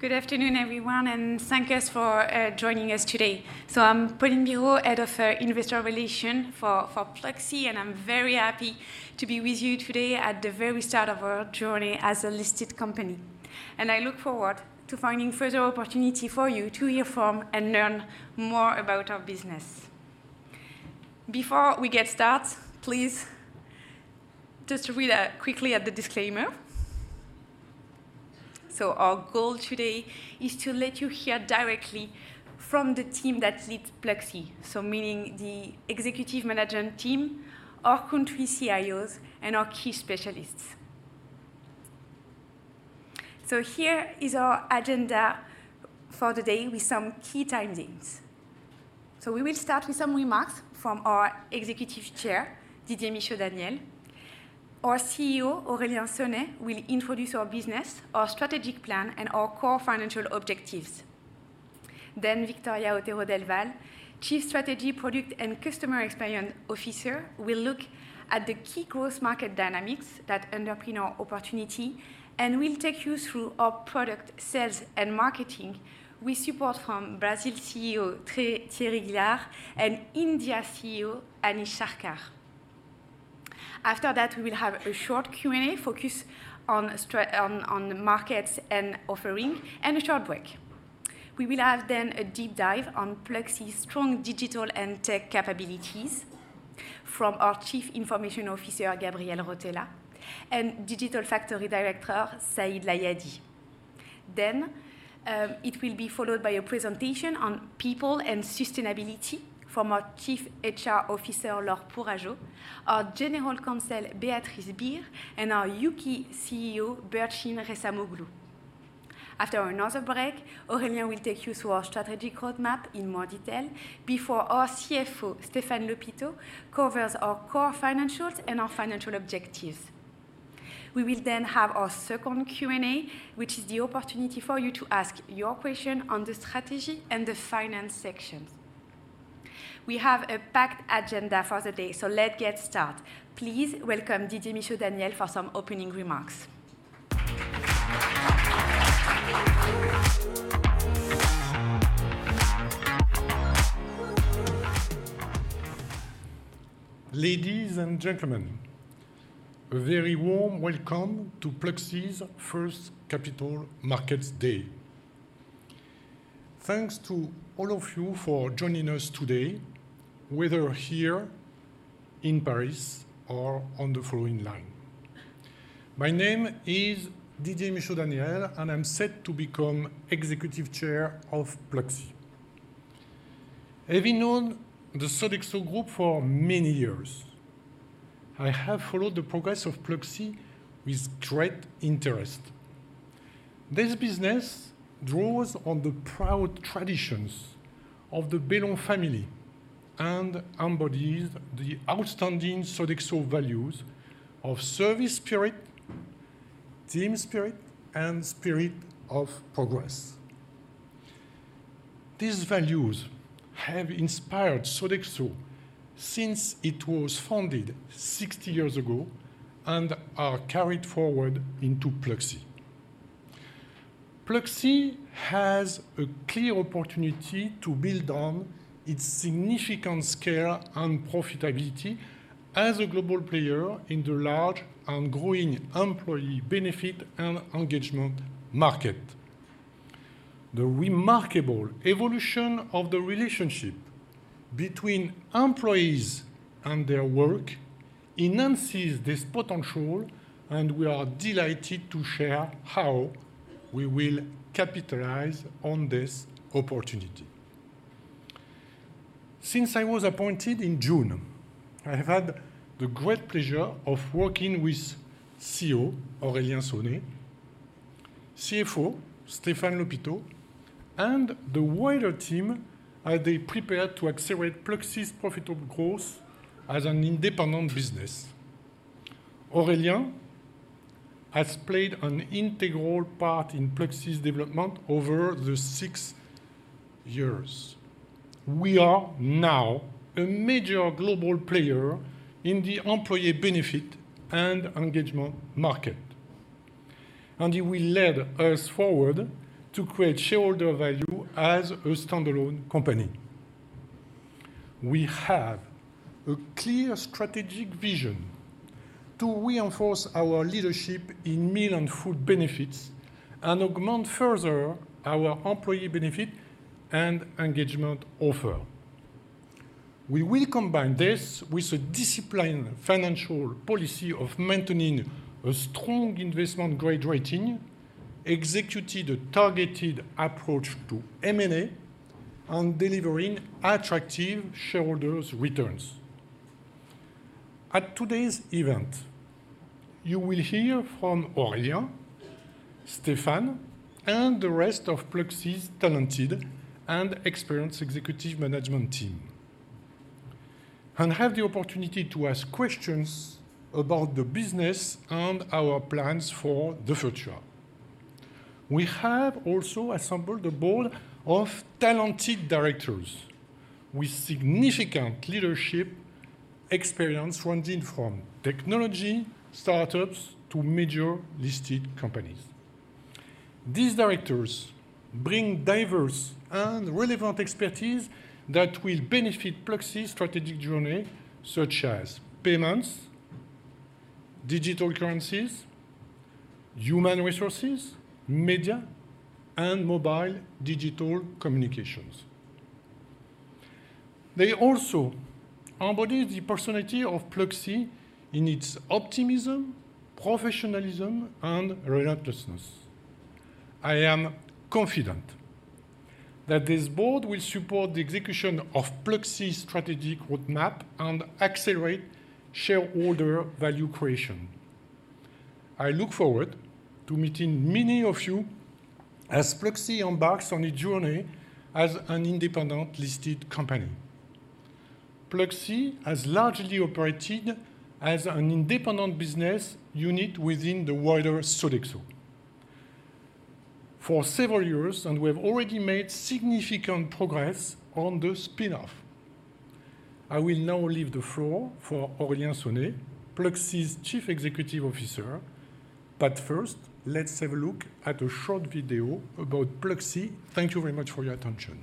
Good afternoon, everyone, and thank you for joining us today. So I'm Pauline Bireaud, Head of Investor Relations for Pluxee, and I'm very happy to be with you today at the very start of our journey as a listed company. I look forward to finding further opportunity for you to hear from and learn more about our business. Before we get started, please just read quickly the disclaimer. So our goal today is to let you hear directly from the team that leads Pluxee, so meaning the executive management team, our country CEOs, and our key specialists. So here is our agenda for the day with some key timings. So we will start with some remarks from our Executive Chair, Didier Michaud-Daniel. Our CEO, Aurélien Sonet, will introduce our business, our strategic plan, and our core financial objectives. Then Viktoria Otero Del Val, Chief Strategy, Product, and Customer Experience Officer, will look at the key growth market dynamics that underpin our opportunity and will take you through our product, sales, and marketing with support from Brazil CEO, Thierry Guihard, and India CEO, Anish Sarkar. After that, we will have a short Q&A focused on the markets and offering, and a short break. We will have then a deep dive on Pluxee's strong digital and tech capabilities from our Chief Information Officer, Gavriel Rotella, and Digital Factory Director, Saïd Layadi. Then, it will be followed by a presentation on people and sustainability from our Chief HR Officer, Laure Pourageaud, our General Counsel, Béatrice Bihr, and our UK CEO, Burçin Ressamoğlu. After another break, Aurélien will take you through our strategic roadmap in more detail before our CFO, Stéphane Lhopiteau, covers our core financials and our financial objectives. We will then have our second Q&A, which is the opportunity for you to ask your question on the strategy and the finance sections. We have a packed agenda for the day, so let's get started. Please welcome Didier Michaud-Daniel for some opening remarks. Ladies and gentlemen, a very warm welcome to Pluxee's first Capital Markets Day. Thanks to all of you for joining us today, whether here in Paris or on the phone line. My name is Didier Michaud-Daniel, and I'm set to become Executive Chair of Pluxee. Having known the Sodexo group for many years, I have followed the progress of Pluxee with great interest. This business draws on the proud traditions of the Bellon family and embodies the outstanding Sodexo values of service spirit, team spirit, and spirit of progress. These values have inspired Sodexo since it was founded 60 years ago and are carried forward into Pluxee. Pluxee has a clear opportunity to build on its significant scale and profitability as a global player in the large and growing employee benefit and engagement market. The remarkable evolution of the relationship between employees and their work enhances this potential, and we are delighted to share how we will capitalize on this opportunity. Since I was appointed in June, I have had the great pleasure of working with CEO Aurélien Sonet, CFO Stéphane Lhopiteau, and the wider team as they prepare to accelerate Pluxee's profitable growth as an independent business. Aurélien has played an integral part in Pluxee's development over the six years. We are now a major global player in the employee benefit and engagement market, and he will lead us forward to create shareholder value as a standalone company. We have a clear strategic vision to reinforce our leadership in meal and food benefits and augment further our employee benefit and engagement offer. We will combine this with a disciplined financial policy of maintaining a strong investment grade rating, execute a targeted approach to M&A, and delivering attractive shareholders returns. At today's event, you will hear from Aurélien, Stéphane, and the rest of Pluxee's talented and experienced executive management team, and have the opportunity to ask questions about the business and our plans for the future. We have also assembled a board of talented directors with significant leadership experience ranging from technology startups to major listed companies. These directors bring diverse and relevant expertise that will benefit Pluxee's strategic journey, such as payments, digital currencies, human resources, media, and mobile digital communications. They also embody the personality of Pluxee in its optimism, professionalism, and relentlessness. I am confident that this board will support the execution of Pluxee's strategic roadmap and accelerate shareholder value creation. I look forward to meeting many of you as Pluxee embarks on a journey as an independent listed company. Pluxee has largely operated as an independent business unit within the wider Sodexo for several years, and we have already made significant progress on the spin-off. I will now leave the floor for Aurélien Sonet, Pluxee's Chief Executive Officer. But first, let's have a look at a short video about Pluxee. Thank you very much for your attention.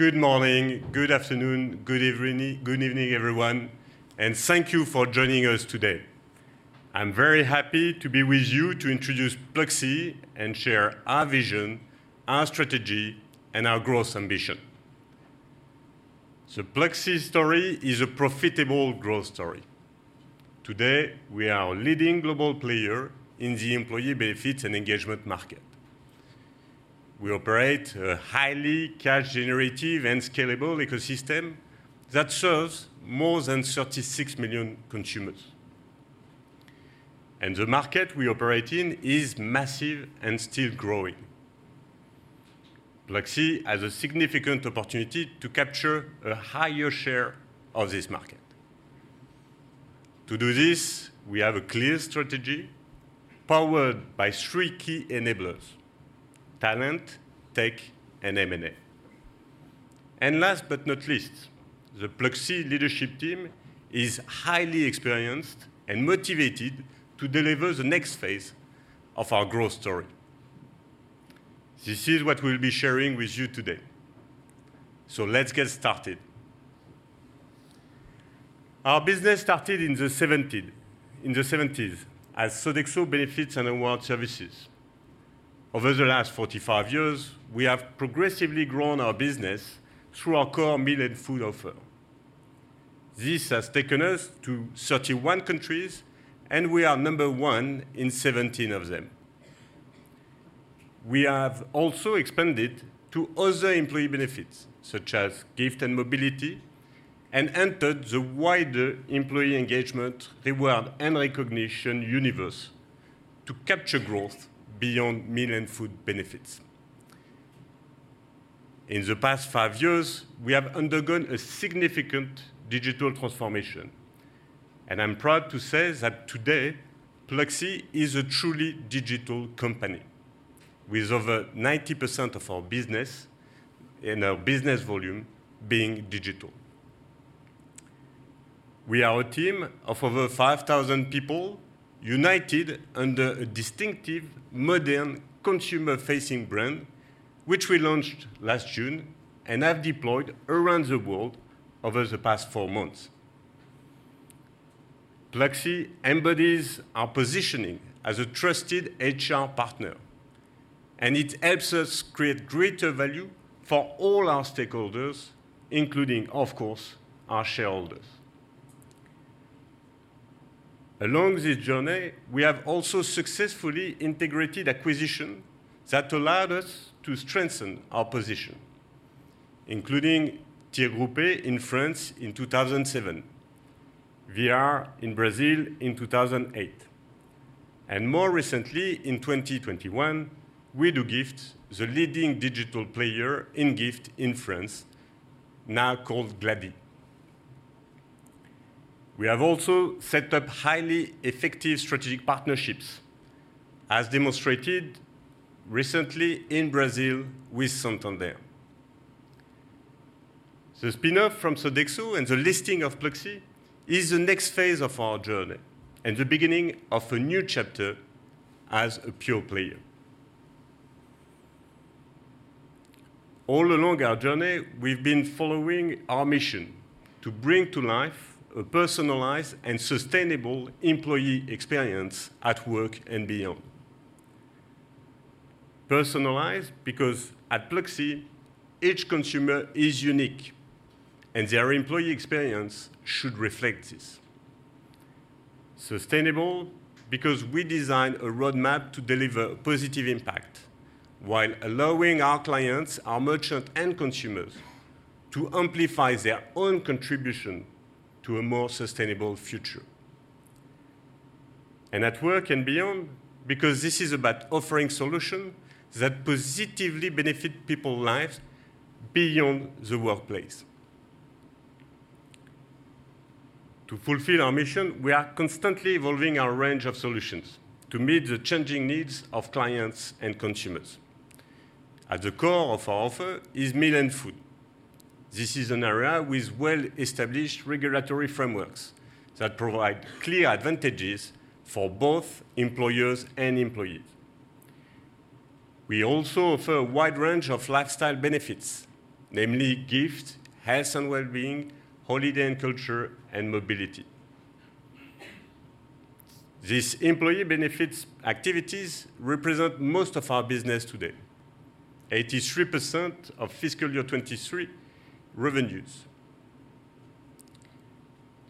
Good morning, good afternoon, good evening, good evening, everyone, and thank you for joining us today. I'm very happy to be with you to introduce Pluxee and share our vision, our strategy, and our growth ambition. The Pluxee story is a profitable growth story. Today, we are a leading global player in the employee benefits and engagement market. We operate a highly cash-generative and scalable ecosystem that serves more than 36 million consumers. And the market we operate in is massive and still growing. Pluxee has a significant opportunity to capture a higher share of this market. To do this, we have a clear strategy powered by three key enablers: talent, tech, and M&A. And last but not least, the Pluxee leadership team is highly experienced and motivated to deliver the next phase of our growth story. This is what we'll be sharing with you today. So let's get started. Our business started in the seventies as Sodexo Benefits & Rewards Services. Over the last 45 years, we have progressively grown our business through our core meal and food offer. This has taken us to 31 countries, and we are number one in 17 of them. We have also expanded to other employee benefits, such as gift and mobility, and entered the wider employee engagement, reward, and recognition universe to capture growth beyond meal and food benefits. In the past 5 years, we have undergone a significant digital transformation, and I'm proud to say that today, Pluxee is a truly digital company, with over 90% of our business and our business volume being digital. We are a team of over 5,000 people, united under a distinctive, modern, consumer-facing brand, which we launched last June and have deployed around the world over the past four months. Pluxee embodies our positioning as a trusted HR partner, and it helps us create greater value for all our stakeholders, including, of course, our shareholders. Along this journey, we have also successfully integrated acquisition that allowed us to strengthen our position, including Tir Groupé in France in 2007, VR in Brazil in 2008, and more recently, in 2021, Wedogift, the leading digital player in gift in France, now called Glady. We have also set up highly effective strategic partnerships, as demonstrated recently in Brazil with Santander.... The spin-off from Sodexo and the listing of Pluxee is the next phase of our journey and the beginning of a new chapter as a pure player. All along our journey, we've been following our mission: to bring to life a personalized and sustainable employee experience at work and beyond. Personalized, because at Pluxee, each consumer is unique, and their employee experience should reflect this. Sustainable, because we design a roadmap to deliver positive impact, while allowing our clients, our merchants, and consumers to amplify their own contribution to a more sustainable future. At work and beyond, because this is about offering solutions that positively benefit people's lives beyond the workplace. To fulfill our mission, we are constantly evolving our range of solutions to meet the changing needs of clients and consumers. At the core of our offer is meal and food. This is an area with well-established regulatory frameworks that provide clear advantages for both employers and employees. We also offer a wide range of lifestyle benefits, namely gift, health and wellbeing, holiday and culture, and mobility. These employee benefits activities represent most of our business today, 83% of fiscal year 2023 revenues.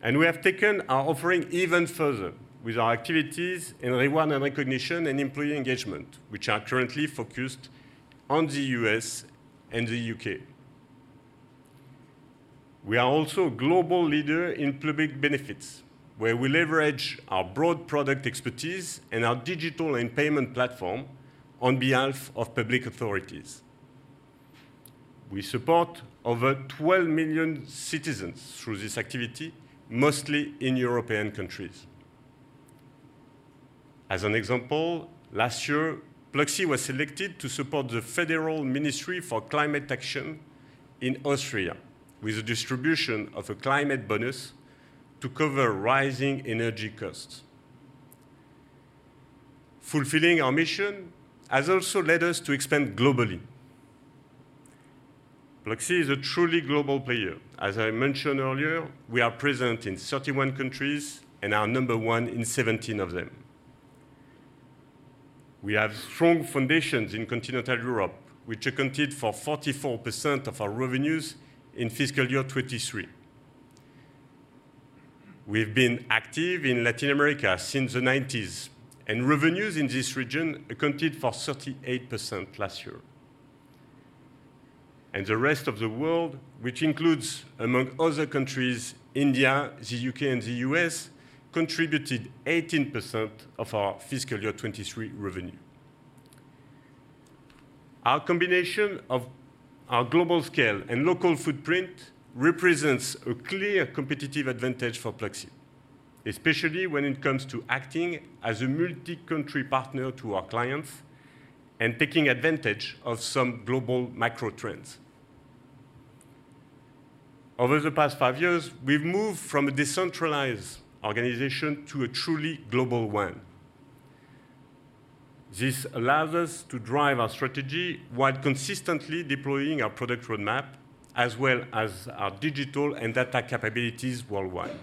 We have taken our offering even further with our activities in reward and recognition and employee engagement, which are currently focused on the U.S. and the U.K. We are also a global leader in public benefits, where we leverage our broad product expertise and our digital and payment platform on behalf of public authorities. We support over 12 million citizens through this activity, mostly in European countries. As an example, last year, Pluxee was selected to support the Federal Ministry for Climate Action in Austria, with the distribution of a climate bonus to cover rising energy costs. Fulfilling our mission has also led us to expand globally. Pluxee is a truly global player. As I mentioned earlier, we are present in 31 countries and are number one in 17 of them. We have strong foundations in continental Europe, which accounted for 44% of our revenues in fiscal year 2023. We've been active in Latin America since the 1990s, and revenues in this region accounted for 38% last year. The rest of the world, which includes, among other countries, India, the U.K., and the U.S., contributed 18% of our fiscal year 2023 revenue. Our combination of our global scale and local footprint represents a clear competitive advantage for Pluxee, especially when it comes to acting as a multi-country partner to our clients and taking advantage of some global macro trends. Over the past five years, we've moved from a decentralized organization to a truly global one. This allows us to drive our strategy while consistently deploying our product roadmap, as well as our digital and data capabilities worldwide.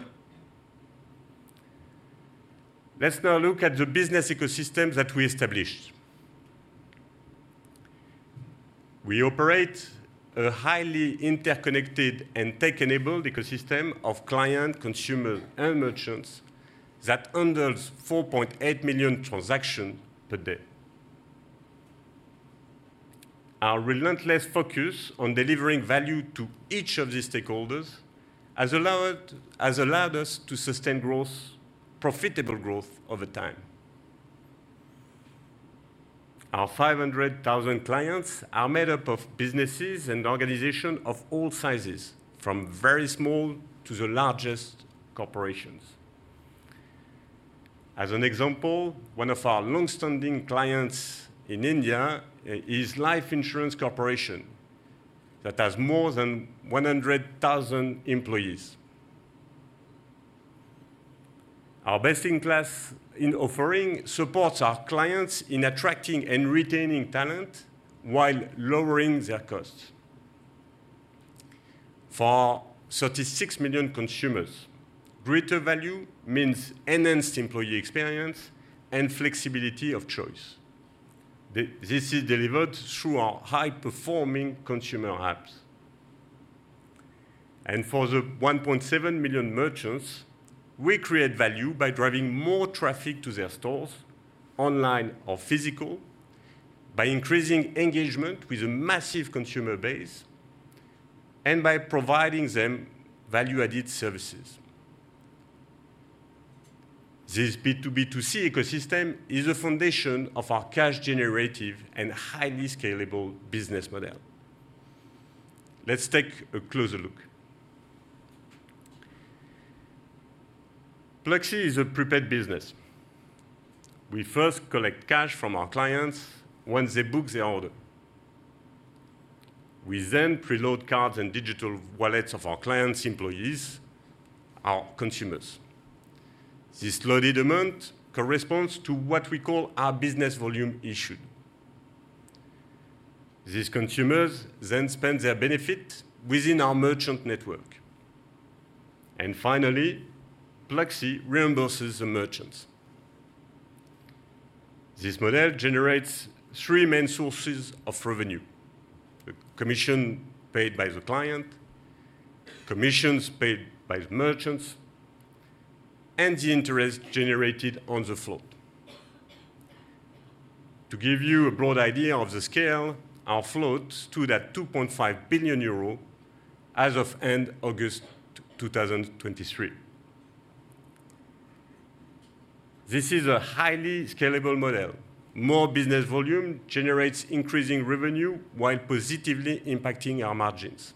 Let's now look at the business ecosystem that we established. We operate a highly interconnected and tech-enabled ecosystem of clients, consumers, and merchants that handles 4.8 million transactions per day. Our relentless focus on delivering value to each of these stakeholders has allowed, has allowed us to sustain growth, profitable growth, over time. Our 500,000 clients are made up of businesses and organizations of all sizes, from very small to the largest corporations. As an example, one of our long-standing clients in India is Life Insurance Corporation that has more than 100,000 employees. Our best-in-class in offering supports our clients in attracting and retaining talent while lowering their costs. For 36 million consumers, greater value means enhanced employee experience and flexibility of choice. This is delivered through our high-performing consumer apps. For the 1.7 million merchants, we create value by driving more traffic to their stores, online or physical, by increasing engagement with a massive consumer base, and by providing them value-added services. This B2B2C ecosystem is the foundation of our cash-generative and highly scalable business model. Let's take a closer look... Pluxee is a prepaid business. We first collect cash from our clients when they book their order. We then preload cards and digital wallets of our clients' employees, our consumers. This loaded amount corresponds to what we call our business volume issued. These consumers then spend their benefit within our merchant network. And finally, Pluxee reimburses the merchants. This model generates three main sources of revenue: the commission paid by the client, commissions paid by the merchants, and the interest generated on the float. To give you a broad idea of the scale, our float stood at 2.5 billion euro as of end August 2023. This is a highly scalable model. More business volume generates increasing revenue while positively impacting our margins.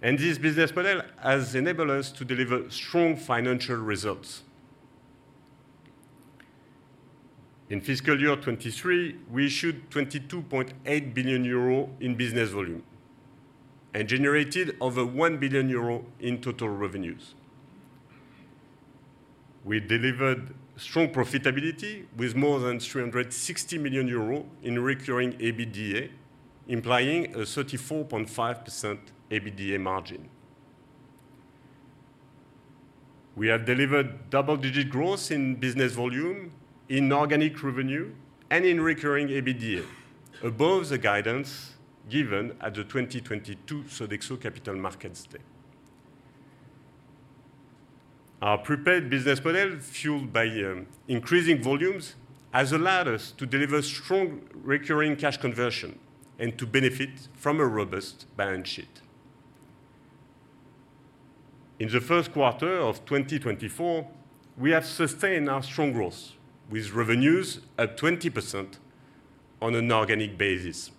This business model has enabled us to deliver strong financial results. In fiscal year 2023, we issued 22.8 billion euro in business volume and generated over 1 billion euro in total revenues. We delivered strong profitability with more than 360 million euros in recurring EBITDA, implying a 34.5% EBITDA margin. We have delivered double-digit growth in business volume, in organic revenue, and in recurring EBITDA, above the guidance given at the 2022 Sodexo Capital Markets Day. Our prepaid business model, fueled by increasing volumes, has allowed us to deliver strong recurring cash conversion and to benefit from a robust balance sheet. In the first quarter of 2024, we have sustained our strong growth, with revenues at 20% on an organic basis.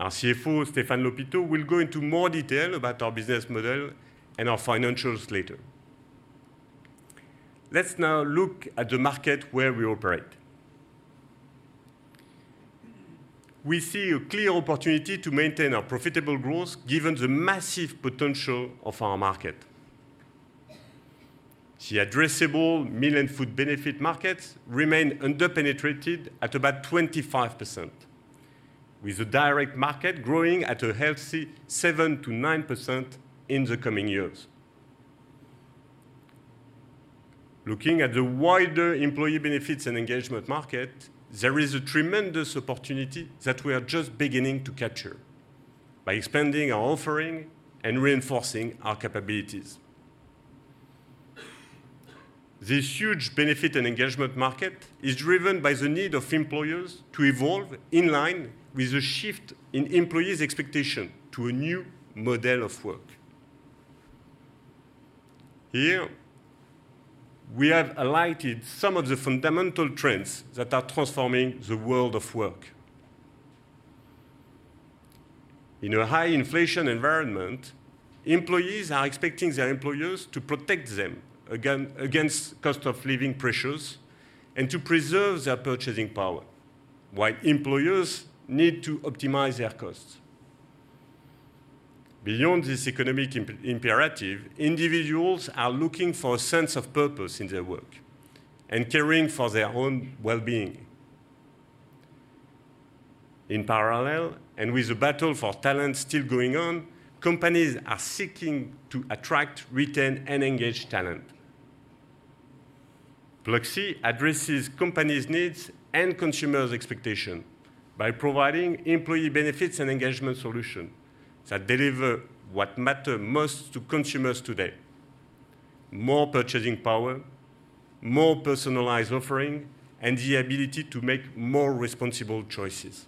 Our CFO, Stéphane Lhopiteau, will go into more detail about our business model and our financials later. Let's now look at the market where we operate. We see a clear opportunity to maintain our profitable growth, given the massive potential of our market. The addressable meal and food benefit markets remain under-penetrated at about 25%, with the direct market growing at a healthy 7%-9% in the coming years. Looking at the wider employee benefits and engagement market, there is a tremendous opportunity that we are just beginning to capture by expanding our offering and reinforcing our capabilities. This huge benefit and engagement market is driven by the need of employers to evolve in line with the shift in employees' expectation to a new model of work. Here, we have highlighted some of the fundamental trends that are transforming the world of work. In a high inflation environment, employees are expecting their employers to protect them against cost of living pressures and to preserve their purchasing power, while employers need to optimize their costs. Beyond this economic imperative, individuals are looking for a sense of purpose in their work and caring for their own well-being. In parallel, and with the battle for talent still going on, companies are seeking to attract, retain, and engage talent. Pluxee addresses companies' needs and consumers' expectation by providing employee benefits and engagement solution that deliver what matter most to consumers today: more purchasing power, more personalized offering, and the ability to make more responsible choices.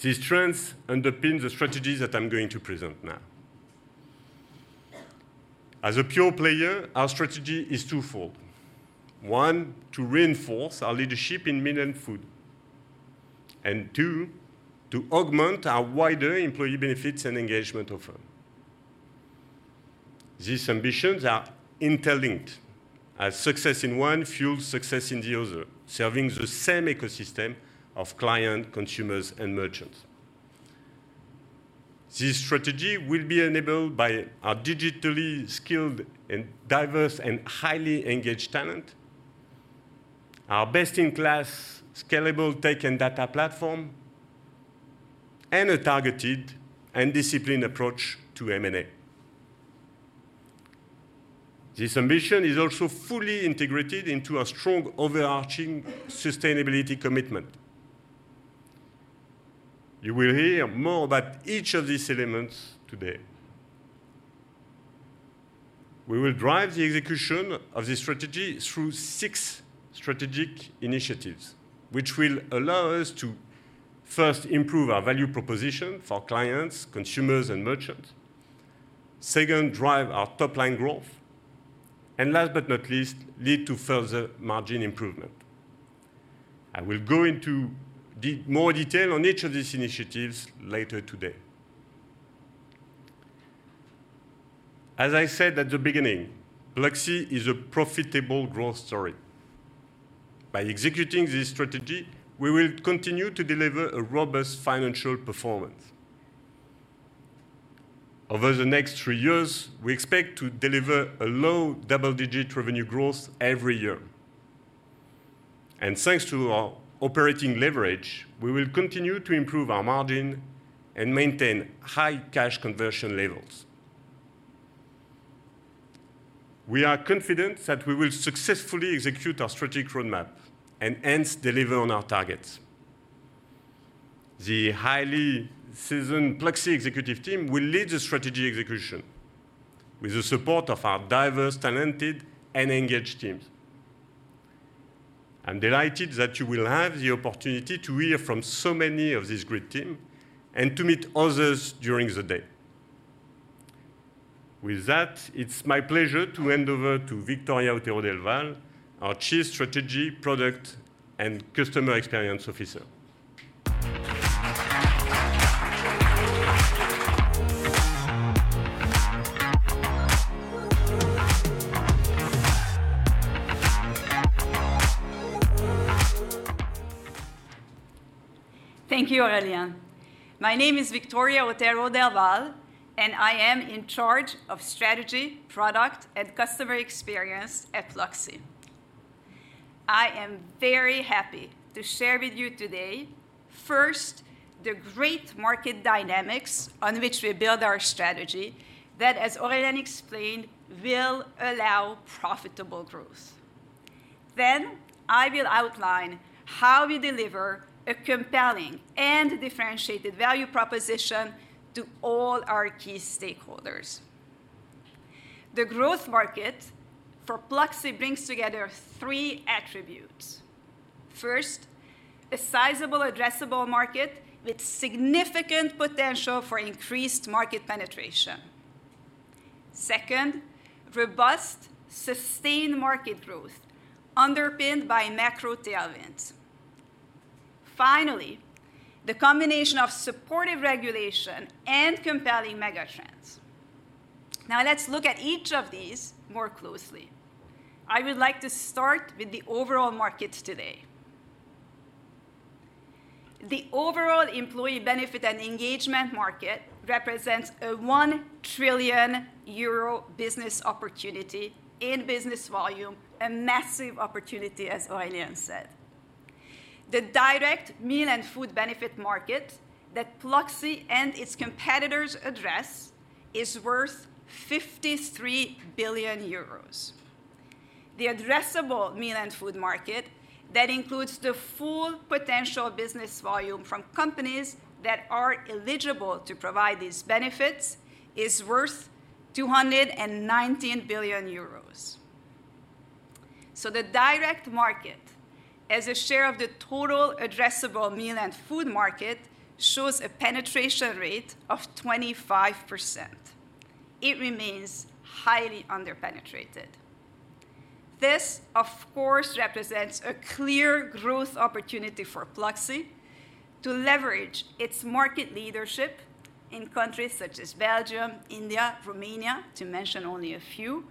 These trends underpin the strategy that I'm going to present now. As a pure player, our strategy is twofold: one, to reinforce our leadership in meal and food, and two, to augment our wider employee benefits and engagement offer. These ambitions are interlinked, as success in one fuels success in the other, serving the same ecosystem of client, consumers, and merchants. This strategy will be enabled by our digitally skilled and diverse and highly engaged talent, our best-in-class, scalable tech and data platform, and a targeted and disciplined approach to M&A. This ambition is also fully integrated into a strong, overarching sustainability commitment. You will hear more about each of these elements today. We will drive the execution of this strategy through six strategic initiatives, which will allow us to first improve our value proposition for clients, consumers, and merchants, second drive our top-line growth, and last but not least lead to further margin improvement. I will go into more detail on each of these initiatives later today. As I said at the beginning, Pluxee is a profitable growth story. By executing this strategy, we will continue to deliver a robust financial performance. Over the next three years, we expect to deliver a low double-digit revenue growth every year. Thanks to our operating leverage, we will continue to improve our margin and maintain high cash conversion levels. We are confident that we will successfully execute our strategic roadmap and hence deliver on our targets. The highly seasoned Pluxee executive team will lead the strategy execution with the support of our diverse, talented, and engaged teams. I'm delighted that you will have the opportunity to hear from so many of this great team and to meet others during the day. With that, it's my pleasure to hand over to Viktoria Otero Del Val, our Chief Strategy, Product, and Customer Experience Officer. Thank you, Aurélien. My name is Viktoria Otero Del Val, and I am in charge of strategy, product, and customer experience at Pluxee. I am very happy to share with you today, first, the great market dynamics on which we build our strategy that, as Aurélien explained, will allow profitable growth. Then, I will outline how we deliver a compelling and differentiated value proposition to all our key stakeholders. The growth market for Pluxee brings together three attributes: First, a sizable addressable market with significant potential for increased market penetration. Second, robust, sustained market growth underpinned by macro tailwinds. Finally, the combination of supportive regulation and compelling mega trends. Now, let's look at each of these more closely. I would like to start with the overall market today. The overall employee benefit and engagement market represents a 1 trillion euro business opportunity in business volume, a massive opportunity, as Aurélien said. The direct meal and food benefit market that Pluxee and its competitors address is worth 53 billion euros. The addressable meal and food market that includes the full potential business volume from companies that are eligible to provide these benefits is worth 219 billion euros. So the direct market, as a share of the total addressable meal and food market, shows a penetration rate of 25%. It remains highly underpenetrated. This, of course, represents a clear growth opportunity for Pluxee to leverage its market leadership in countries such as Belgium, India, Romania, to mention only a few,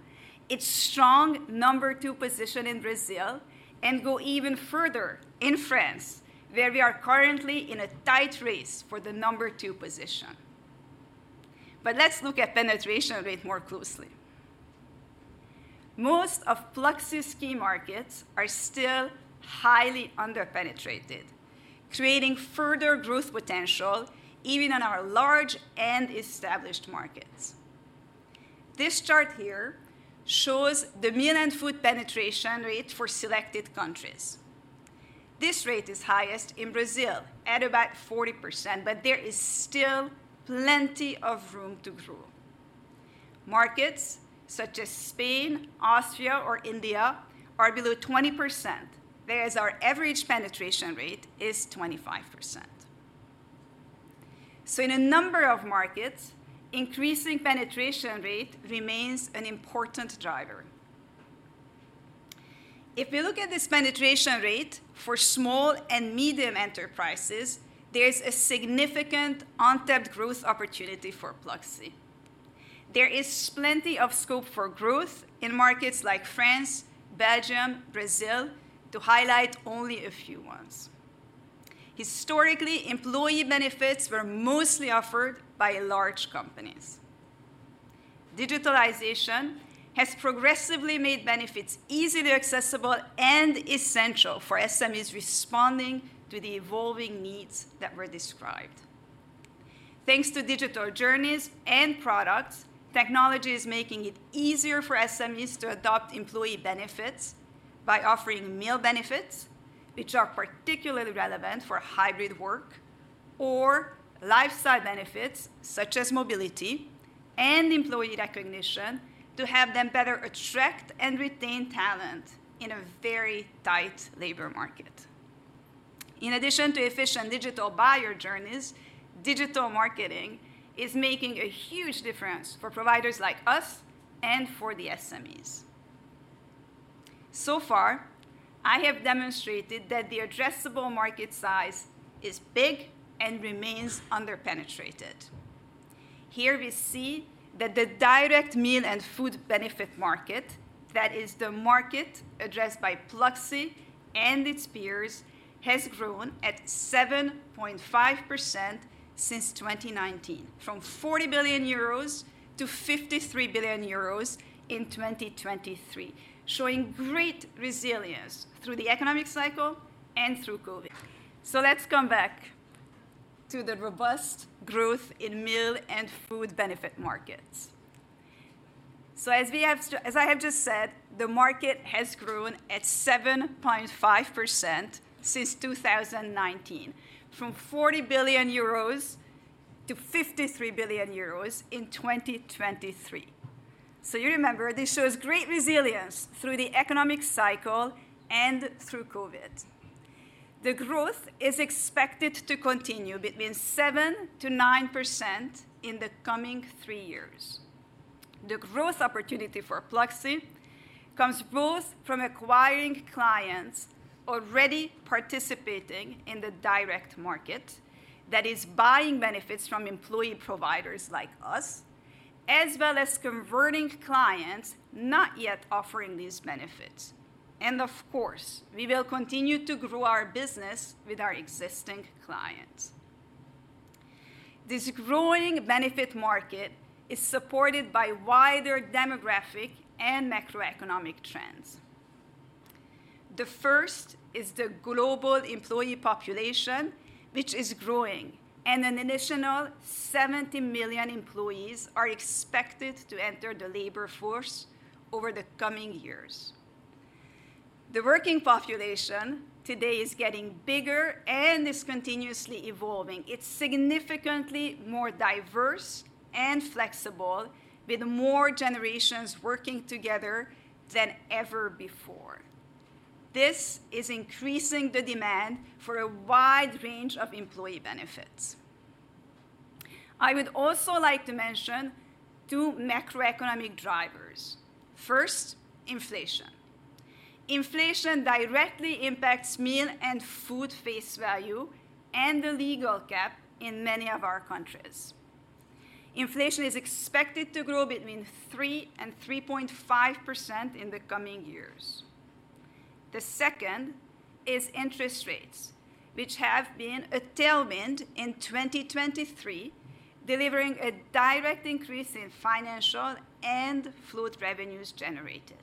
its strong number two position in Brazil, and go even further in France, where we are currently in a tight race for the number two position. Let's look at penetration rate more closely. Most of Pluxee's key markets are still highly underpenetrated, creating further growth potential even in our large and established markets. This chart here shows the meal and food penetration rate for selected countries. This rate is highest in Brazil at about 40%, but there is still plenty of room to grow. Markets such as Spain, Austria or India are below 20%, whereas our average penetration rate is 25%. In a number of markets, increasing penetration rate remains an important driver. If you look at this penetration rate for small and medium enterprises, there is a significant untapped growth opportunity for Pluxee. There is plenty of scope for growth in markets like France, Belgium, Brazil, to highlight only a few ones. Historically, employee benefits were mostly offered by large companies. Digitalization has progressively made benefits easily accessible and essential for SMEs responding to the evolving needs that were described. Thanks to digital journeys and products, technology is making it easier for SMEs to adopt employee benefits by offering meal benefits, which are particularly relevant for hybrid work, or lifestyle benefits such as mobility and employee recognition, to help them better attract and retain talent in a very tight labor market. In addition to efficient digital buyer journeys, digital marketing is making a huge difference for providers like us and for the SMEs. So far, I have demonstrated that the addressable market size is big and remains under-penetrated. Here we see that the direct meal and food benefit market, that is the market addressed by Pluxee and its peers, has grown at 7.5% since 2019, from 40 billion euros to 53 billion euros in 2023, showing great resilience through the economic cycle and through COVID. So let's come back to the robust growth in meal and food benefit markets. So as I have just said, the market has grown at 7.5% since 2019, from 40 billion euros to 53 billion euros in 2023. So you remember, this shows great resilience through the economic cycle and through COVID. The growth is expected to continue between 7%-9% in the coming three years. The growth opportunity for Pluxee comes both from acquiring clients already participating in the direct market, that is, buying benefits from employee providers like us, as well as converting clients not yet offering these benefits. And of course, we will continue to grow our business with our existing clients. This growing benefit market is supported by wider demographic and macroeconomic trends. The first is the global employee population, which is growing, and an additional 70 million employees are expected to enter the labor force over the coming years. The working population today is getting bigger and is continuously evolving. It's significantly more diverse and flexible, with more generations working together than ever before. This is increasing the demand for a wide range of employee benefits. I would also like to mention two macroeconomic drivers. First, inflation. Inflation directly impacts meal and food face value and the legal cap in many of our countries. Inflation is expected to grow between 3% and 3.5% in the coming years. The second is interest rates, which have been a tailwind in 2023, delivering a direct increase in financial and float revenues generated.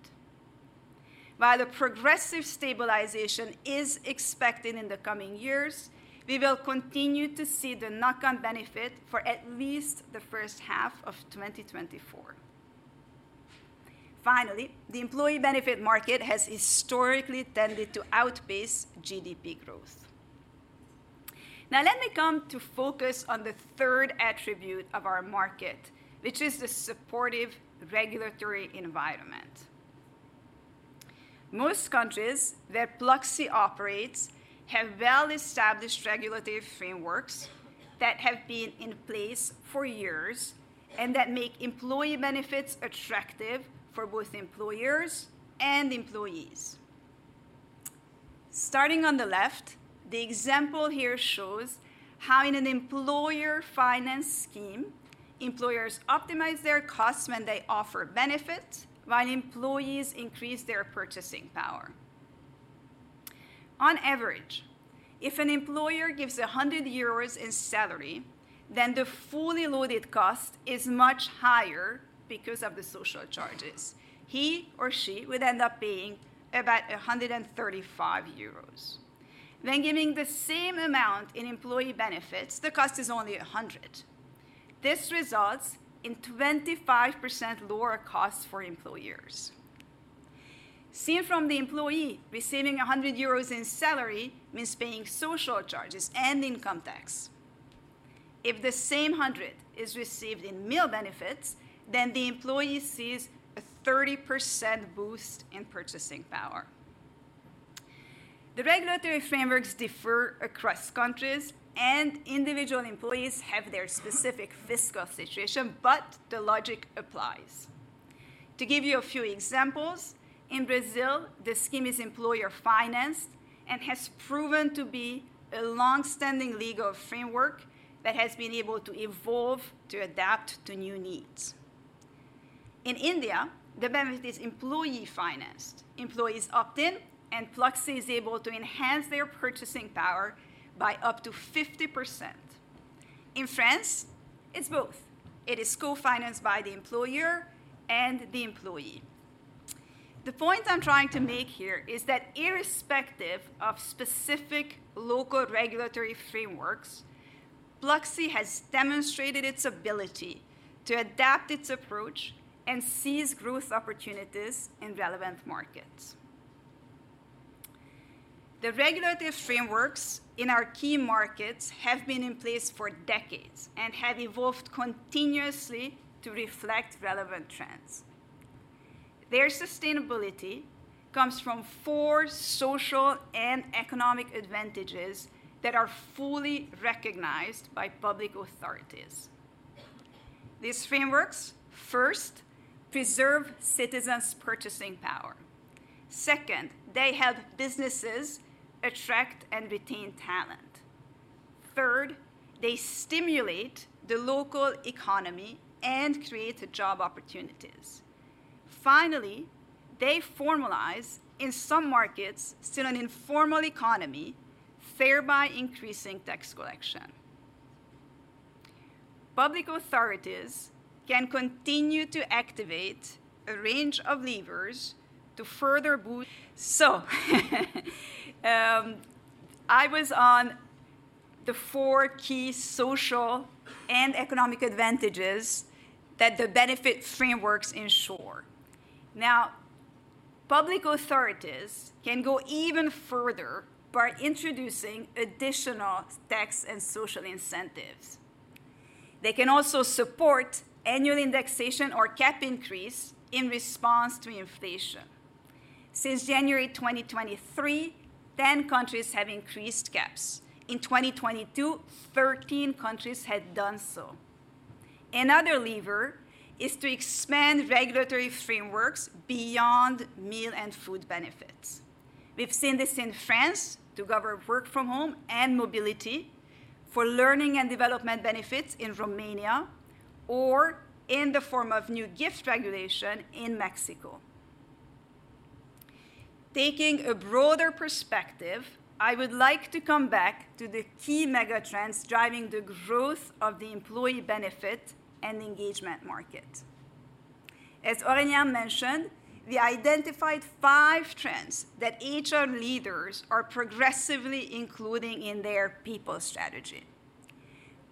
While a progressive stabilisation is expected in the coming years, we will continue to see the knock-on benefit for at least the first half of 2024. Finally, the employee benefit market has historically tended to outpace GDP growth. Now, let me come to focus on the third attribute of our market, which is the supportive regulatory environment. Most countries where Pluxee operates have well-established regulatory frameworks that have been in place for years and that make employee benefits attractive for both employers and employees. Starting on the left, the example here shows how in an employer finance scheme, employers optimize their costs when they offer benefits, while employees increase their purchasing power. On average, if an employer gives 100 euros in salary, then the fully loaded cost is much higher because of the social charges. He or she would end up paying about 135 euros. When giving the same amount in employee benefits, the cost is only 100. This results in 25% lower costs for employers. Seen from the employee, receiving 100 euros in salary means paying social charges and income tax. If the same 100 is received in meal benefits, then the employee sees a 30% boost in purchasing power. The regulatory frameworks differ across countries, and individual employees have their specific fiscal situation, but the logic applies. To give you a few examples, in Brazil, the scheme is employer-financed and has proven to be a long-standing legal framework that has been able to evolve to adapt to new needs. In India, the benefit is employee-financed. Employees opt in, and Pluxee is able to enhance their purchasing power by up to 50%. In France, it's both. It is co-financed by the employer and the employee. The point I'm trying to make here is that irrespective of specific local regulatory frameworks, Pluxee has demonstrated its ability to adapt its approach and seize growth opportunities in relevant markets. The regulatory frameworks in our key markets have been in place for decades and have evolved continuously to reflect relevant trends. Their sustainability comes from four social and economic advantages that are fully recognized by public authorities. These frameworks, first, preserve citizens' purchasing power. Second, they help businesses attract and retain talent. Third, they stimulate the local economy and create job opportunities. Finally, they formalize, in some markets, still an informal economy, thereby increasing tax collection. Public authorities can continue to activate a range of levers to further boost. So, I was on the four key social and economic advantages that the benefit frameworks ensure. Now, public authorities can go even further by introducing additional tax and social incentives. They can also support annual indexation or cap increase in response to inflation. Since January 2023, 10 countries have increased caps. In 2022, 13 countries had done so. Another lever is to expand regulatory frameworks beyond meal and food benefits. We've seen this in France to cover work from home and mobility, for learning and development benefits in Romania, or in the form of new gift regulation in Mexico. Taking a broader perspective, I would like to come back to the key mega trends driving the growth of the employee benefit and engagement market. As Aurélien mentioned, we identified five trends that HR leaders are progressively including in their people strategy.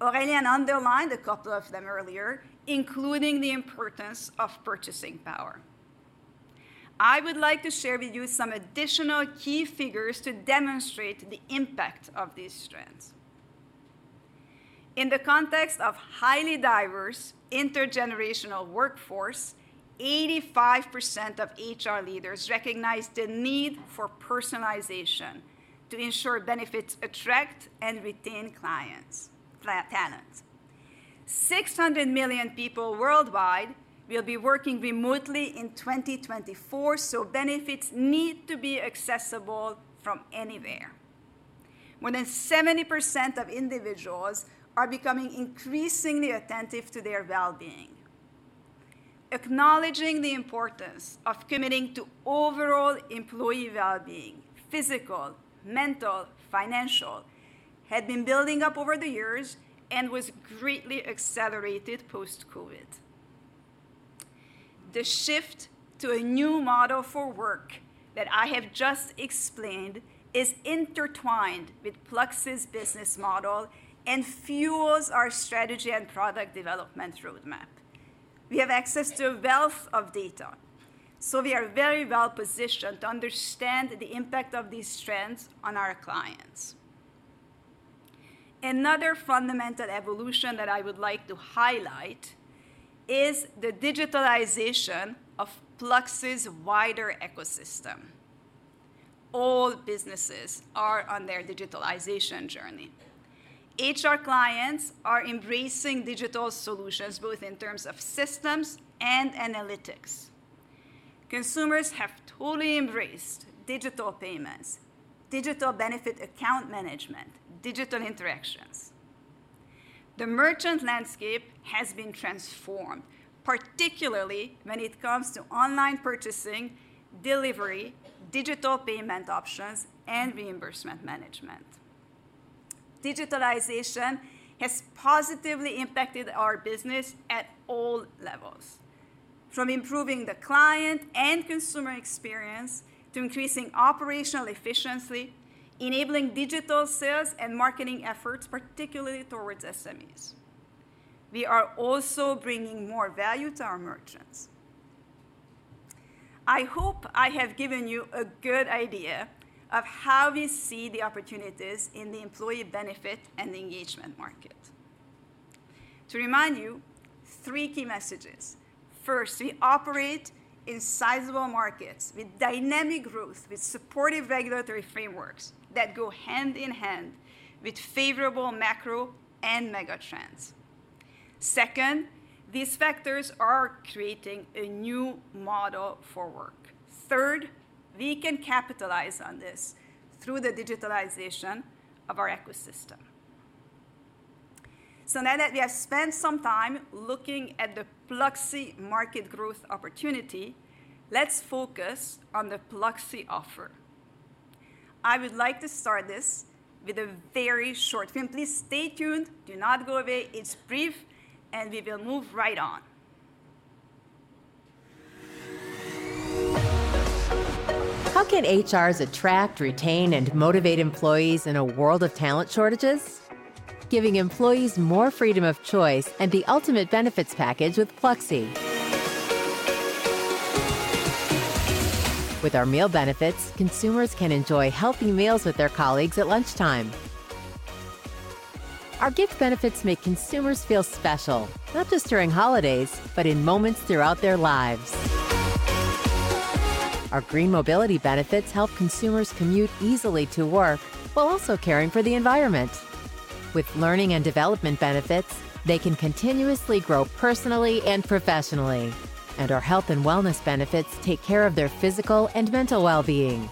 Aurélien underlined a couple of them earlier, including the importance of purchasing power. I would like to share with you some additional key figures to demonstrate the impact of these trends. In the context of highly diverse intergenerational workforce, 85% of HR leaders recognize the need for personalization to ensure benefits attract and retain talent. 600 million people worldwide will be working remotely in 2024, so benefits need to be accessible from anywhere. More than 70% of individuals are becoming increasingly attentive to their well-being. Acknowledging the importance of committing to overall employee well-being, physical, mental, financial, had been building up over the years and was greatly accelerated post-COVID. The shift to a new model for work that I have just explained is intertwined with Pluxee's business model and fuels our strategy and product development roadmap. We have access to a wealth of data, so we are very well-positioned to understand the impact of these trends on our clients. Another fundamental evolution that I would like to highlight is the digitalization of Pluxee's wider ecosystem. All businesses are on their digitalization journey. HR clients are embracing digital solutions, both in terms of systems and analytics. Consumers have totally embraced digital payments, digital benefit account management, digital interactions. The merchant landscape has been transformed, particularly when it comes to online purchasing, delivery, digital payment options, and reimbursement management. Digitalization has positively impacted our business at all levels, from improving the client and consumer experience to increasing operational efficiency, enabling digital sales and marketing efforts, particularly towards SMEs. We are also bringing more value to our merchants. I hope I have given you a good idea of how we see the opportunities in the employee benefit and engagement market. To remind you, three key messages: First, we operate in sizable markets with dynamic growth, with supportive regulatory frameworks that go hand in hand with favorable macro and mega trends. Second, these factors are creating a new model for work. Third, we can capitalize on this through the digitalization of our ecosystem. So now that we have spent some time looking at the Pluxee market growth opportunity, let's focus on the Pluxee offer. I would like to start this with a very short film. Please stay tuned, do not go away. It's brief, and we will move right on. How can HRs attract, retain, and motivate employees in a world of talent shortages? Giving employees more freedom of choice and the ultimate benefits package with Pluxee. With our meal benefits, consumers can enjoy healthy meals with their colleagues at lunchtime. Our gift benefits make consumers feel special, not just during holidays, but in moments throughout their lives. Our green mobility benefits help consumers commute easily to work, while also caring for the environment. With learning and development benefits, they can continuously grow personally and professionally. Our health and wellness benefits take care of their physical and mental well-being.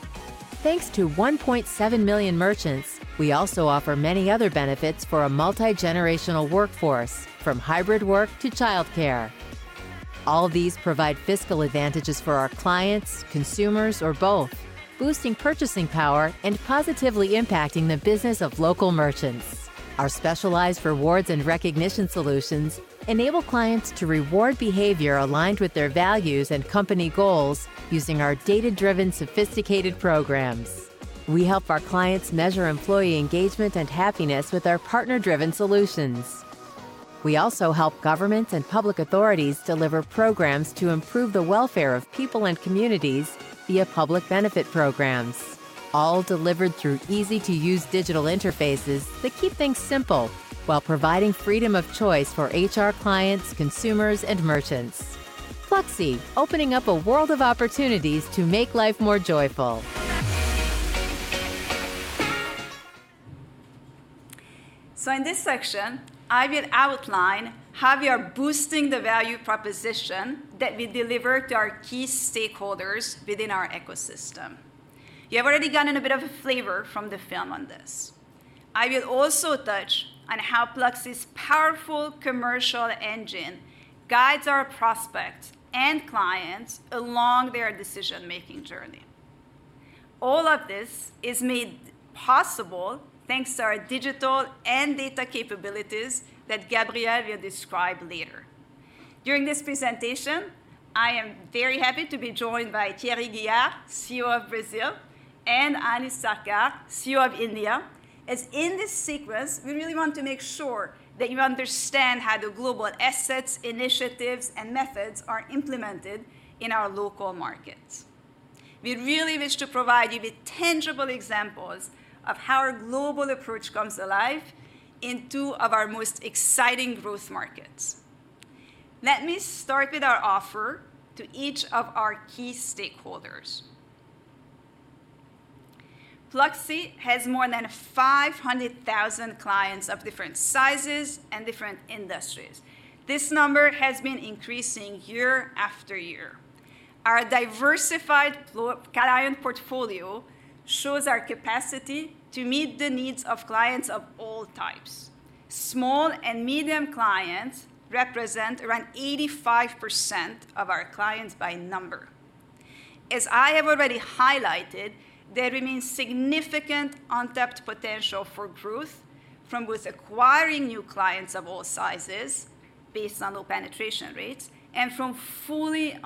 Thanks to 1.7 million merchants, we also offer many other benefits for a multi-generational workforce, from hybrid work to childcare. All these provide fiscal advantages for our clients, consumers, or both, boosting purchasing power and positively impacting the business of local merchants. Our specialized rewards and recognition solutions enable clients to reward behavior aligned with their values and company goals using our data-driven, sophisticated programs. We help our clients measure employee engagement and happiness with our partner-driven solutions. We also help governments and public authorities deliver programs to improve the welfare of people and communities via public benefit programs, all delivered through easy-to-use digital interfaces that keep things simple while providing freedom of choice for HR clients, consumers, and merchants. Pluxee, opening up a world of opportunities to make life more joyful. So in this section, I will outline how we are boosting the value proposition that we deliver to our key stakeholders within our ecosystem. You have already gotten a bit of a flavor from the film on this. I will also touch on how Pluxee's powerful commercial engine guides our prospects and clients along their decision-making journey. All of this is made possible thanks to our digital and data capabilities that Gabriel will describe later. During this presentation, I am very happy to be joined by Thierry Guihard, CEO of Pluxee Brazil, and Anish Sarkar, CEO of Pluxee India, as in this sequence, we really want to make sure that you understand how the global assets, initiatives, and methods are implemented in our local markets. We really wish to provide you with tangible examples of how our global approach comes alive in two of our most exciting growth markets. Let me start with our offer to each of our key stakeholders. Pluxee has more than 500,000 clients of different sizes and different industries. This number has been increasing year after year. Our diversified client portfolio shows our capacity to meet the needs of clients of all types. Small and medium clients represent around 85% of our clients by number. As I have already highlighted, there remains significant untapped potential for growth, from both acquiring new clients of all sizes based on low penetration rates and from fully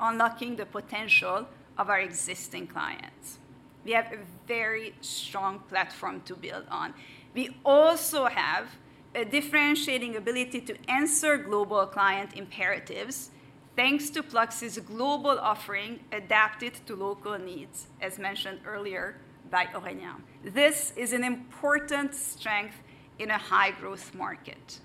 unlocking the potential of our existing clients. We have a very strong platform to build on. We also have a differentiating ability to answer global client imperatives, thanks to Pluxee's global offering adapted to local needs, as mentioned earlier by Aurélien. This is an important strength in a high-growth market.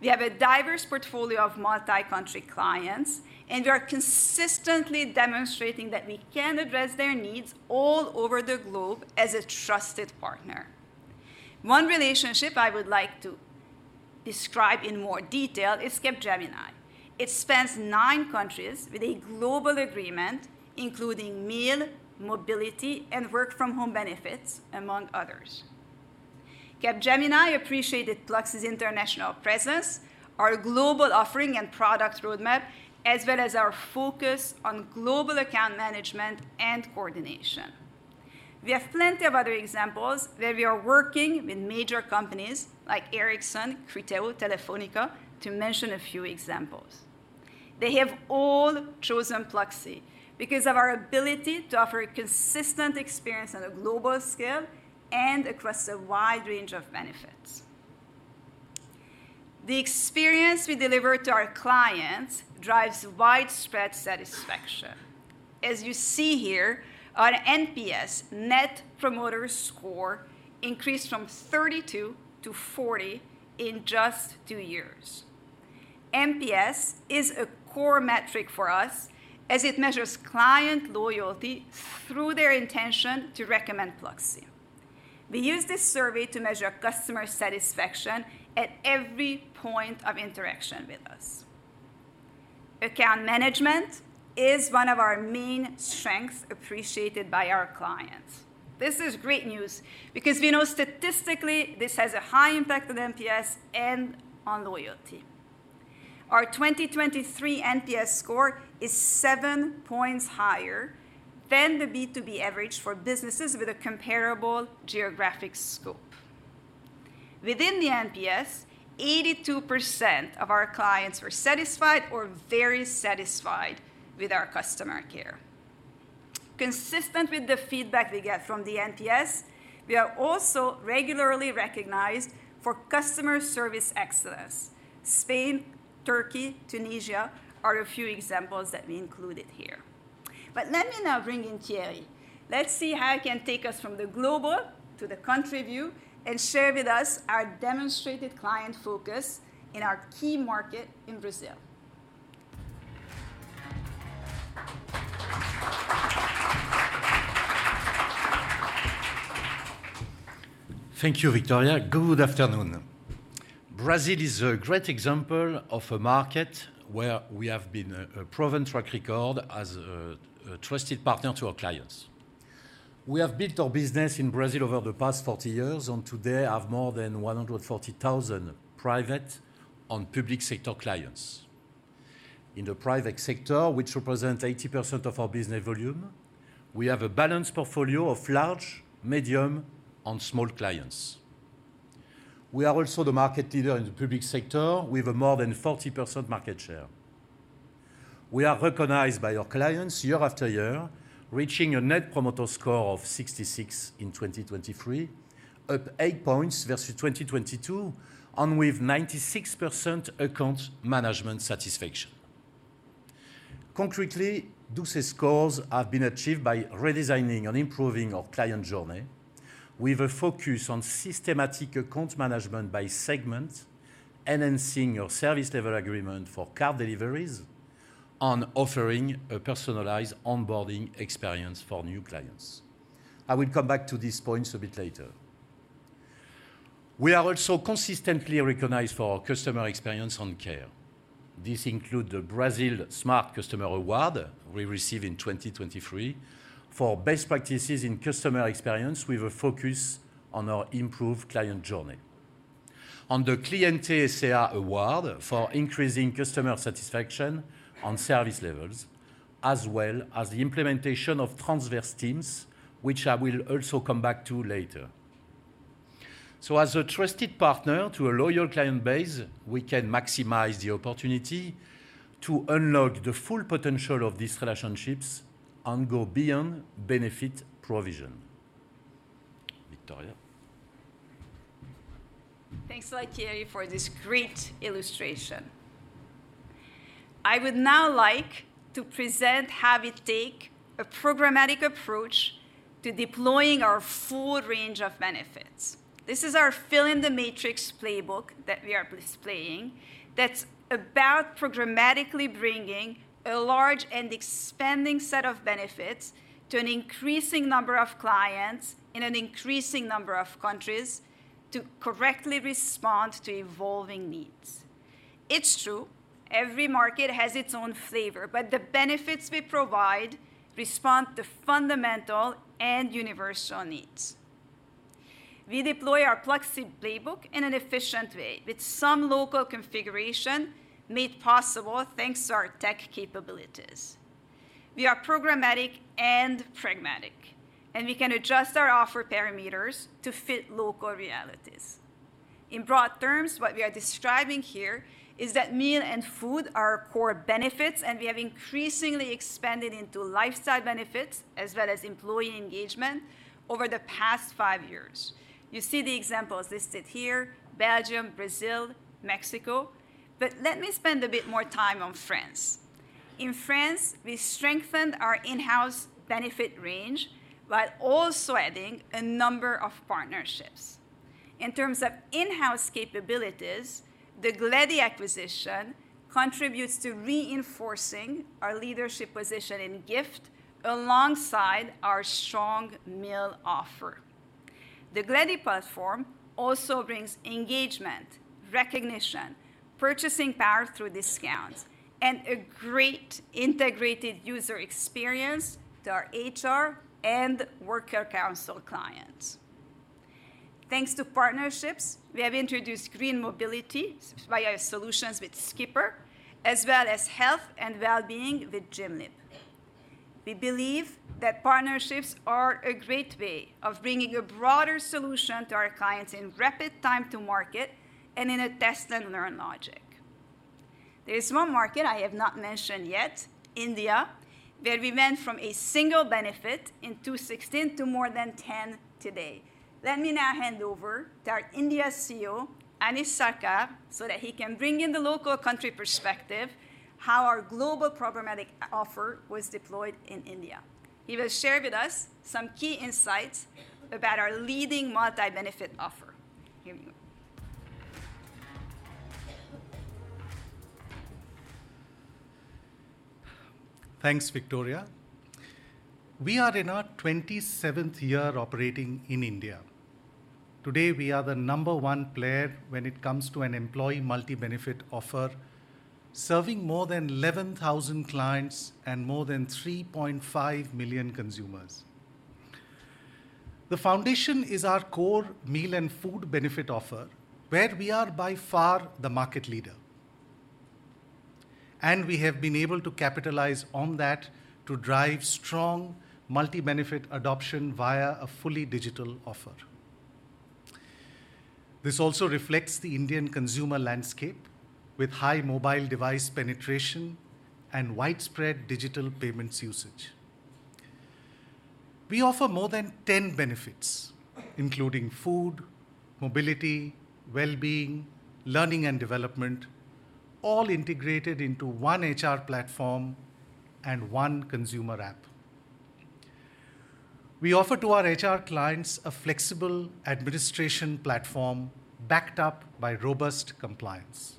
We have a diverse portfolio of multi-country clients, and we are consistently demonstrating that we can address their needs all over the globe as a trusted partner. One relationship I would like to describe in more detail is Capgemini. It spans nine countries with a global agreement, including meal, mobility, and work-from-home benefits, among others. Capgemini appreciated Pluxee's international presence, our global offering and product roadmap, as well as our focus on global account management and coordination. We have plenty of other examples where we are working with major companies like Ericsson, Criteo, Telefonica, to mention a few examples. They have all chosen Pluxee because of our ability to offer a consistent experience on a global scale and across a wide range of benefits. The experience we deliver to our clients drives widespread satisfaction. As you see here, our NPS, Net Promoter Score, increased from 32 to 40 in just 2 years. NPS is a core metric for us as it measures client loyalty through their intention to recommend Pluxee. We use this survey to measure customer satisfaction at every point of interaction with us. Account management is one of our main strengths appreciated by our clients. This is great news because we know statistically this has a high impact on NPS and on loyalty. Our 2023 NPS score is 7 points higher than the B2B average for businesses with a comparable geographic scope. Within the NPS, 82% of our clients were satisfied or very satisfied with our customer care. Consistent with the feedback we get from the NPS, we are also regularly recognized for customer service excellence. Spain, Turkey, Tunisia are a few examples that we included here.... Let me now bring in Thierry. Let's see how he can take us from the global to the country view, and share with us our demonstrated client focus in our key market in Brazil. Thank you, Viktoria. Good afternoon. Brazil is a great example of a market where we have been a proven track record as a trusted partner to our clients. We have built our business in Brazil over the past 40 years, and today have more than 140,000 private and public sector clients. In the private sector, which represents 80% of our business volume, we have a balanced portfolio of large, medium, and small clients. We are also the market leader in the public sector, with a more than 40% market share. We are recognized by our clients year after year, reaching a net promoter score of 66 in 2023, up 8 points versus 2022, and with 96% account management satisfaction. Concretely, these scores have been achieved by redesigning and improving our client journey, with a focus on systematic account management by segment, enhancing our service level agreement for car deliveries, and offering a personalized onboarding experience for new clients. I will come back to these points a bit later. We are also consistently recognized for our customer experience and care. This include the Brazil Smart Customer Award we receive in 2023 for best practices in customer experience, with a focus on our improved client journey. On the Cliente SA Award for increasing customer satisfaction on service levels, as well as the implementation of transverse teams, which I will also come back to later. So as a trusted partner to a loyal client base, we can maximize the opportunity to unlock the full potential of these relationships and go beyond benefit provision. Viktoria? Thanks a lot, Thierry, for this great illustration. I would now like to present how we take a programmatic approach to deploying our full range of benefits. This is our fill in the matrix playbook that we are displaying, that's about programmatically bringing a large and expanding set of benefits to an increasing number of clients in an increasing number of countries, to correctly respond to evolving needs. It's true, every market has its own flavor, but the benefits we provide respond to fundamental and universal needs. We deploy our playbook in an efficient way, with some local configuration made possible thanks to our tech capabilities. We are programmatic and pragmatic, and we can adjust our offer parameters to fit local realities. In broad terms, what we are describing here is that meal and food are core benefits, and we have increasingly expanded into lifestyle benefits, as well as employee engagement, over the past five years. You see the examples listed here: Belgium, Brazil, Mexico. But let me spend a bit more time on France. In France, we strengthened our in-house benefit range, while also adding a number of partnerships. In terms of in-house capabilities, the Glady acquisition contributes to reinforcing our leadership position in gift, alongside our strong meal offer. The Glady platform also brings engagement, recognition, purchasing power through discounts, and a great integrated user experience to our HR and worker council clients. Thanks to partnerships, we have introduced green mobility via solutions with Skipr, as well as health and wellbeing with Gymlib. We believe that partnerships are a great way of bringing a broader solution to our clients in rapid time to market and in a test and learn logic. There is one market I have not mentioned yet, India, where we went from a single benefit in 2016 to more than 10 today. Let me now hand over to our India CEO, Anish Sarkar, so that he can bring in the local country perspective how our global programmatic offer was deployed in India. He will share with us some key insights about our leading multi-benefit offer. Here you go. Thanks, Viktoria. We are in our 27th year operating in India. Today, we are the number one player when it comes to an employee multi-benefit offer, serving more than 11,000 clients and more than 3.5 million consumers. The foundation is our core meal and food benefit offer, where we are by far the market leader, and we have been able to capitalize on that to drive strong multi-benefit adoption via a fully digital offer. This also reflects the Indian consumer landscape, with high mobile device penetration and widespread digital payments usage.... We offer more than 10 benefits, including food, mobility, well-being, learning, and development, all integrated into one HR platform and one consumer app. We offer to our HR clients a flexible administration platform backed up by robust compliance.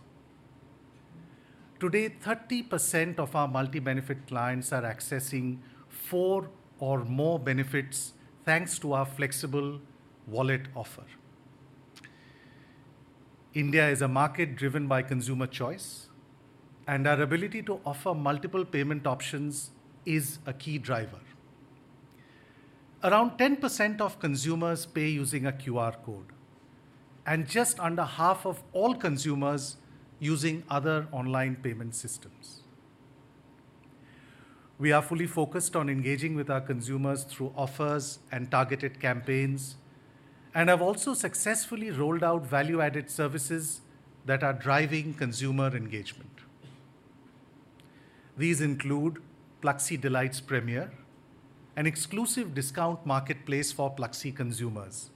Today, 30% of our multi-benefit clients are accessing 4 or more benefits, thanks to our flexible wallet offer. India is a market driven by consumer choice, and our ability to offer multiple payment options is a key driver. Around 10% of consumers pay using a QR Code, and just under half of all consumers using other online payment systems. We are fully focused on engaging with our consumers through offers and targeted campaigns, and have also successfully rolled out value-added services that are driving consumer engagement. These include Pluxee Delights Premier, an exclusive discount marketplace for Pluxee consumers,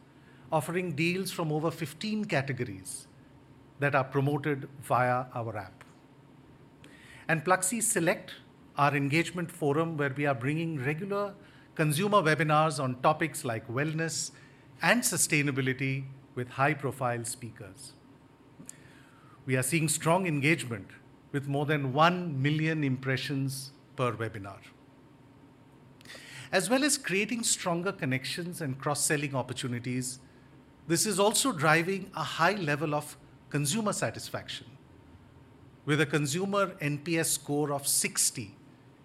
offering deals from over 15 categories that are promoted via our app. Pluxee Select, our engagement forum, where we are bringing regular consumer webinars on topics like wellness and sustainability with high-profile speakers. We are seeing strong engagement with more than 1 million impressions per webinar. As well as creating stronger connections and cross-selling opportunities, this is also driving a high level of consumer satisfaction, with a consumer NPS score of 60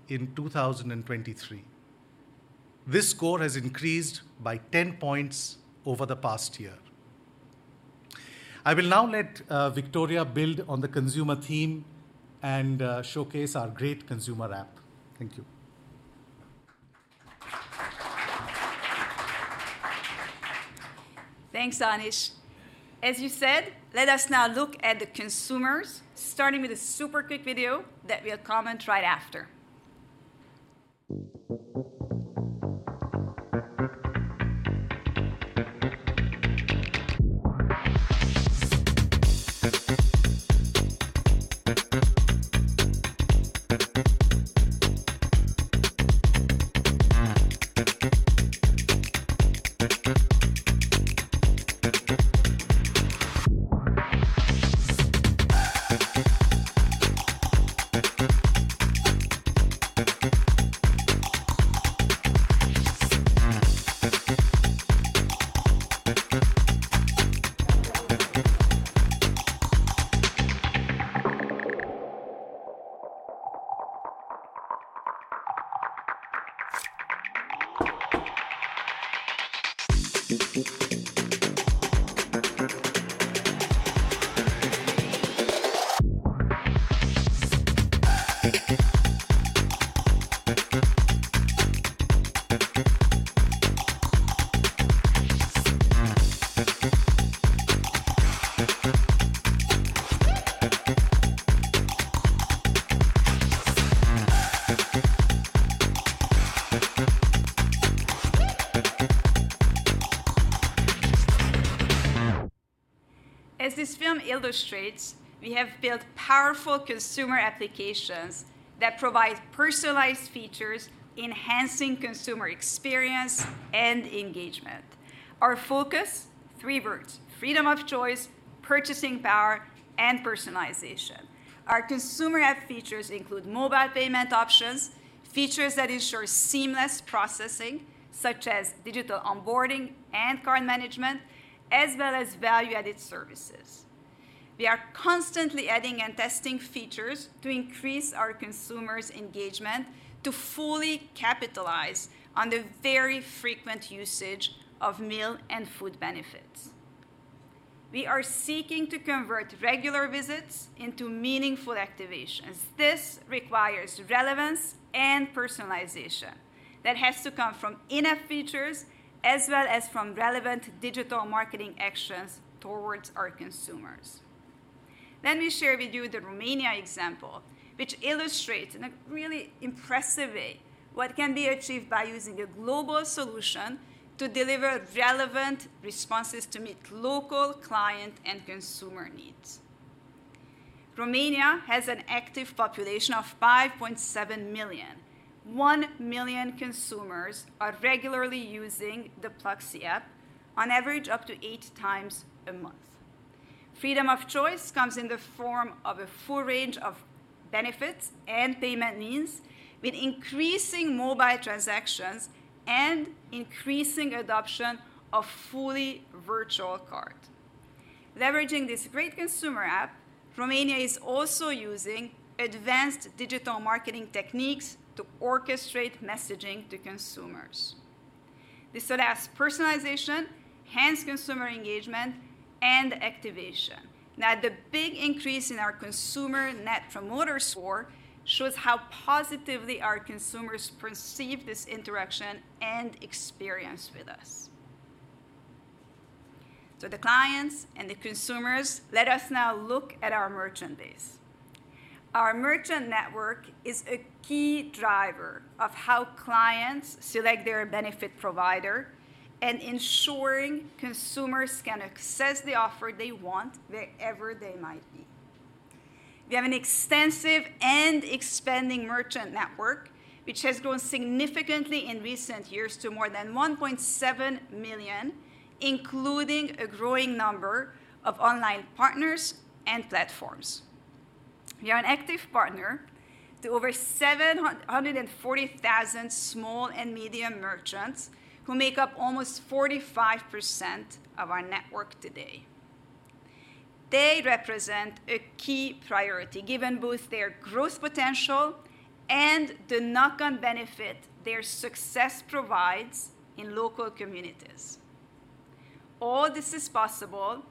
in 2023. This score has increased by 10 points over the past year. I will now let Viktoria build on the consumer theme and showcase our great consumer app. Thank you. Thanks, Anish. As you said, let us now look at the consumers, starting with a super quick video that we'll comment right after. As this film illustrates, we have built powerful consumer applications that provide personalized features, enhancing consumer experience and engagement. Our focus, three words: freedom of choice, purchasing power, and personalization. Our consumer app features include mobile payment options, features that ensure seamless processing, such as digital onboarding and card management, as well as value-added services. We are constantly adding and testing features to increase our consumers' engagement to fully capitalize on the very frequent usage of meal and food benefits. We are seeking to convert regular visits into meaningful activations. This requires relevance and personalization that has to come from in-app features, as well as from relevant digital marketing actions towards our consumers. Let me share with you the Romania example, which illustrates in a really impressive way what can be achieved by using a global solution to deliver relevant responses to meet local client and consumer needs. Romania has an active population of 5.7 million. 1 million consumers are regularly using the Pluxee app, on average, up to eight times a month. Freedom of choice comes in the form of a full range of benefits and payment means, with increasing mobile transactions and increasing adoption of fully virtual card. Leveraging this great consumer app, Romania is also using advanced digital marketing techniques to orchestrate messaging to consumers. This allows personalization, enhanced consumer engagement, and activation. Now, the big increase in our consumer Net Promoter Score shows how positively our consumers perceive this interaction and experience with us.... So the clients and the consumers, let us now look at our merchandise. Our merchant network is a key driver of how clients select their benefit provider, and ensuring consumers can access the offer they want wherever they might be. We have an extensive and expanding merchant network, which has grown significantly in recent years to more than 1.7 million, including a growing number of online partners and platforms. We are an active partner to over 740,000 small and medium merchants, who make up almost 45% of our network today. They represent a key priority, given both their growth potential and the knock-on benefit their success provides in local communities. All this is possible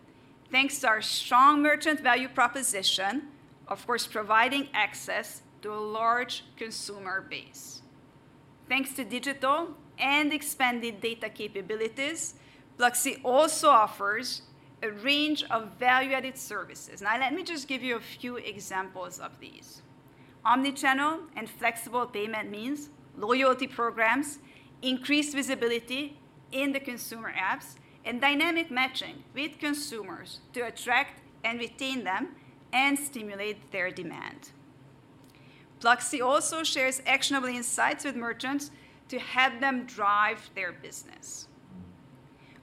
thanks to our strong merchant value proposition, of course, providing access to a large consumer base. Thanks to digital and expanded data capabilities, Pluxee also offers a range of value-added services. Now, let me just give you a few examples of these: omnichannel and flexible payment means, loyalty programs, increased visibility in the consumer apps, and dynamic matching with consumers to attract and retain them and stimulate their demand. Pluxee also shares actionable insights with merchants to help them drive their business.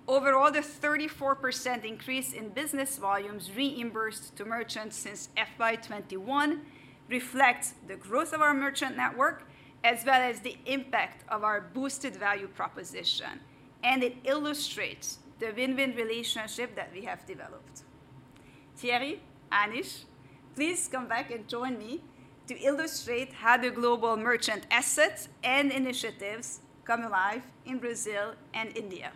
Overall, the 34% increase in business volumes reimbursed to merchants since FY 2021 reflects the growth of our merchant network, as well as the impact of our boosted value proposition, and it illustrates the win-win relationship that we have developed. Thierry, Anish, please come back and join me to illustrate how the global merchant assets and initiatives come alive in Brazil and India.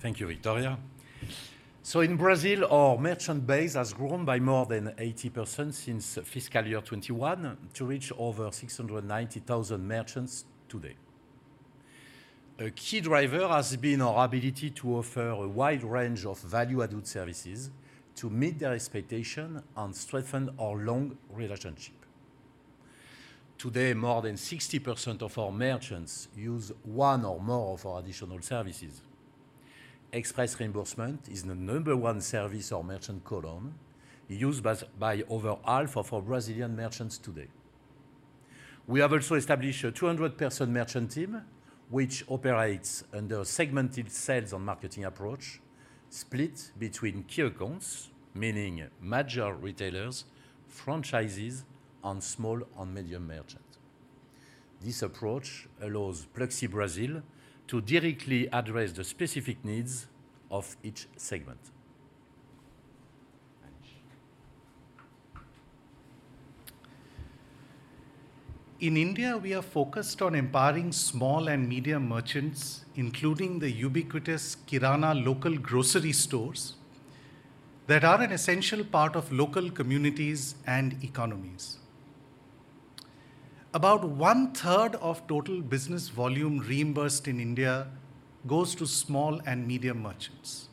Thank you, Viktoria. In Brazil, our merchant base has grown by more than 80% since fiscal year 2021 to reach over 690,000 merchants today. A key driver has been our ability to offer a wide range of value-added services to meet their expectation and strengthen our long relationship. Today, more than 60% of our merchants use one or more of our additional services. Express reimbursement is the number one service our merchants call on, used by over half of our Brazilian merchants today. We have also established a 200-person merchant team, which operates under a segmented sales and marketing approach, split between key accounts, meaning major retailers, franchises, and small and medium merchants. This approach allows Pluxee Brazil to directly address the specific needs of each segment. Anish? In India, we are focused on empowering small and medium merchants, including the ubiquitous Kirana local grocery stores, that are an essential part of local communities and economies. About one third of total business volume reimbursed in India goes to small and medium merchants.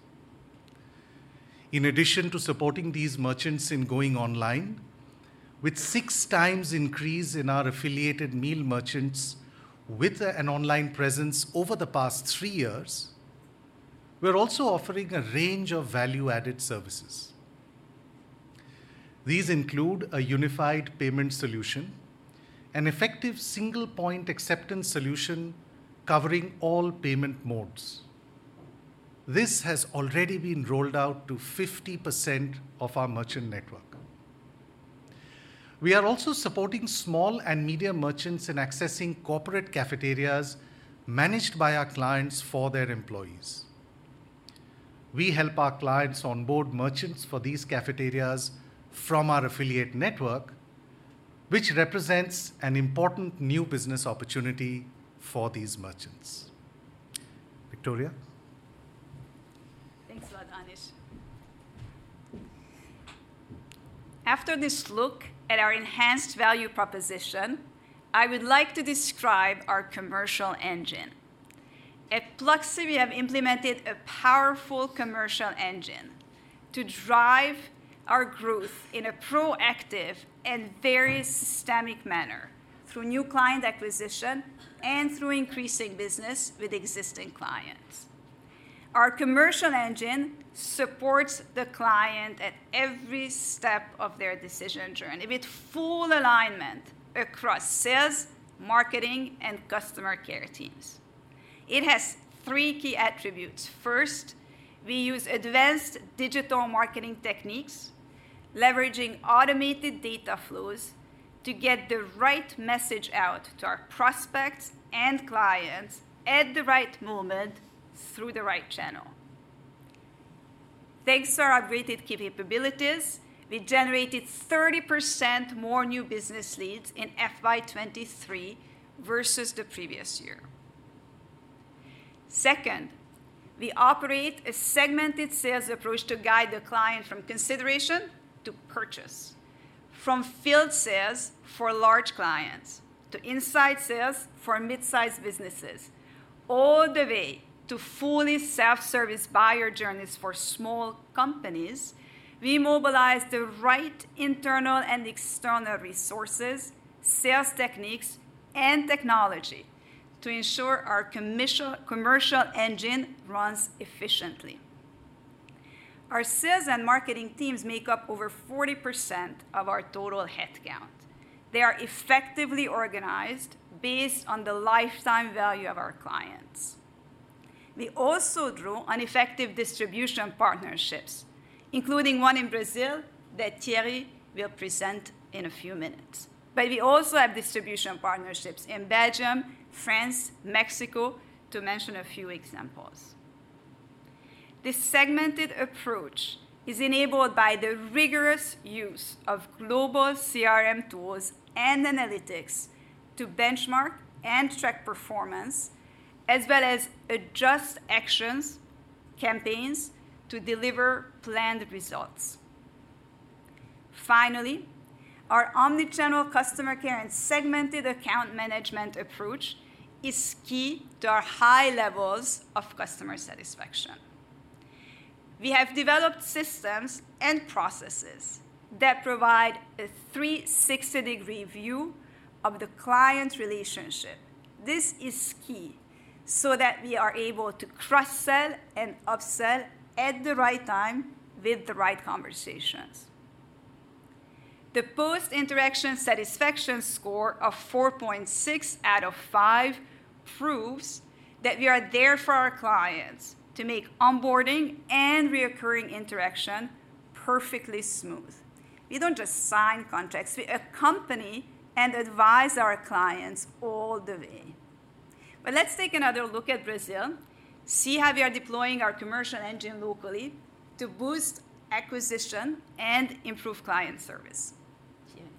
In addition to supporting these merchants in going online, with 6 times increase in our affiliated meal merchants with an online presence over the past 3 years, we're also offering a range of value-added services. These include a unified payment solution, an effective single point acceptance solution covering all payment modes. This has already been rolled out to 50% of our merchant network. We are also supporting small and medium merchants in accessing corporate cafeterias managed by our clients for their employees. We help our clients onboard merchants for these cafeterias from our affiliate network, which represents an important new business opportunity for these merchants. Viktoria? Thanks a lot, Anish. After this look at our enhanced value proposition, I would like to describe our commercial engine. At Pluxee, we have implemented a powerful commercial engine to drive our growth in a proactive and very systemic manner, through new client acquisition and through increasing business with existing clients. Our commercial engine supports the client at every step of their decision journey, with full alignment across sales, marketing, and customer care teams. It has three key attributes. First, we use advanced digital marketing techniques, leveraging automated data flows to get the right message out to our prospects and clients at the right moment, through the right channel. Thanks to our upgraded capabilities, we generated 30% more new business leads in FY 2023 versus the previous year.... Second, we operate a segmented sales approach to guide the client from consideration to purchase. From field sales for large clients, to inside sales for mid-sized businesses, all the way to fully self-service buyer journeys for small companies, we mobilize the right internal and external resources, sales techniques, and technology to ensure our commercial, commercial engine runs efficiently. Our sales and marketing teams make up over 40% of our total headcount. They are effectively organized based on the lifetime value of our clients. We also draw on effective distribution partnerships, including one in Brazil that Thierry will present in a few minutes. But we also have distribution partnerships in Belgium, France, Mexico, to mention a few examples. This segmented approach is enabled by the rigorous use of global CRM tools and analytics to benchmark and track performance, as well as adjust actions, campaigns, to deliver planned results. Finally, our omnichannel customer care and segmented account management approach is key to our high levels of customer satisfaction. We have developed systems and processes that provide a 360-degree view of the client relationship. This is key so that we are able to cross-sell and upsell at the right time with the right conversations. The post-interaction satisfaction score of 4.6 out of 5 proves that we are there for our clients to make onboarding and recurring interaction perfectly smooth. We don't just sign contracts, we accompany and advise our clients all the way. But let's take another look at Brazil, see how we are deploying our commercial engine locally to boost acquisition and improve client service. Thierry?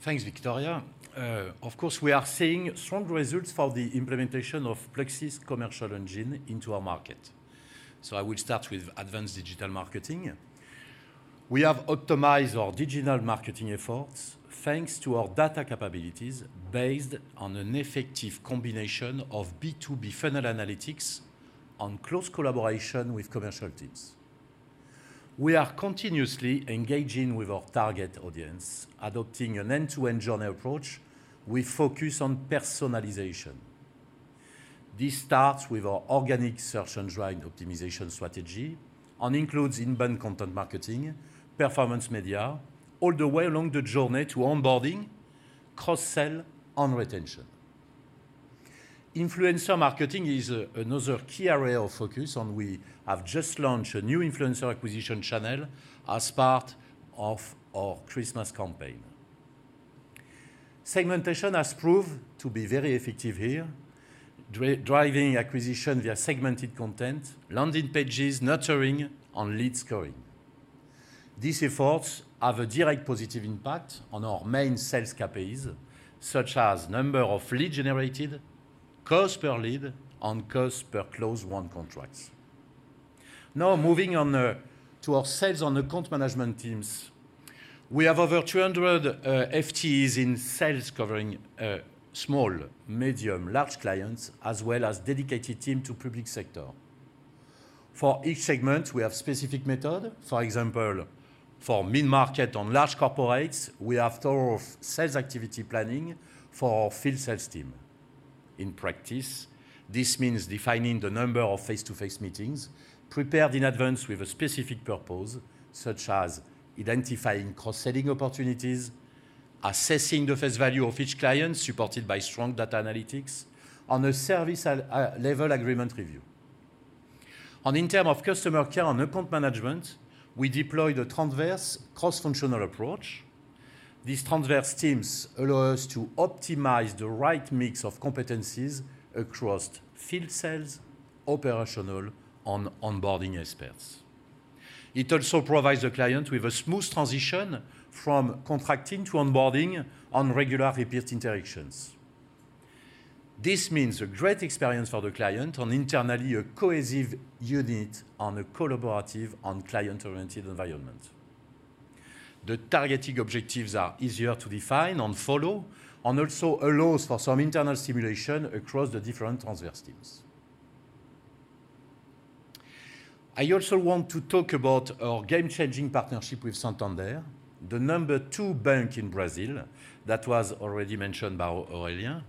Thanks, Viktoria. Of course, we are seeing strong results for the implementation of Pluxee's commercial engine into our market. So I will start with advanced digital marketing. We have optimized our digital marketing efforts, thanks to our data capabilities based on an effective combination of B2B funnel analytics on close collaboration with commercial teams. We are continuously engaging with our target audience, adopting an end-to-end journey approach with focus on personalization. This starts with our organic search and drive optimization strategy and includes inbound content marketing, performance media, all the way along the journey to onboarding, cross-sell, and retention. Influencer marketing is another key area of focus, and we have just launched a new influencer acquisition channel as part of our Christmas campaign. Segmentation has proved to be very effective here, driving acquisition via segmented content, landing pages, nurturing, and lead scoring. These efforts have a direct positive impact on our main sales KPIs, such as number of leads generated, cost per lead, and cost per closed won contracts. Now, moving on to our sales and account management teams. We have over 200 FTEs in sales, covering small, medium, large clients, as well as dedicated team to public sector. For each segment, we have specific method. For example, for mid-market and large corporates, we have thorough sales activity planning for our field sales team. In practice, this means defining the number of face-to-face meetings prepared in advance with a specific purpose, such as identifying cross-selling opportunities, assessing the face value of each client, supported by strong data analytics, and a service level agreement review. In terms of customer care and account management, we deploy the transverse cross-functional approach. These transverse teams allow us to optimize the right mix of competencies across field sales, operational, and onboarding experts. It also provides the client with a smooth transition from contracting to onboarding on regular repeat interactions. This means a great experience for the client and internally, a cohesive unit and a collaborative and client-oriented environment. The targeting objectives are easier to define and follow, and also allows for some internal stimulation across the different transverse teams. I also want to talk about our game-changing partnership with Santander, the number two bank in Brazil that was already mentioned by Aurélien.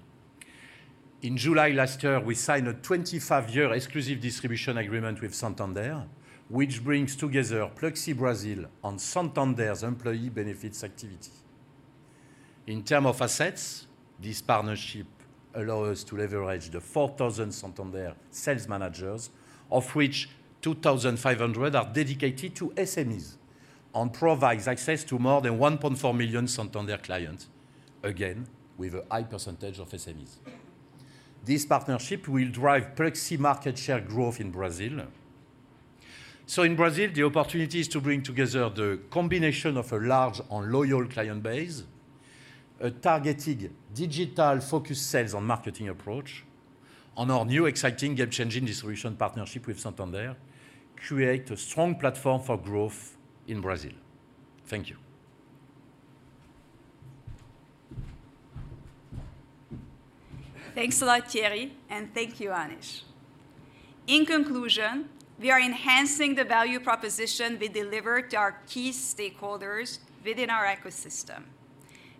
In July last year, we signed a 25-year exclusive distribution agreement with Santander, which brings together Pluxee Brazil and Santander's employee benefits activity. In terms of assets, this partnership allows us to leverage the 4,000 Santander sales managers, of which 2,500 are dedicated to SMEs, and provides access to more than 1.4 million Santander clients, again, with a high percentage of SMEs. This partnership will drive Pluxee market share growth in Brazil- In Brazil, the opportunity is to bring together the combination of a large and loyal client base, a targeted digital-focused sales and marketing approach, and our new exciting game-changing distribution partnership with Santander, create a strong platform for growth in Brazil. Thank you. Thanks a lot, Thierry, and thank you, Anish. In conclusion, we are enhancing the value proposition we deliver to our key stakeholders within our ecosystem.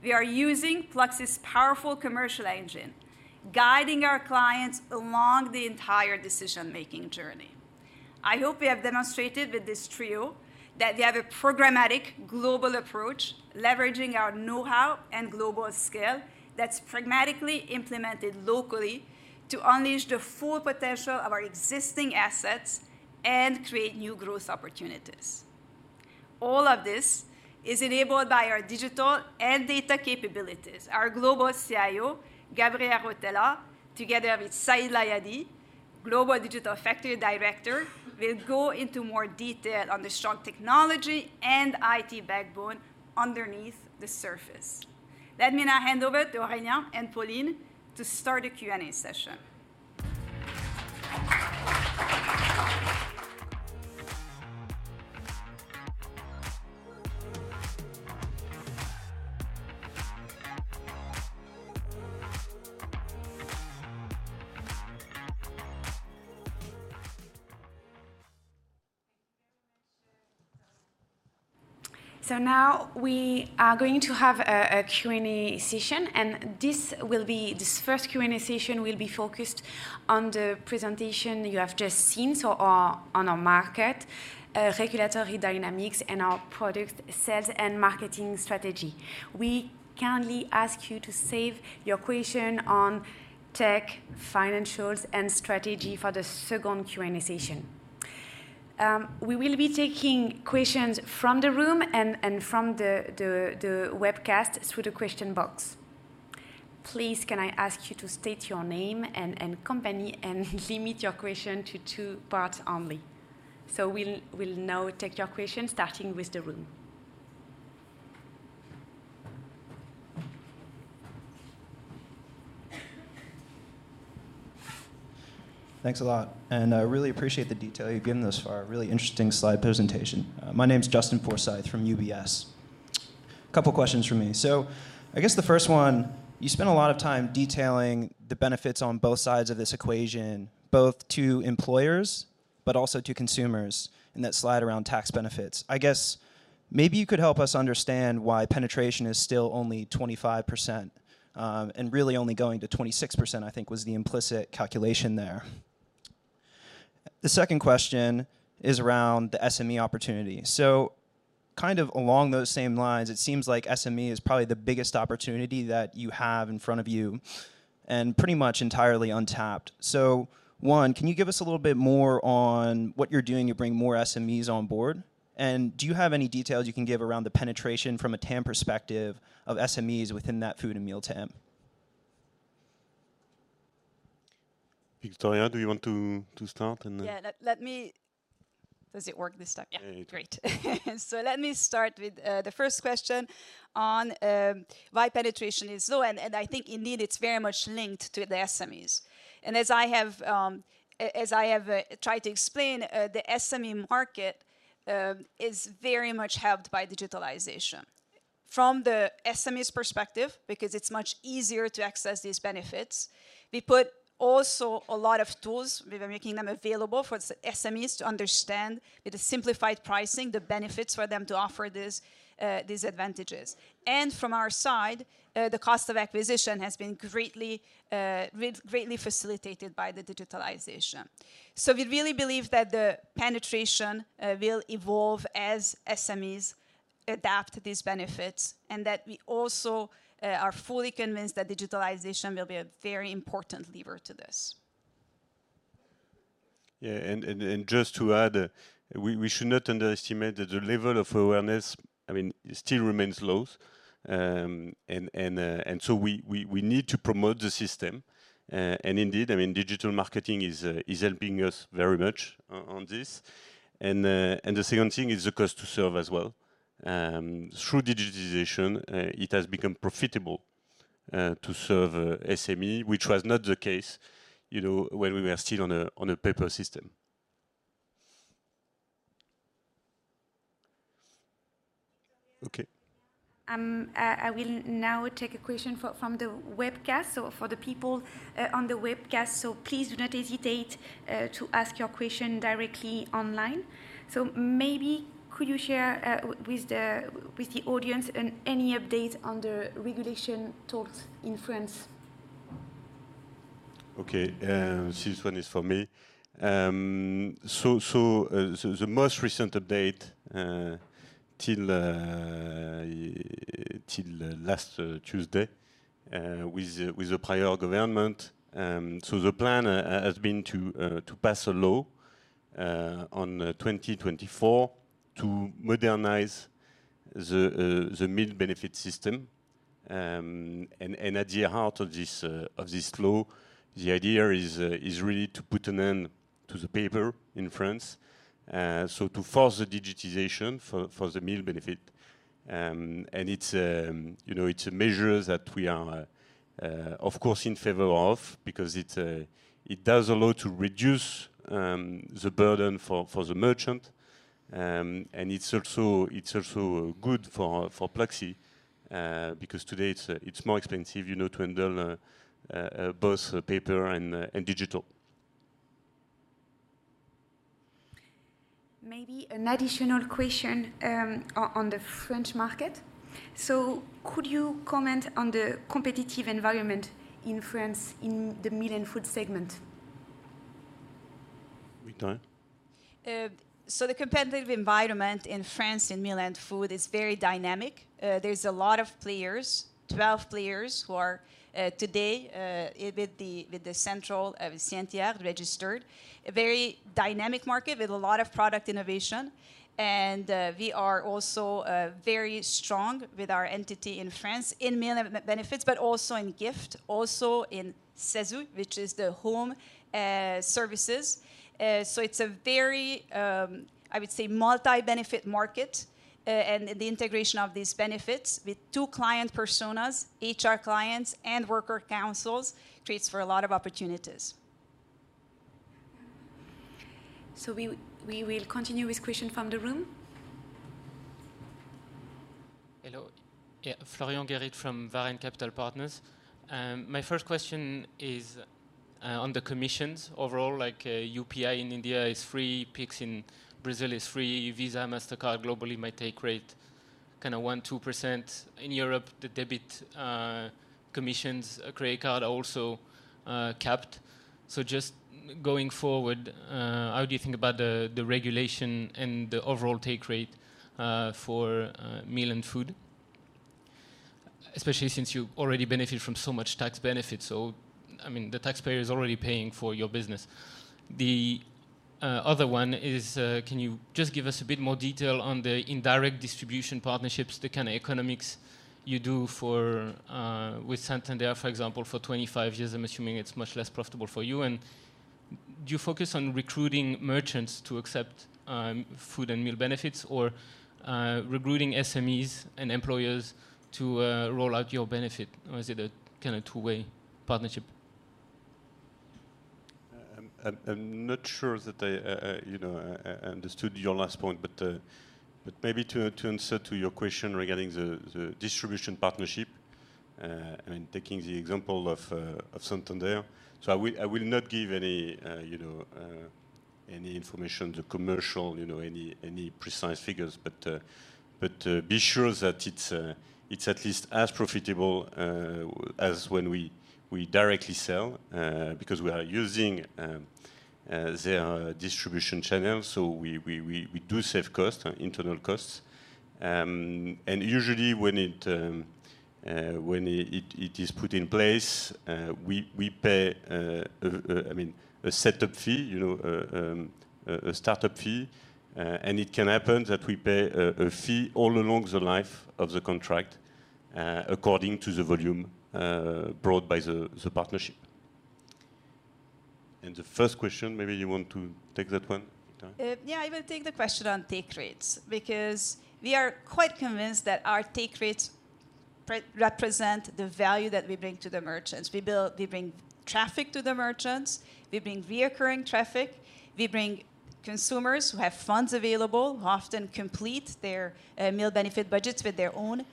We are using Pluxee's powerful commercial engine, guiding our clients along the entire decision-making journey. I hope we have demonstrated with this trio that we have a programmatic global approach, leveraging our know-how and global scale, that's pragmatically implemented locally to unleash the full potential of our existing assets and create new growth opportunities. All of this is enabled by our digital and data capabilities. Our Global CIO, Gavriel Rotella, together with Saïd Layadi, Global Digital Factory Director, will go into more detail on the strong technology and IT backbone underneath the surface. Let me now hand over to Aurélien and Pauline to start a Q&A session. Now we are going to have a Q&A session, and this will be. This first Q&A session will be focused on the presentation you have just seen, so on our market, regulatory dynamics, and our product sales and marketing strategy. We kindly ask you to save your question on tech, financials, and strategy for the second Q&A session. We will be taking questions from the room and from the webcast through the question box. Please, can I ask you to state your name and company, and limit your question to two parts only? We'll now take your question, starting with the room. Thanks a lot, and I really appreciate the detail you've given thus far. A really interesting slide presentation. My name is Justin Forsythe from UBS. A couple questions from me. So I guess the first one, you spent a lot of time detailing the benefits on both sides of this equation, both to employers but also to consumers, in that slide around tax benefits. I guess maybe you could help us understand why penetration is still only 25%, and really only going to 26%, I think, was the implicit calculation there. The second question is around the SME opportunity. So kind of along those same lines, it seems like SME is probably the biggest opportunity that you have in front of you and pretty much entirely untapped. So, one, can you give us a little bit more on what you're doing to bring more SMEs on board? And do you have any details you can give around the penetration from a TAM perspective of SMEs within that food and meal TAM? Viktoria, do you want to start and then? Yeah. Let me... Does it work this time? Yeah. Great. So let me start with the first question on why penetration is low, and I think indeed, it's very much linked to the SMEs. And as I have tried to explain, the SME market is very much helped by digitalization. From the SME's perspective, because it's much easier to access these benefits, we put also a lot of tools. We were making them available for SMEs to understand that the simplified pricing, the benefits for them to offer these advantages. And from our side, the cost of acquisition has been greatly facilitated by the digitalization. So we really believe that the penetration will evolve as SMEs adapt to these benefits, and that we also are fully convinced that digitalization will be a very important lever to this. Yeah, and just to add, we should not underestimate that the level of awareness, I mean, it still remains low. And so we need to promote the system, and indeed, I mean, digital marketing is helping us very much on this. And the second thing is the cost to serve as well. Through digitalization, it has become profitable to serve SME, which was not the case, you know, when we were still on a paper system. Okay. I will now take a question from the webcast. For the people on the webcast, please do not hesitate to ask your question directly online. Maybe could you share with the audience on any update on the regulation talks in France? Okay, this one is for me. So the most recent update till last Tuesday with the prior government, so the plan has been to pass a law on 2024 to modernize the meal benefit system. And at the heart of this law, the idea is really to put an end to the paper in France. So to force the digitization for the meal benefit. And it's, you know, a measure that we are, of course, in favor of, because it does a lot to reduce the burden for the merchant. It's also good for Pluxee because today it's more expensive, you know, to handle both paper and digital. Maybe an additional question, on the French market. So could you comment on the competitive environment in France in the meal and food segment? Viktoria? So the competitive environment in France in meal and food is very dynamic. There's a lot of players, 12 players, who are today registered with the central of CNTR. A very dynamic market with a lot of product innovation, and we are also very strong with our entity in France in meal and benefits, but also in gift, also in CESU, which is the home services. So it's a very, I would say, multi-benefit market. And the integration of these benefits with 2 client personas, HR clients and worker councils, creates for a lot of opportunities. So we will continue with question from the room. Hello. Yeah, Florian Gerbaud from Varenne Capital Partners. My first question is, on the commissions overall, like, UPI in India is free, Pix in Brazil is free, Visa, Mastercard globally might take rate kind of 1-2%. In Europe, the debit, commissions, credit card also, capped. So just going forward, how do you think about the, the regulation and the overall take rate, for, meal and food? Especially since you already benefit from so much tax benefits, so I mean, the taxpayer is already paying for your business. The, other one is, can you just give us a bit more detail on the indirect distribution partnerships, the kind of economics you do for, with Santander, for example, for 25 years, I'm assuming it's much less profitable for you. Do you focus on recruiting merchants to accept food and meal benefits, or recruiting SMEs and employers to roll out your benefit? Or is it a kind of two-way partnership? I'm not sure that I, you know, understood your last point, but maybe to answer to your question regarding the distribution partnership, I mean, taking the example of Santander. So I will not give any, you know, any information, the commercial, you know, any precise figures, but be sure that it's at least as profitable as when we directly sell. Because we are using their distribution channels, so we do save cost, internal costs. And usually when it is put in place, we pay, I mean, a setup fee, you know, a startup fee, and it can happen that we pay a fee all along the life of the contract, according to the volume brought by the partnership. And the first question, maybe you want to take that one, Viktoria? Yeah, I will take the question on take rates, because we are quite convinced that our take rates represent the value that we bring to the merchants. We bring traffic to the merchants, we bring reoccurring traffic, we bring consumers who have funds available, who often complete their meal benefit budgets with their own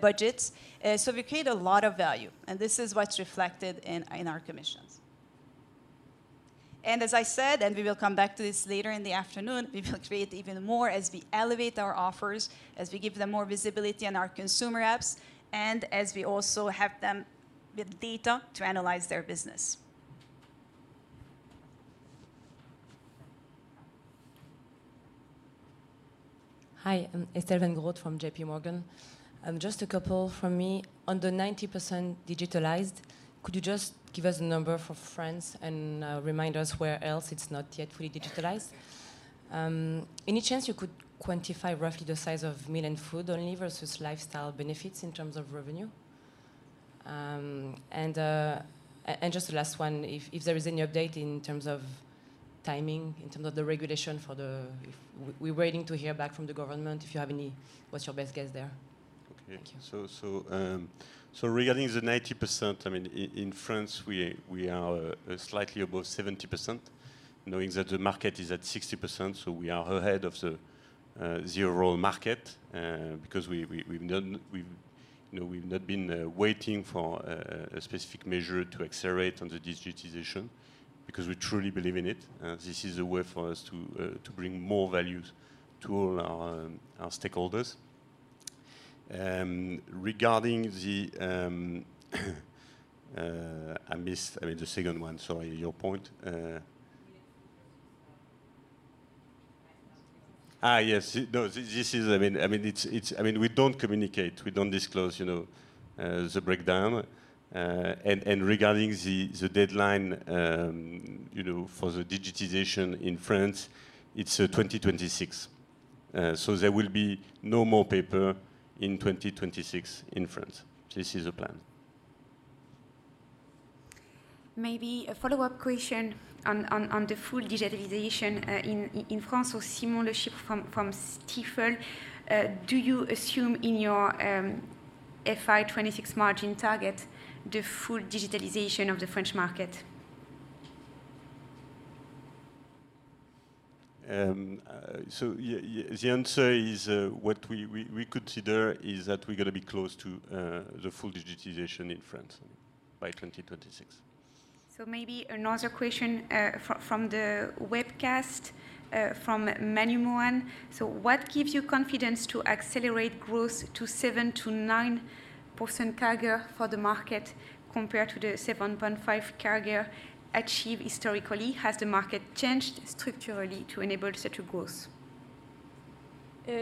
budgets. So we create a lot of value, and this is what's reflected in our commissions. And as I said, and we will come back to this later in the afternoon, we will create even more as we elevate our offers, as we give them more visibility on our consumer apps, and as we also help them with data to analyze their business. Hi, I'm Estelle Weingrod from J.P. Morgan. Just a couple from me. On the 90% digitalized, could you just give us a number for France and remind us where else it's not yet fully digitalized? Any chance you could quantify roughly the size of meal and food only versus lifestyle benefits in terms of revenue? And just the last one, if there is any update in terms of timing, in terms of the regulation for the... We're waiting to hear back from the government. If you have any, what's your best guess there? Okay. Thank you. So, regarding the 90%, I mean, in France, we, we are, slightly above 70%, knowing that the market is at 60%, so we are ahead of the, the overall market. Because we, we, we've not, we've, you know, we've not been, waiting for a, specific measure to accelerate on the digitization, because we truly believe in it. This is a way for us to, to bring more values to our, our stakeholders. Regarding the, I missed, I mean, the second one, sorry, your point, Ah, yes. It. No, this, this is, I mean, I mean, it's, it's. I mean, we don't communicate, we don't disclose, you know, the breakdown. And, and regarding the, the deadline, you know, for the digitization in France, it's, 2026. There will be no more paper in 2026 in France. This is the plan. Maybe a follow-up question on the full digitalization in France or similar shift from Stifel. Do you assume in your FY 26 margin target, the full digitalization of the French market? The answer is what we consider is that we're gonna be close to the full digitization in France by 2026. So maybe another question from the webcast from Manumoan. So what gives you confidence to accelerate growth to 7%-9% CAGR for the market compared to the 7.5% CAGR achieved historically? Has the market changed structurally to enable such a growth?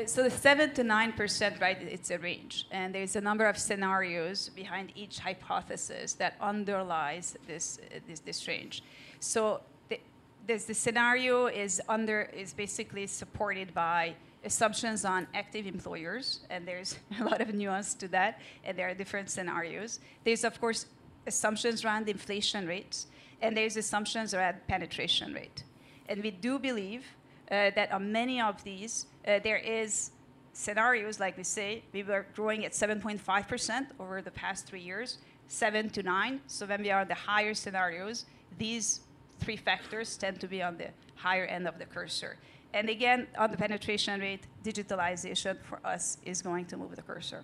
So the 7%-9%, right, it's a range, and there's a number of scenarios behind each hypothesis that underlies this, this range. So the, there's the scenario is under-- is basically supported by assumptions on active employers, and there's a lot of nuance to that, and there are different scenarios. There's, of course, assumptions around inflation rates, and there's assumptions around penetration rate. And we do believe, that on many of these, there is scenarios, like we say, we were growing at 7.5% over the past three years, 7-9. So when we are at the higher scenarios, these three factors tend to be on the higher end of the cursor. And again, on the penetration rate, digitalization for us is going to move the cursor.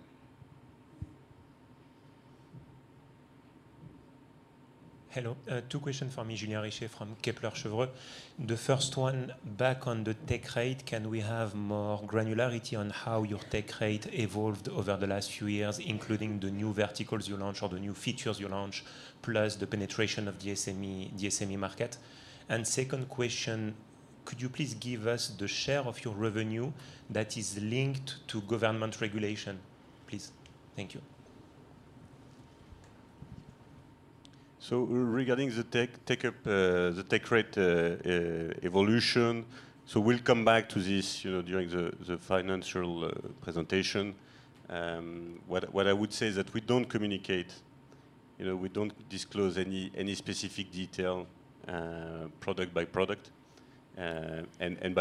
Hello. Two questions for me, Julien Richer from Kepler Cheuvreux. The first one, back on the take rate, can we have more granularity on how your take rate evolved over the last few years, including the new verticals you launched or the new features you launched, plus the penetration of the SME, the SME market? And second question, could you please give us the share of your revenue that is linked to government regulation, please? Thank you. So regarding the take-up rate evolution, we'll come back to this, you know, during the financial presentation. What I would say is that we don't communicate, you know, we don't disclose any specific detail product by product. And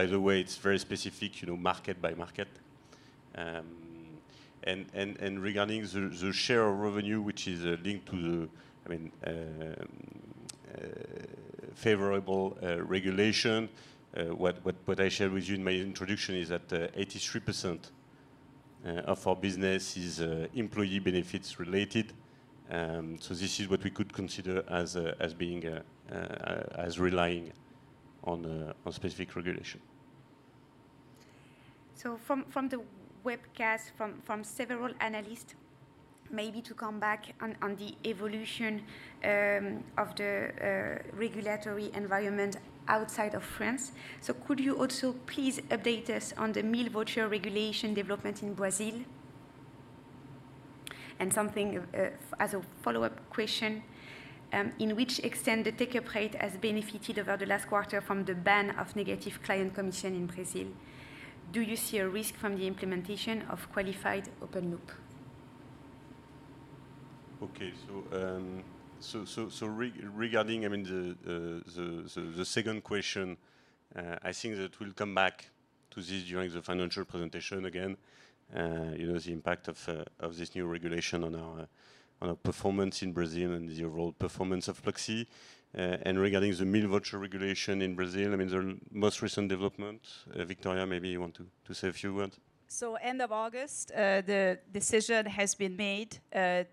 regarding the share of revenue, which is linked to the, I mean, favorable regulation, what I shared with you in my introduction is that 83% of our business is employee benefits related. So this is what we could consider as being as relying on specific regulation. So from the webcast, from several analysts, maybe to come back on the evolution of the regulatory environment outside of France. So could you also please update us on the meal voucher regulation development in Brazil? And something as a follow-up question, in which extent the take-up rate has benefited over the last quarter from the ban of negative client commission in Brazil? Do you see a risk from the implementation of qualified open loop? Okay, so regarding, I mean, the second question, I think that we'll come back to this during the financial presentation again. You know, the impact of this new regulation on our performance in Brazil and the overall performance of Pluxee. And regarding the meal voucher regulation in Brazil, I mean, the most recent development, Viktoria, maybe you want to say a few words? So end of August, the decision has been made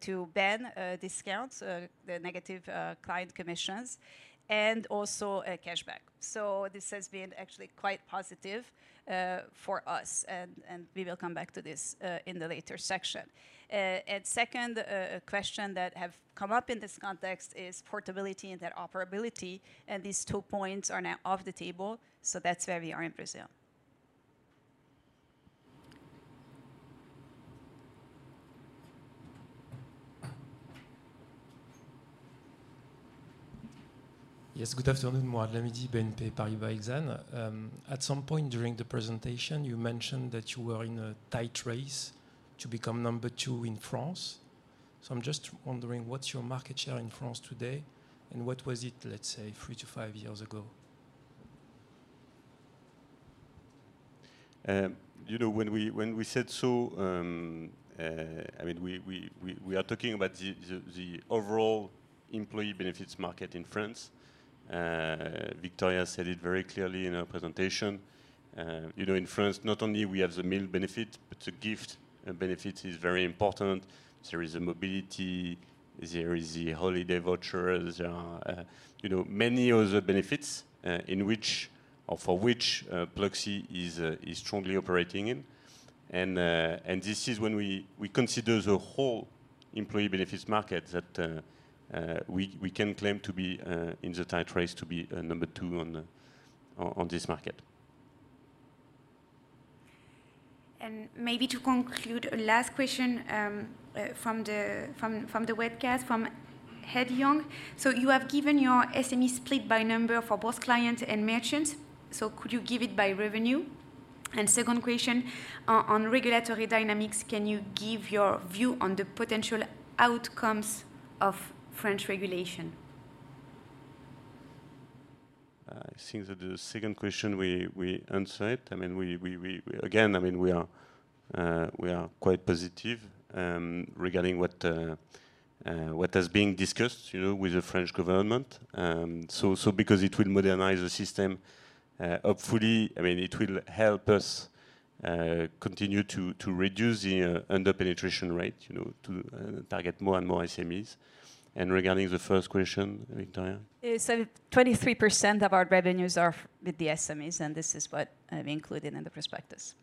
to ban discounts, the negative client commissions, and also cashback. So this has been actually quite positive for us, and we will come back to this in the later section. And second question that have come up in this context is portability and interoperability, and these two points are now off the table, so that's where we are in Brazil. Yes, good afternoon. Mourad Lamidi, BNP Paribas Exane. At some point during the presentation, you mentioned that you were in a tight race to become number two in France. So I'm just wondering, what's your market share in France today, and what was it, let's say, 3-5 years ago? You know, when we said so, I mean, we are talking about the overall employee benefits market in France. Viktoria said it very clearly in her presentation. You know, in France, not only we have the meal benefit, but the gift benefit is very important. There is the mobility, there is the holiday voucher, there are, you know, many other benefits, in which or for which, Pluxee is strongly operating in. And this is when we consider the whole employee benefits market that we can claim to be in the tight race to be number two on this market.... and maybe to conclude, a last question from the webcast from Ed Young: "So you have given your SME split by number for both clients and merchants, so could you give it by revenue? And second question, on regulatory dynamics, can you give your view on the potential outcomes of French regulation? I think that the second question, we again, I mean, we are quite positive regarding what is being discussed, you know, with the French government. So because it will modernize the system, hopefully, I mean, it will help us continue to reduce the under-penetration rate, you know, to target more and more SMEs. Regarding the first question, Viktoria? Yeah, 23% of our revenues are with the SMEs, and this is what I've included in the prospectus.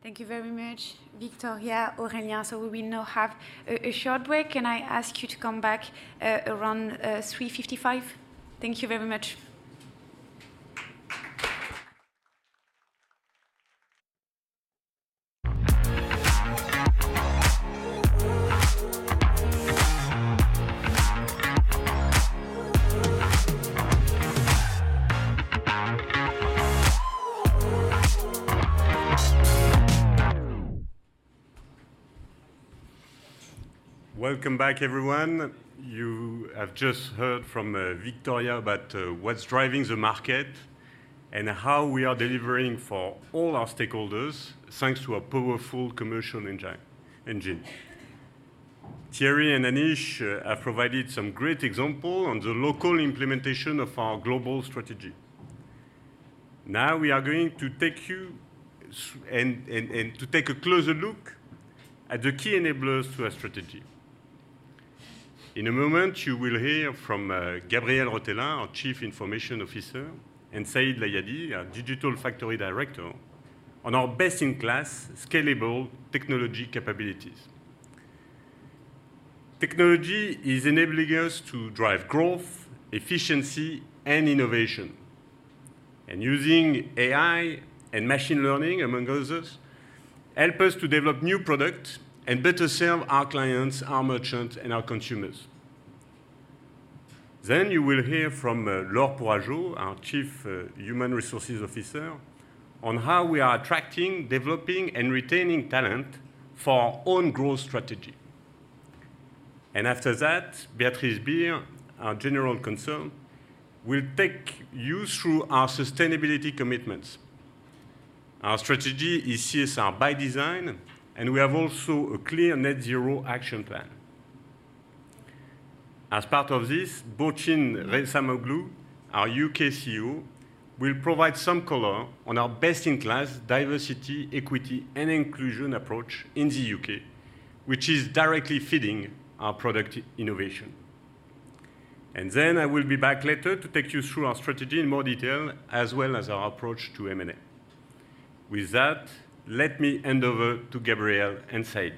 Thank you very much, Viktoria, Aurélien. So we will now have a short break, and I ask you to come back around 3:55 P.M. Thank you very much. Welcome back, everyone. You have just heard from Viktoria about what's driving the market and how we are delivering for all our stakeholders, thanks to a powerful commercial engine. Thierry and Anish have provided some great example on the local implementation of our global strategy. Now, we are going to take you to take a closer look at the key enablers to our strategy. In a moment, you will hear from Gavriel Rotella, our Chief Information Officer, and Saïd Layadi, our digital factory director, on our best-in-class, scalable technology capabilities. Technology is enabling us to drive growth, efficiency, and innovation. Using AI and machine learning, among others, help us to develop new products and better serve our clients, our merchants, and our consumers. Then, you will hear from, Laure Pourageaud, our Chief Human Resources Officer, on how we are attracting, developing, and retaining talent for our own growth strategy. And after that, Béatrice Bihr, our General Counsel, will take you through our sustainability commitments. Our strategy is CSR by design, and we have also a clear net zero action plan. As part of this, Burçin Ressamoğlu, our UK CEO, will provide some color on our best-in-class diversity, equity, and inclusion approach in the UK, which is directly feeding our product innovation. And then I will be back later to take you through our strategy in more detail, as well as our approach to M&A. With that, let me hand over to Gabriel and Saïd.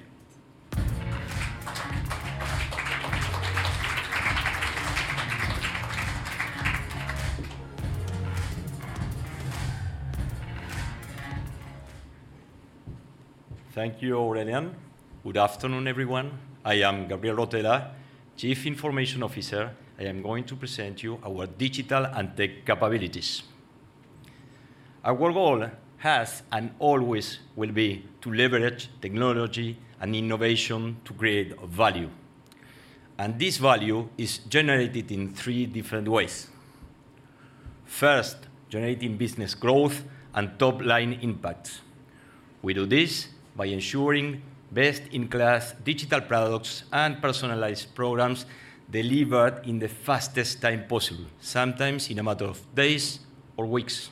Thank you, Aurélien. Good afternoon, everyone. I am Gabriel Rotella, Chief Information Officer. I am going to present you our digital and tech capabilities. Our goal has, and always will be, to leverage technology and innovation to create value, and this value is generated in three different ways. First, generating business growth and top-line impact. We do this by ensuring best-in-class digital products and personalized programs delivered in the fastest time possible, sometimes in a matter of days or weeks.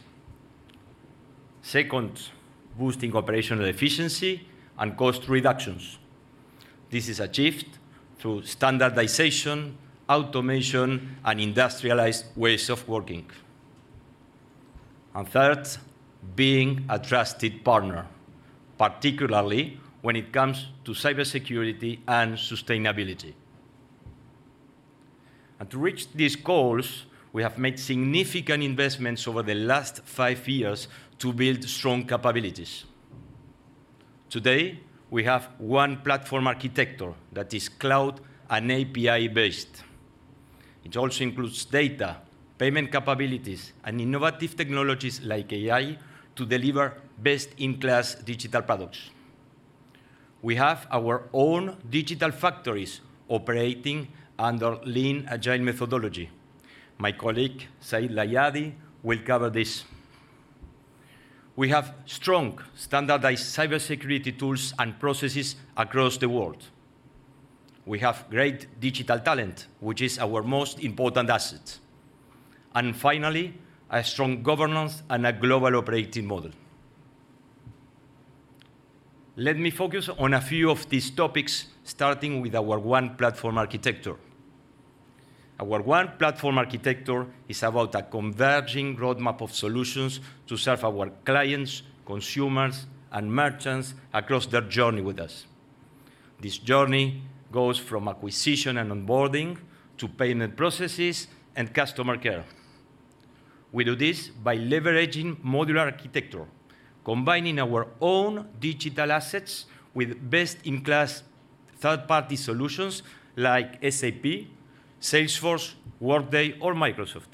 Second, boosting operational efficiency and cost reductions. This is achieved through standardization, automation, and industrialized ways of working. And third, being a trusted partner, particularly when it comes to cybersecurity and sustainability. And to reach these goals, we have made significant investments over the last five years to build strong capabilities. Today, we have one platform architecture that is cloud and API-based. It also includes data, payment capabilities, and innovative technologies like AI to deliver best-in-class digital products. We have our own digital factories operating under lean, agile methodology. My colleague, Saïd Layadi, will cover this. We have strong, standardized cybersecurity tools and processes across the world. We have great digital talent, which is our most important asset, and finally, a strong governance and a global operating model. Let me focus on a few of these topics, starting with our One Platform architecture. Our One Platform architecture is about a converging roadmap of solutions to serve our clients, consumers, and merchants across their journey with us.... This journey goes from acquisition and onboarding to payment processes and customer care. We do this by leveraging modular architecture, combining our own digital assets with best-in-class third-party solutions like SAP, Salesforce, Workday, or Microsoft.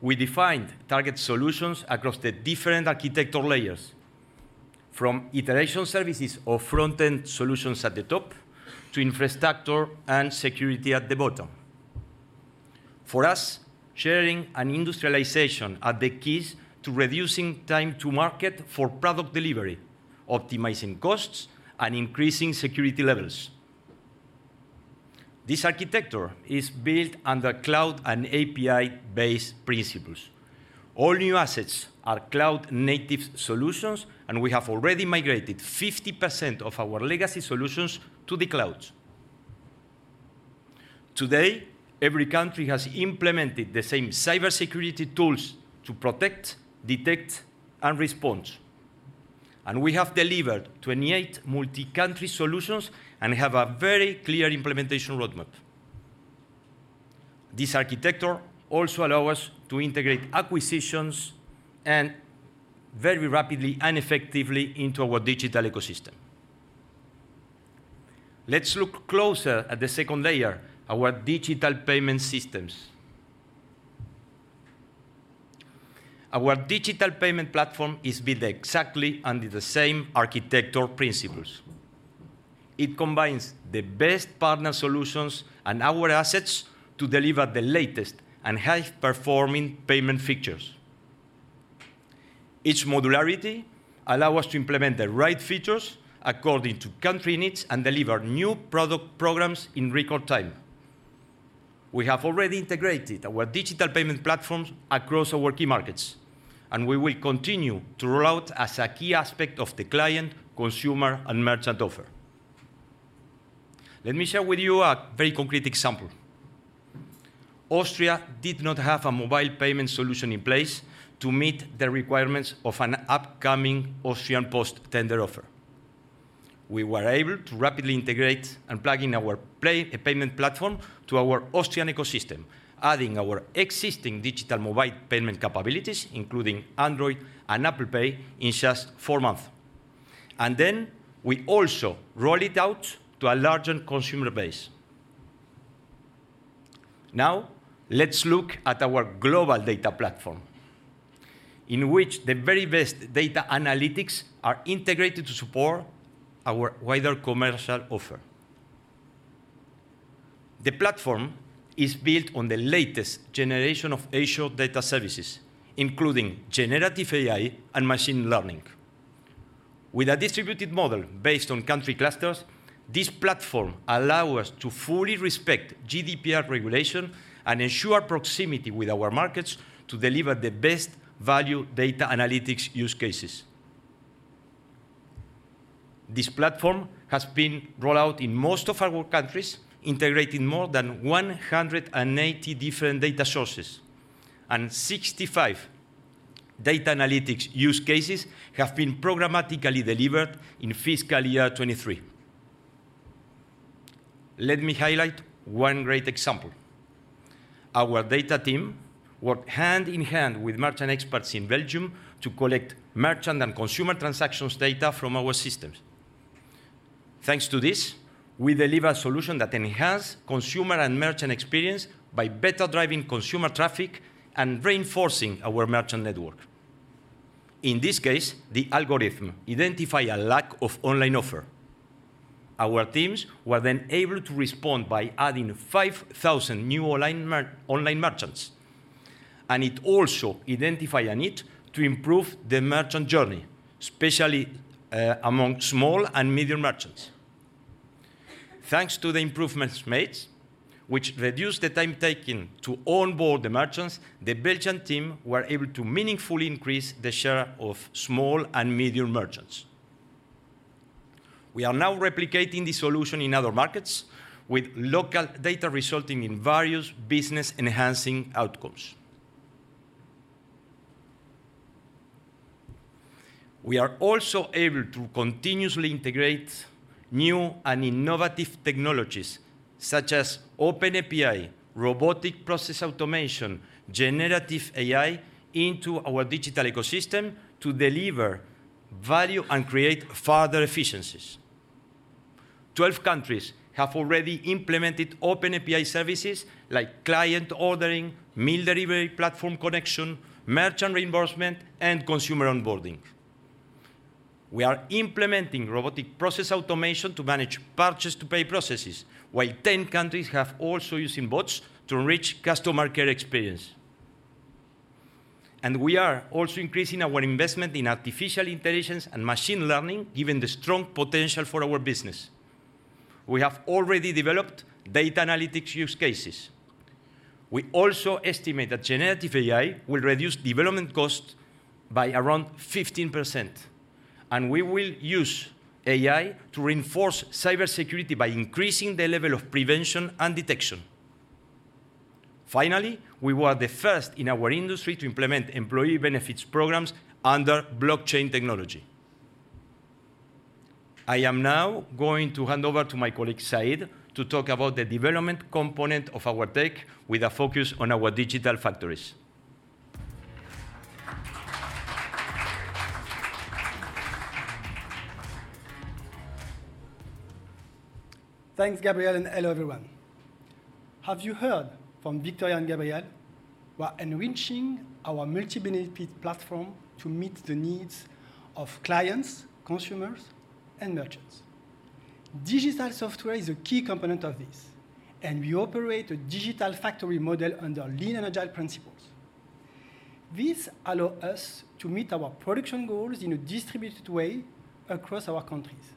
We defined target solutions across the different architectural layers, from iteration services or front-end solutions at the top, to infrastructure and security at the bottom. For us, sharing and industrialization are the keys to reducing time to market for product delivery, optimizing costs, and increasing security levels. This architecture is built under cloud and API-based principles. All new assets are cloud-native solutions, and we have already migrated 50% of our legacy solutions to the cloud. Today, every country has implemented the same cybersecurity tools to protect, detect, and respond. And we have delivered 28 multi-country solutions and have a very clear implementation roadmap. This architecture also allow us to integrate acquisitions and very rapidly and effectively into our digital ecosystem. Let's look closer at the second layer, our digital payment systems. Our digital payment platform is built exactly under the same architectural principles. It combines the best partner solutions and our assets to deliver the latest and high-performing payment features. Its modularity allow us to implement the right features according to country needs and deliver new product programs in record time. We have already integrated our digital payment platforms across our key markets, and we will continue to roll out as a key aspect of the client, consumer, and merchant offer. Let me share with you a very concrete example. Austria did not have a mobile payment solution in place to meet the requirements of an upcoming Austrian Post tender offer. We were able to rapidly integrate and plug in our payment platform to our Austrian ecosystem, adding our existing digital mobile payment capabilities, including Android Pay and Apple Pay, in just four months, and then we also roll it out to a larger consumer base. Now, let's look at our global data platform, in which the very best data analytics are integrated to support our wider commercial offer. The platform is built on the latest generation of Azure data services, including generative AI and machine learning. With a distributed model based on country clusters, this platform allow us to fully respect GDPR regulation and ensure proximity with our markets to deliver the best value data analytics use cases. This platform has been rolled out in most of our countries, integrating more than 180 different data sources, and 65 data analytics use cases have been programmatically delivered in fiscal year 2023. Let me highlight one great example. Our data team worked hand in hand with merchant experts in Belgium to collect merchant and consumer transactions data from our systems. Thanks to this, we deliver a solution that enhance consumer and merchant experience by better driving consumer traffic and reinforcing our merchant network. In this case, the algorithm identify a lack of online offer. Our teams were then able to respond by adding 5,000 new online merchants, and it also identify a need to improve the merchant journey, especially among small and medium merchants. Thanks to the improvements made, which reduced the time taken to onboard the merchants, the Belgian team were able to meaningfully increase the share of small and medium merchants. We are now replicating this solution in other markets, with local data resulting in various business-enhancing outcomes. We are also able to continuously integrate new and innovative technologies, such as OpenAPI, robotic process automation, generative AI, into our digital ecosystem to deliver value and create further efficiencies. 12 countries have already implemented OpenAPI services like client ordering, meal delivery platform connection, merchant reimbursement, and consumer onboarding. We are implementing robotic process automation to manage purchase-to-pay processes, while 10 countries are also using bots to enrich customer care experience. We are also increasing our investment in artificial intelligence and machine learning, given the strong potential for our business. We have already developed data analytics use cases. We also estimate that generative AI will reduce development cost by around 15%, and we will use AI to reinforce cybersecurity by increasing the level of prevention and detection. Finally, we were the first in our industry to implement employee benefits programs under blockchain technology. I am now going to hand over to my colleague, Said, to talk about the development component of our tech with a focus on our digital factories. Thanks, Gabriel, and hello, everyone. Have you heard? From Viktoria and Gabriel, we are enriching our multi-benefit platform to meet the needs of clients, consumers, and merchants. Digital software is a key component of this, and we operate a digital factory model under lean and agile principles. This allows us to meet our production goals in a distributed way across our countries.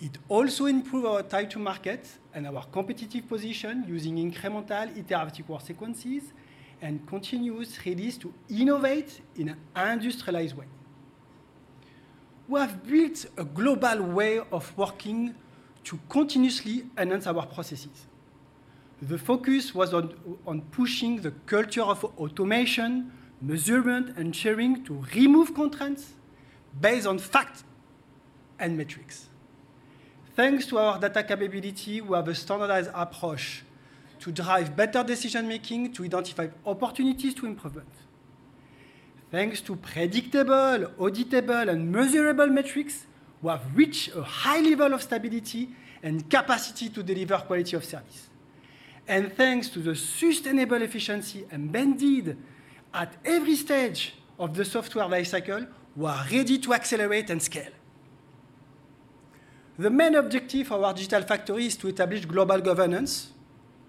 It also improves our time to market and our competitive position using incremental, iterative work sequences and continuous release to innovate in an industrialized way. We have built a global way of working to continuously enhance our processes. The focus was on pushing the culture of automation, measurement, and sharing to remove constraints based on facts and metrics. Thanks to our data capability, we have a standardized approach to drive better decision-making, to identify opportunities for improvement. Thanks to predictable, auditable, and measurable metrics, we have reached a high level of stability and capacity to deliver quality of service. And thanks to the sustainable efficiency embedded at every stage of the software lifecycle, we are ready to accelerate and scale. The main objective of our digital factory is to establish global governance,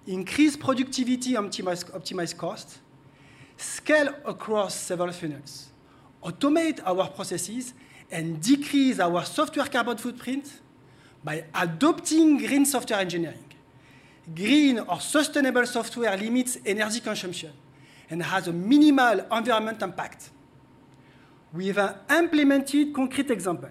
increase productivity, optimize, optimize cost, scale across several funnels, automate our processes, and decrease our software carbon footprint by adopting green software engineering. Green or sustainable software limits energy consumption and has a minimal environmental impact. We have implemented concrete example.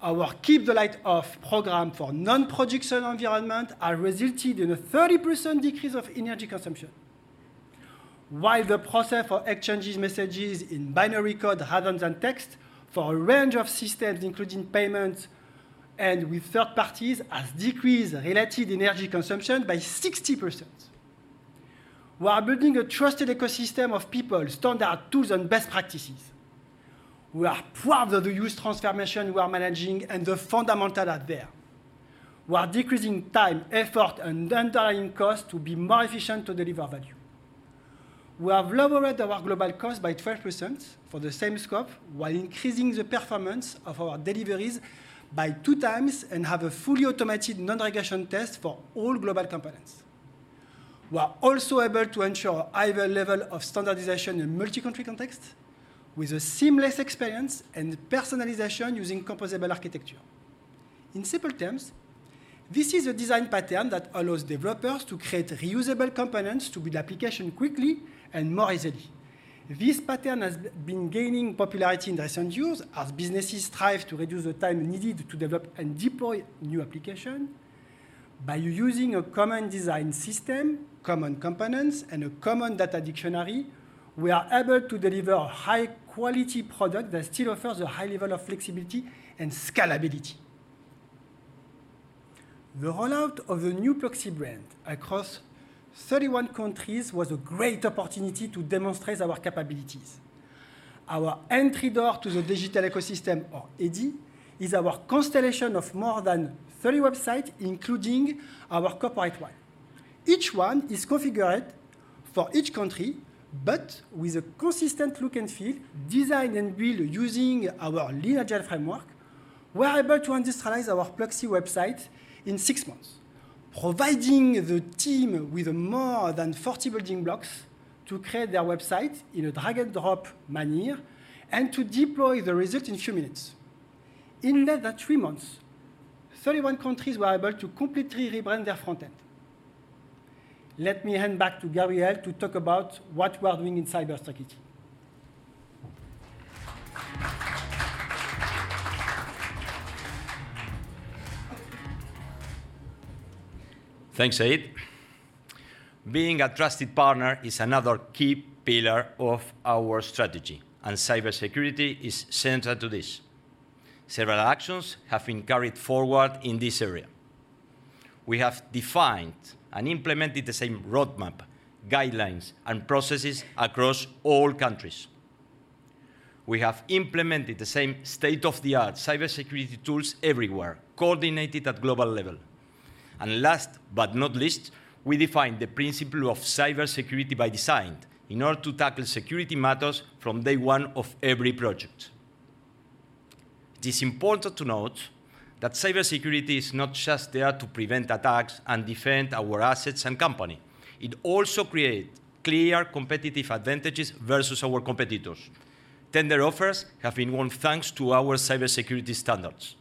Our Keep the Light Off program for non-production environment have resulted in a 30% decrease of energy consumption. While the process for exchanging messages in binary code rather than text for a range of systems, including payments and with third parties, has decreased related energy consumption by 60%. We are building a trusted ecosystem of people, standard tools, and best practices. We are proud of the huge transformation we are managing, and the fundamentals are there. We are decreasing time, effort, and underlying cost to be more efficient to deliver value. We have lowered our global cost by 12% for the same scope, while increasing the performance of our deliveries by 2 times and have a fully automated non-regression test for all global components. We are also able to ensure a higher level of standardization in multi-country context with a seamless experience and personalization using composable architecture. In simple terms, this is a design pattern that allows developers to create reusable components to build applications quickly and more easily. This pattern has been gaining popularity in recent years as businesses strive to reduce the time needed to develop and deploy new applications. By using a common design system, common components, and a common data dictionary, we are able to deliver a high-quality product that still offers a high level of flexibility and scalability. The rollout of the new Pluxee brand across 31 countries was a great opportunity to demonstrate our capabilities. Our entry door to the digital ecosystem, or EDDIE, is our constellation of more than 30 websites, including our corporate one. Each one is configured for each country, but with a consistent look and feel, designed and built using our lean agile framework. We are able to industrialize our Pluxee website in 6 months, providing the team with more than 40 building blocks to create their website in a drag-and-drop manner and to deploy the result in few minutes. In less than 3 months, 31 countries were able to completely rebrand their front end. Let me hand back to Gabriel to talk about what we are doing in cyber strategy. Thanks, Saïd. Being a trusted partner is another key pillar of our strategy, and cybersecurity is central to this. Several actions have been carried forward in this area. We have defined and implemented the same roadmap, guidelines, and processes across all countries. We have implemented the same state-of-the-art cybersecurity tools everywhere, coordinated at global level. And last but not least, we defined the principle of cybersecurity by design in order to tackle security matters from day one of every project. It is important to note that cybersecurity is not just there to prevent attacks and defend our assets and company. It also create clear competitive advantages versus our competitors. Tender offers have been won thanks to our cybersecurity standards.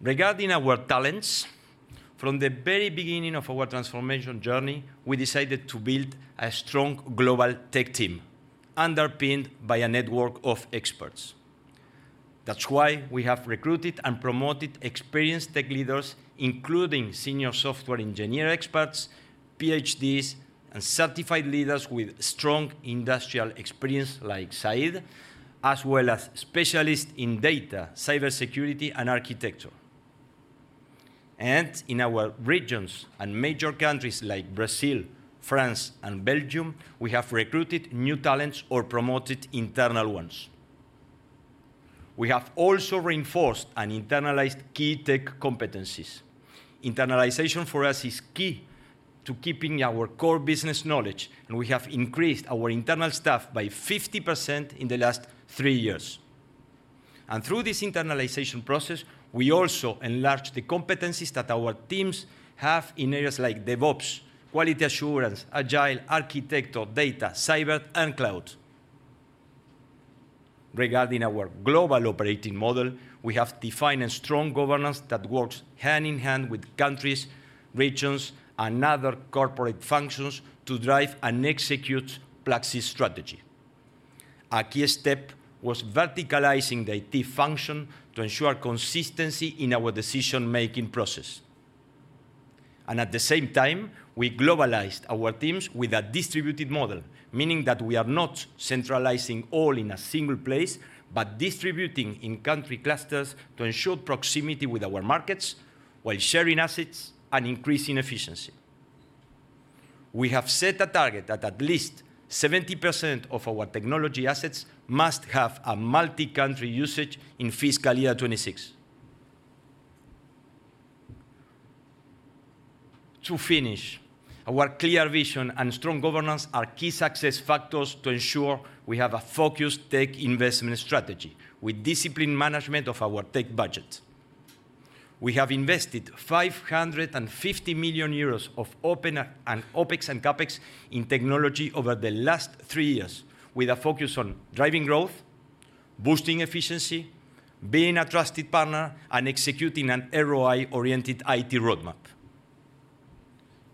Regarding our talents... From the very beginning of our transformation journey, we decided to build a strong global tech team, underpinned by a network of experts. That's why we have recruited and promoted experienced tech leaders, including senior software engineer experts, Ph.D.s, and certified leaders with strong industrial experience, like Saïd, as well as specialists in data, cybersecurity, and architecture. In our regions and major countries like Brazil, France, and Belgium, we have recruited new talents or promoted internal ones. We have also reinforced and internalized key tech competencies. Internalization for us is key to keeping our core business knowledge, and we have increased our internal staff by 50% in the last three years. Through this internalization process, we also enlarged the competencies that our teams have in areas like DevOps, quality assurance, agile, architecture, data, cyber, and cloud. Regarding our global operating model, we have defined a strong governance that works hand in hand with countries, regions, and other corporate functions to drive and execute Pluxee's strategy. A key step was verticalizing the IT function to ensure consistency in our decision-making process. At the same time, we globalized our teams with a distributed model, meaning that we are not centralizing all in a single place, but distributing in country clusters to ensure proximity with our markets while sharing assets and increasing efficiency. We have set a target that at least 70% of our technology assets must have a multi-country usage in fiscal year 2026. To finish, our clear vision and strong governance are key success factors to ensure we have a focused tech investment strategy, with disciplined management of our tech budget. We have invested 550 million euros of OpEx and CapEx in technology over the last three years, with a focus on driving growth, boosting efficiency, being a trusted partner, and executing an ROI-oriented IT roadmap.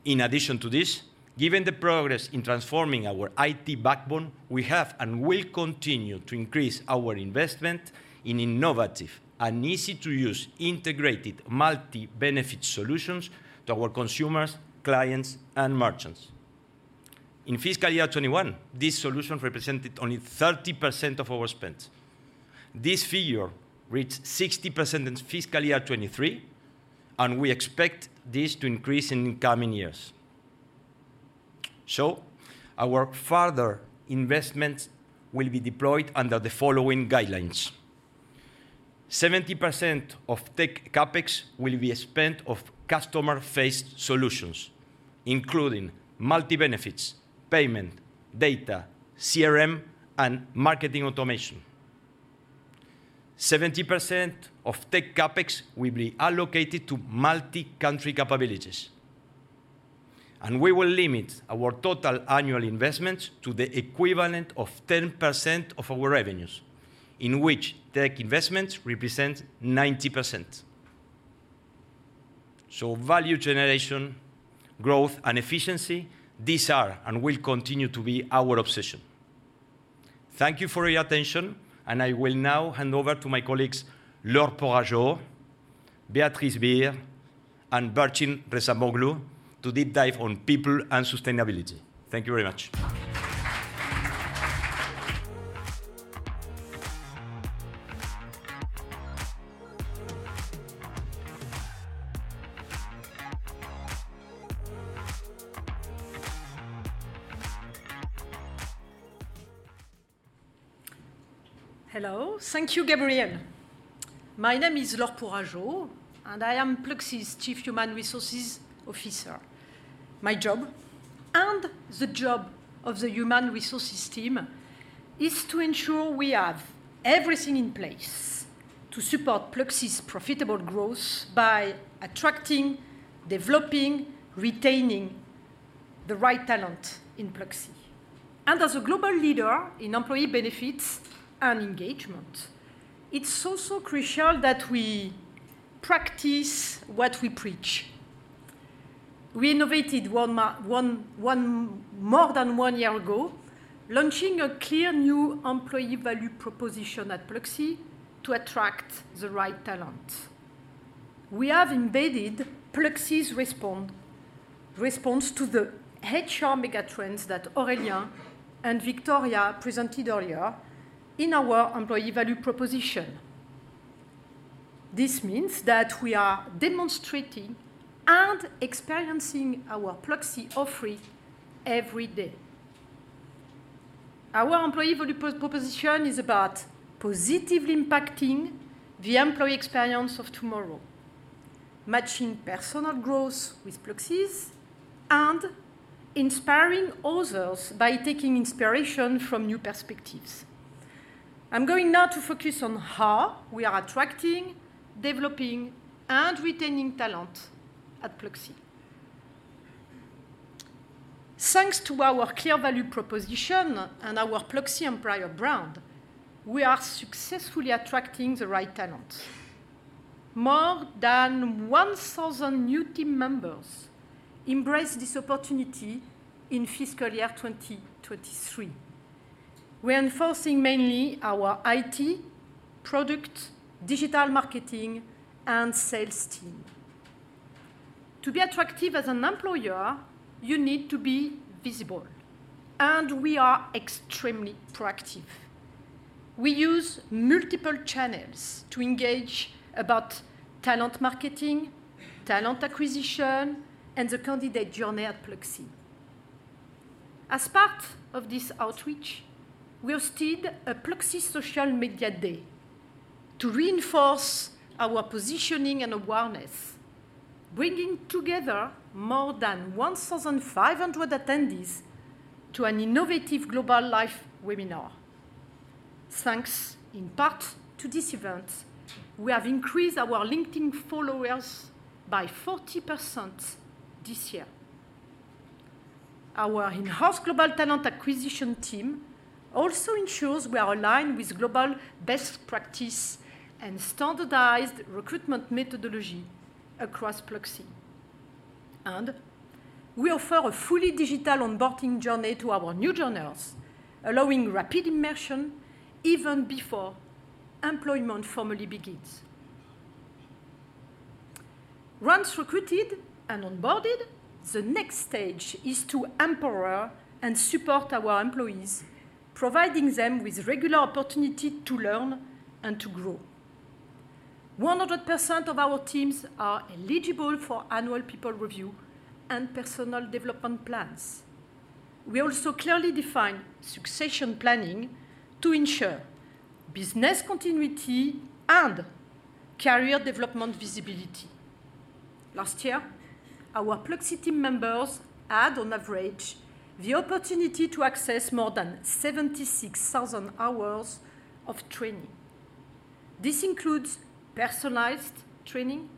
In addition to this, given the progress in transforming our IT backbone, we have and will continue to increase our investment in innovative and easy-to-use, integrated, multi-benefit solutions to our consumers, clients, and merchants. In fiscal year 2021, these solutions represented only 30% of our spend. This figure reached 60% in fiscal year 2023, and we expect this to increase in the coming years. Our further investments will be deployed under the following guidelines: 70% of tech CapEx will be spent on customer-facing solutions, including multi-benefits, payment, data, CRM, and marketing automation. 70% of tech CapEx will be allocated to multi-country capabilities, and we will limit our total annual investments to the equivalent of 10% of our revenues, in which tech investments represent 90%. Value generation, growth, and efficiency, these are and will continue to be our obsession. Thank you for your attention, and I will now hand over to my colleagues, Laure Pourageaud, Béatrice Bihr, and Burçin Ressamoğlu, to deep dive on people and sustainability. Thank you very much. Hello. Thank you, Gabriel. My name is Laure Pourageaud, and I am Pluxee's Chief Human Resources Officer. My job, and the job of the human resources team, is to ensure we have everything in place to support Pluxee's profitable growth by attracting, developing, retaining the right talent in Pluxee. As a global leader in employee benefits and engagement, it's also crucial that we practice what we preach. We innovated more than one year ago, launching a clear new employee value proposition at Pluxee to attract the right talent. We have embedded Pluxee's response to the HR megatrends that Aurélien and Viktoria presented earlier in our employee value proposition. This means that we are demonstrating and experiencing our Pluxee offering every day. Our employee value proposition is about positively impacting the employee experience of tomorrow, matching personal growth with Pluxee's, and inspiring others by taking inspiration from new perspectives. I'm going now to focus on how we are attracting, developing, and retaining talent at Pluxee. Thanks to our clear value proposition and our Pluxee employer brand, we are successfully attracting the right talent. More than 1,000 new team members embraced this opportunity in fiscal year 2023, reinforcing mainly our IT, product, digital marketing, and sales team. To be attractive as an employer, you need to be visible, and we are extremely proactive. We use multiple channels to engage about talent marketing, talent acquisition, and the candidate journey at Pluxee. As part of this outreach, we hosted a Pluxee social media day to reinforce our positioning and awareness, bringing together more than 1,500 attendees to an innovative global live webinar. Thanks, in part, to this event, we have increased our LinkedIn followers by 40% this year. Our in-house global talent acquisition team also ensures we are aligned with global best practice and standardized recruitment methodology across Pluxee. We offer a fully digital onboarding journey to our new joiners, allowing rapid immersion even before employment formally begins. Once recruited and onboarded, the next stage is to empower and support our employees, providing them with regular opportunity to learn and to grow. 100% of our teams are eligible for annual people review and personal development plans. We also clearly define succession planning to ensure business continuity and career development visibility. Last year, our Pluxee team members had, on average, the opportunity to access more than 76,000 hours of training. This includes personalized training,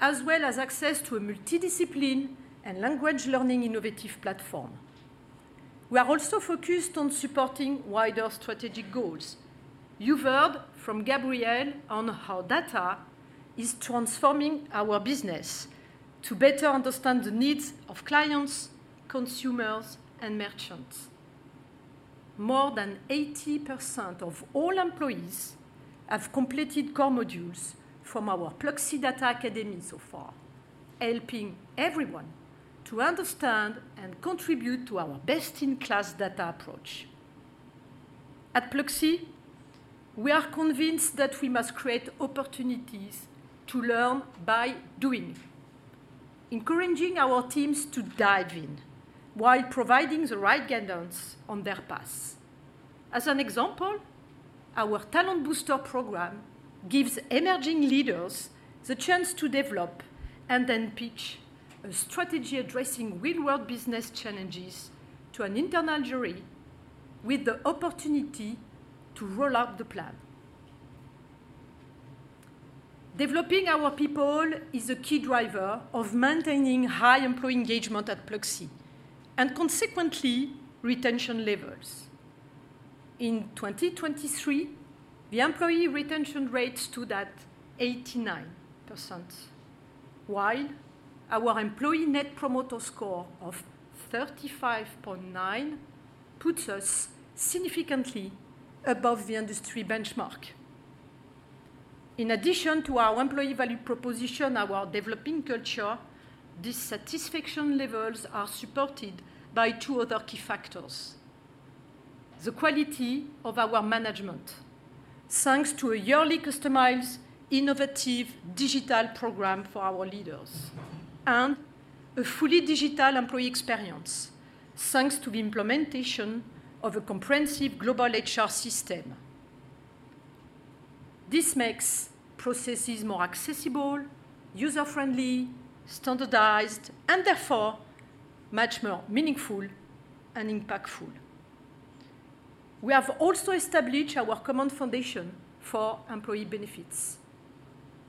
as well as access to a multi-discipline and language learning innovative platform. We are also focused on supporting wider strategic goals. You heard from Gabriel on how data is transforming our business to better understand the needs of clients, consumers, and merchants. More than 80% of all employees have completed core modules from our Pluxee Data Academy so far, helping everyone to understand and contribute to our best-in-class data approach. At Pluxee, we are convinced that we must create opportunities to learn by doing, encouraging our teams to dive in while providing the right guidance on their paths. As an example, our Talent Booster program gives emerging leaders the chance to develop and then pitch a strategy addressing real-world business challenges to an internal jury with the opportunity to roll out the plan. Developing our people is a key driver of maintaining high employee engagement at Pluxee, and consequently, retention levels. In 2023, the employee retention rate stood at 89%, while our employee net promoter score of 35.9 puts us significantly above the industry benchmark. In addition to our employee value proposition, our developing culture, these satisfaction levels are supported by two other key factors: the quality of our management, thanks to a yearly customized, innovative digital program for our leaders, and a fully digital employee experience, thanks to the implementation of a comprehensive global HR system. This makes processes more accessible, user-friendly, standardized, and therefore, much more meaningful and impactful. We have also established our common foundation for employee benefits.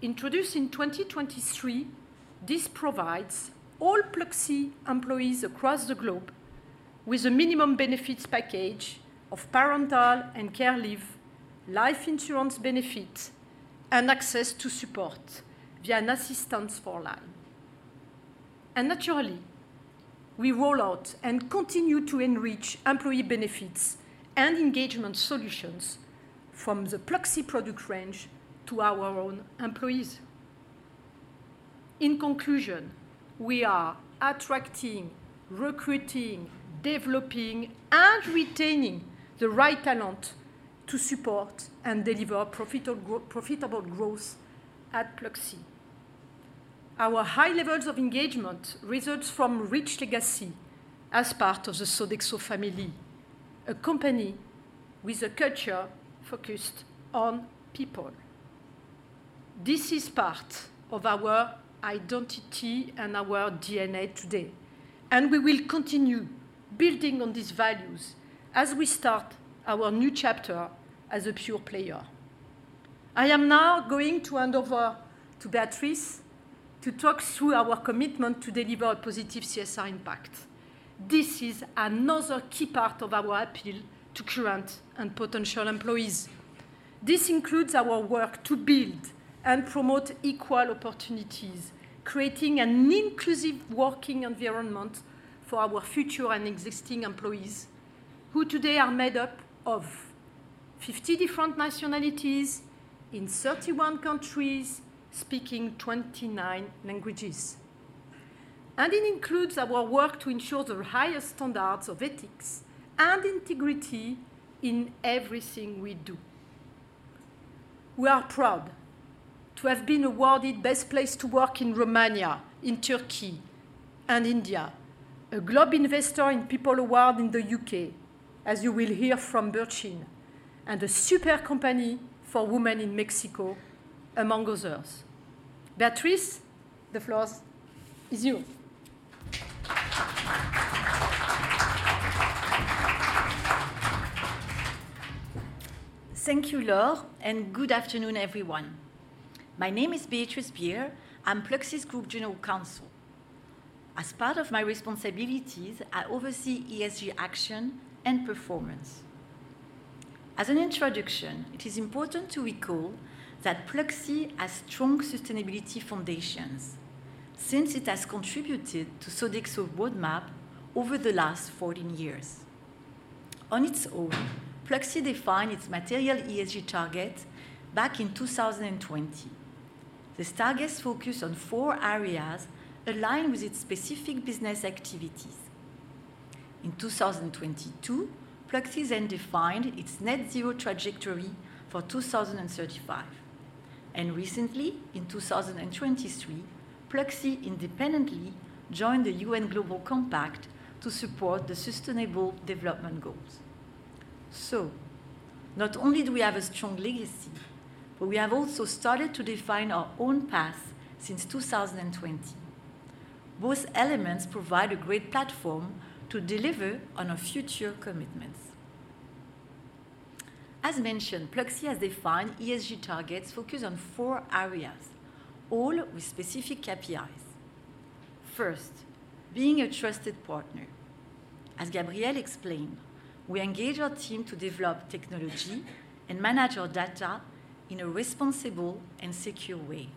Introduced in 2023, this provides all Pluxee employees across the globe with a minimum benefits package of parental and care leave, life insurance benefits, and access to support via an assistance hotline. And naturally, we roll out and continue to enrich employee benefits and engagement solutions from the Pluxee product range to our own employees. In conclusion, we are attracting, recruiting, developing, and retaining the right talent to support and deliver profitable growth at Pluxee. Our high levels of engagement results from rich legacy as part of the Sodexo family, a company with a culture focused on people. This is part of our identity and our DNA today, and we will continue building on these values as we start our new chapter as a pure player. I am now going to hand over to Béatrice to talk through our commitment to deliver a positive CSR impact. This is another key part of our appeal to current and potential employees. This includes our work to build and promote equal opportunities, creating an inclusive working environment for our future and existing employees, who today are made up of 50 different nationalities in 31 countries, speaking 29 languages. It includes our work to ensure the highest standards of ethics and integrity in everything we do. We are proud to have been awarded Best Place to Work in Romania, in Turkey, and India, a Globe Investor in People Award in the U.K., as you will hear from Burçin, and a Super Company for Women in Mexico, among others. Béatrice, the floor is you. Thank you, Laure, and good afternoon, everyone. My name is Béatrice Bihr. I'm Pluxee Group General Counsel. As part of my responsibilities, I oversee ESG action and performance. As an introduction, it is important to recall that Pluxee has strong sustainability foundations since it has contributed to Sodexo roadmap over the last 14 years. On its own, Pluxee defined its material ESG target back in 2020. This target focused on four areas aligned with its specific business activities. In 2022, Pluxee then defined its net zero trajectory for 2035, and recently, in 2023, Pluxee independently joined the UN Global Compact to support the Sustainable Development Goals. So not only do we have a strong legacy, but we have also started to define our own path since 2020. Both elements provide a great platform to deliver on our future commitments. As mentioned, Pluxee has defined ESG targets focused on four areas, all with specific KPIs. First, being a trusted partner. As Gabriel explained, we engage our team to develop technology and manage our data in a responsible and secure way.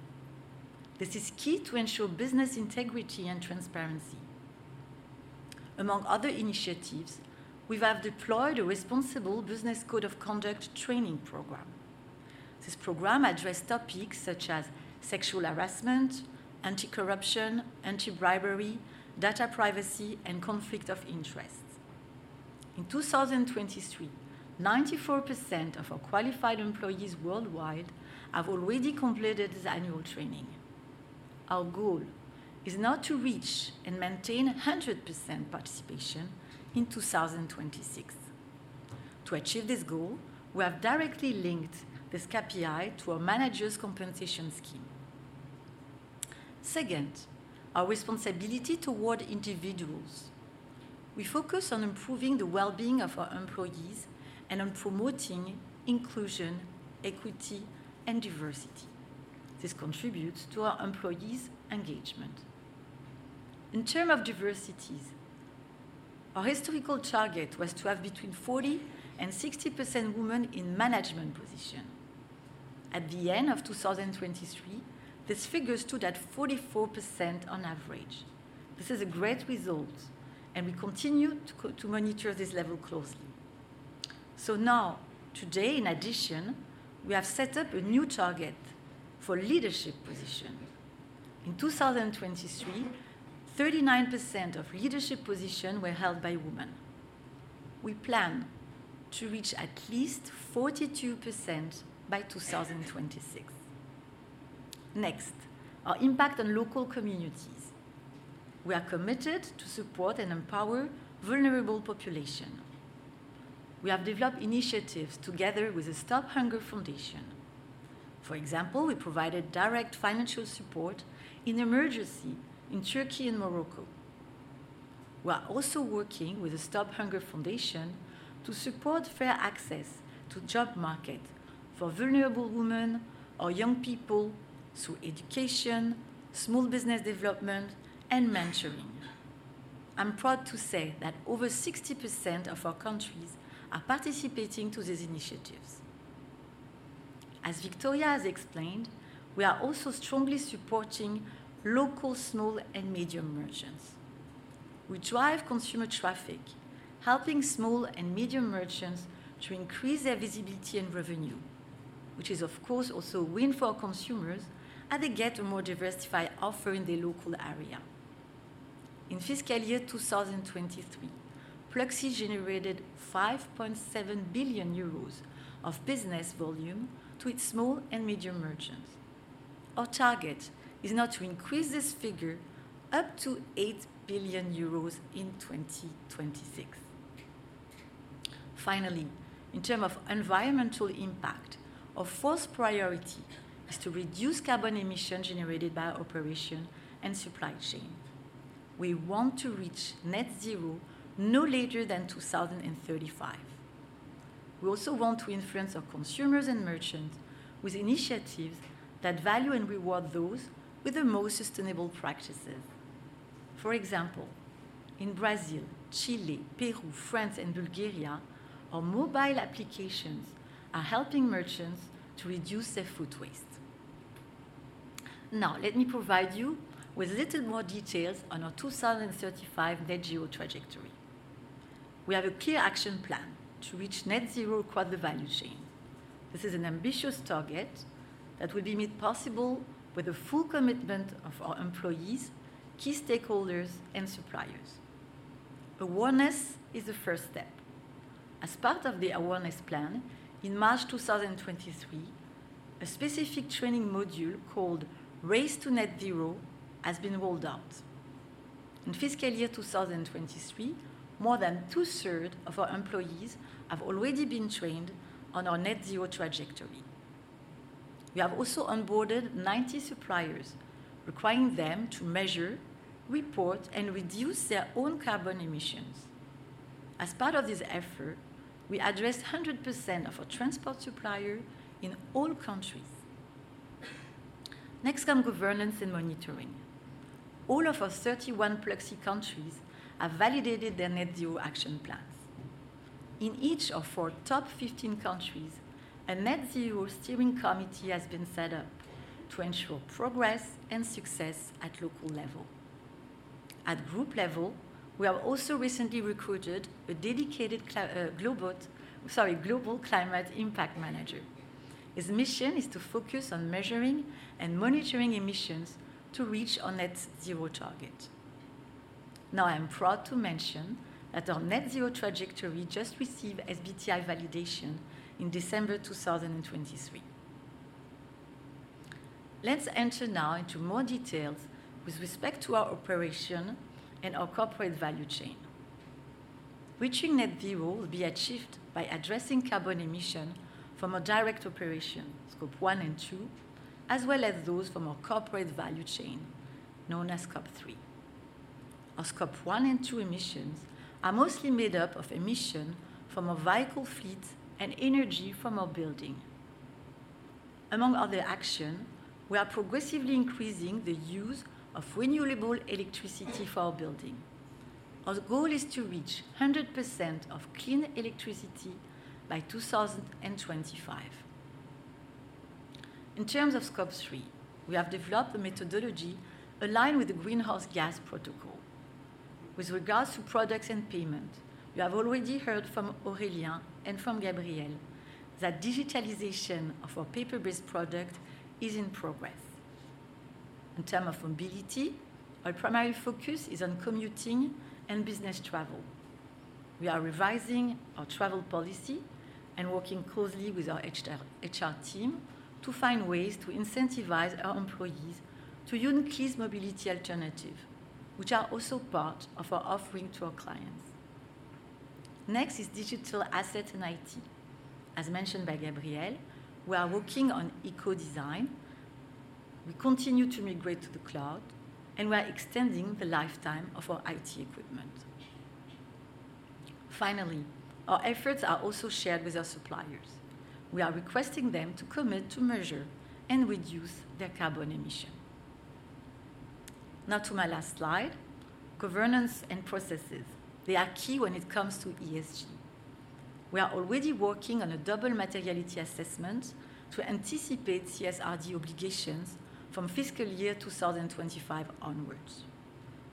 This is key to ensure business integrity and transparency. Among other initiatives, we have deployed a responsible business code of conduct training program. This program addressed topics such as sexual harassment, anti-corruption, anti-bribery, data privacy, and conflict of interest. In 2023, 94% of our qualified employees worldwide have already completed this annual training. Our goal is now to reach and maintain 100% participation in 2026. To achieve this goal, we have directly linked this KPI to our managers' compensation scheme. Second, our responsibility toward individuals. We focus on improving the well-being of our employees and on promoting inclusion, equity, and diversity. This contributes to our employees' engagement. In terms of diversity, our historical target was to have between 40% and 60% women in management positions. At the end of 2023, this figure stood at 44% on average. This is a great result, and we continue to monitor this level closely. So now, today, in addition, we have set up a new target for leadership positions. In 2023, 39% of leadership positions were held by women. We plan to reach at least 42% by 2026. Next, our impact on local communities. We are committed to support and empower vulnerable populations. We have developed initiatives together with the Stop Hunger Foundation. For example, we provided direct financial support in emergency in Turkey and Morocco. We are also working with the Stop Hunger Foundation to support fair access to job market for vulnerable women or young people through education, small business development, and mentoring. I'm proud to say that over 60% of our countries are participating to these initiatives. As Viktoria has explained, we are also strongly supporting local, small, and medium merchants. We drive consumer traffic, helping small and medium merchants to increase their visibility and revenue, which is, of course, also a win for our consumers, as they get a more diversified offer in their local area. In fiscal year 2023, Pluxee generated 5.7 billion euros of business volume to its small and medium merchants. Our target is now to increase this figure up to 8 billion euros in 2026. Finally, in terms of environmental impact, our first priority is to reduce carbon emissions generated by our operation and supply chain. We want to reach net zero no later than 2035. We also want to influence our consumers and merchants with initiatives that value and reward those with the most sustainable practices. For example, in Brazil, Chile, Peru, France, and Bulgaria, our mobile applications are helping merchants to reduce their food waste. Now, let me provide you with a little more details on our 2035 net zero trajectory. We have a clear action plan to reach net zero across the value chain. This is an ambitious target that will be made possible with the full commitment of our employees, key stakeholders, and suppliers. Awareness is the first step. As part of the awareness plan, in March 2023, a specific training module called Race to Net Zero has been rolled out. In fiscal year 2023, more than two-thirds of our employees have already been trained on our net zero trajectory. We have also onboarded 90 suppliers, requiring them to measure, report, and reduce their own carbon emissions. As part of this effort, we addressed 100% of our transport suppliers in all countries. Next come governance and monitoring. All of our 31 Pluxee countries have validated their net zero action plans. In each of our top 15 countries, a net zero steering committee has been set up to ensure progress and success at local level. At group level, we have also recently recruited a dedicated global climate impact manager. His mission is to focus on measuring and monitoring emissions to reach our net zero target. Now, I am proud to mention that our net zero trajectory just received SBTi validation in December 2023. Let's enter now into more details with respect to our operations and our corporate value chain. Reaching net zero will be achieved by addressing carbon emissions from our direct operations, Scope 1 and 2, as well as those from our corporate value chain, known as Scope 3. Our Scope 1 and 2 emissions are mostly made up of emissions from our vehicle fleet and energy from our buildings. Among other actions, we are progressively increasing the use of renewable electricity for our buildings. Our goal is to reach 100% of clean electricity by 2025. In terms of scope three, we have developed a methodology aligned with the Greenhouse Gas Protocol. With regards to products and payment, you have already heard from Aurélien and from Gabriel that digitalization of our paper-based product is in progress. In terms of mobility, our primary focus is on commuting and business travel. We are revising our travel policy and working closely with our HR, HR team to find ways to incentivize our employees to use clean mobility alternative, which are also part of our offering to our clients. Next is digital asset and IT. As mentioned by Gabriel, we are working on eco design. We continue to migrate to the cloud, and we are extending the lifetime of our IT equipment. Finally, our efforts are also shared with our suppliers. We are requesting them to commit to measure and reduce their carbon emission. Now to my last slide, governance and processes. They are key when it comes to ESG. We are already working on a double materiality assessment to anticipate CSRD obligations from fiscal year 2025 onwards.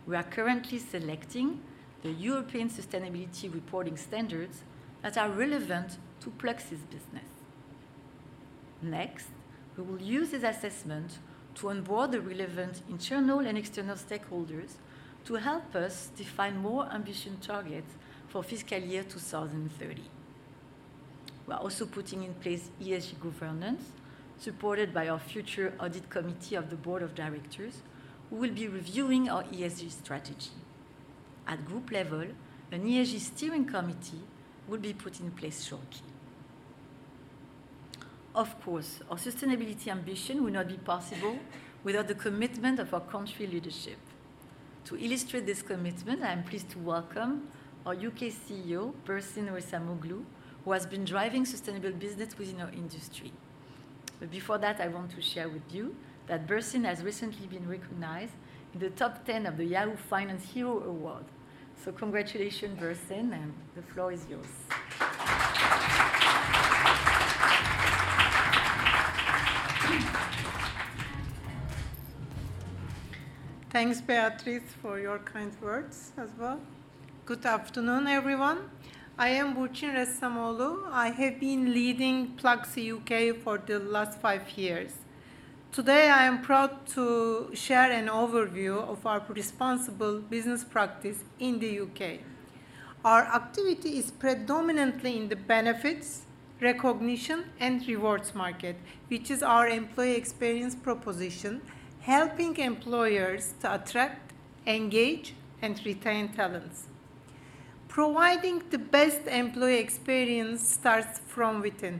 We are currently selecting the European Sustainability Reporting Standards that are relevant to Pluxee's business. Next, we will use this assessment to onboard the relevant internal and external stakeholders to help us define more ambitious targets for fiscal year 2030. We are also putting in place ESG governance, supported by our future audit committee of the board of directors, who will be reviewing our ESG strategy. At group level, an ESG steering committee will be put in place shortly. Of course, our sustainability ambition would not be possible without the commitment of our country leadership. To illustrate this commitment, I am pleased to welcome our UK CEO, Burçin Ressamoğlu, who has been driving sustainable business within our industry. Before that, I want to share with you that Burçin has recently been recognized in the top ten of the Yahoo Finance Hero Award. Congratulations, Burçin, and the floor is yours. Thanks, Béatrice, for your kind words as well. Good afternoon, everyone. I am Burçin Ressamoğlu. I have been leading Pluxee UK for the last five years. Today, I am proud to share an overview of our responsible business practice in the UK. Our activity is predominantly in the benefits, recognition, and rewards market, which is our employee experience proposition, helping employers to attract, engage, and retain talents. Providing the best employee experience starts from within,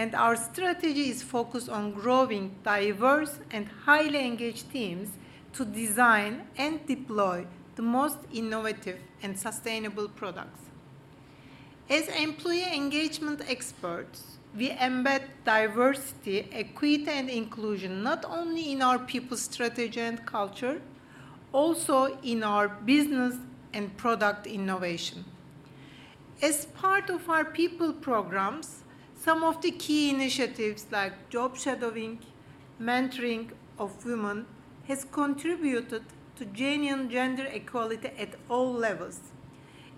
and our strategy is focused on growing diverse and highly engaged teams to design and deploy the most innovative and sustainable products. As employee engagement experts, we embed diversity, equity, and inclusion, not only in our people strategy and culture, also in our business and product innovation. As part of our people programs, some of the key initiatives, like job shadowing, mentoring of women, has contributed to genuine gender equality at all levels.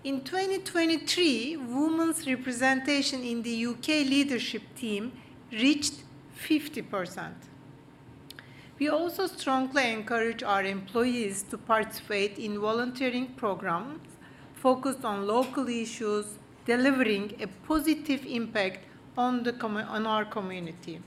In 2023, women's representation in the UK leadership team reached 50%. We also strongly encourage our employees to participate in volunteering programs focused on local issues, delivering a positive impact on our community.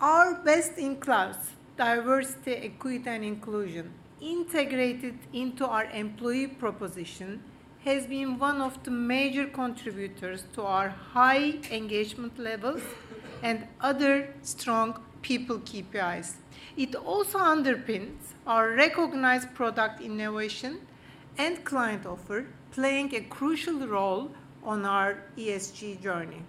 Our best-in-class diversity, equity, and inclusion, integrated into our employee proposition, has been one of the major contributors to our high engagement levels and other strong people KPIs. It also underpins our recognized product innovation and client offer, playing a crucial role on our ESG journey.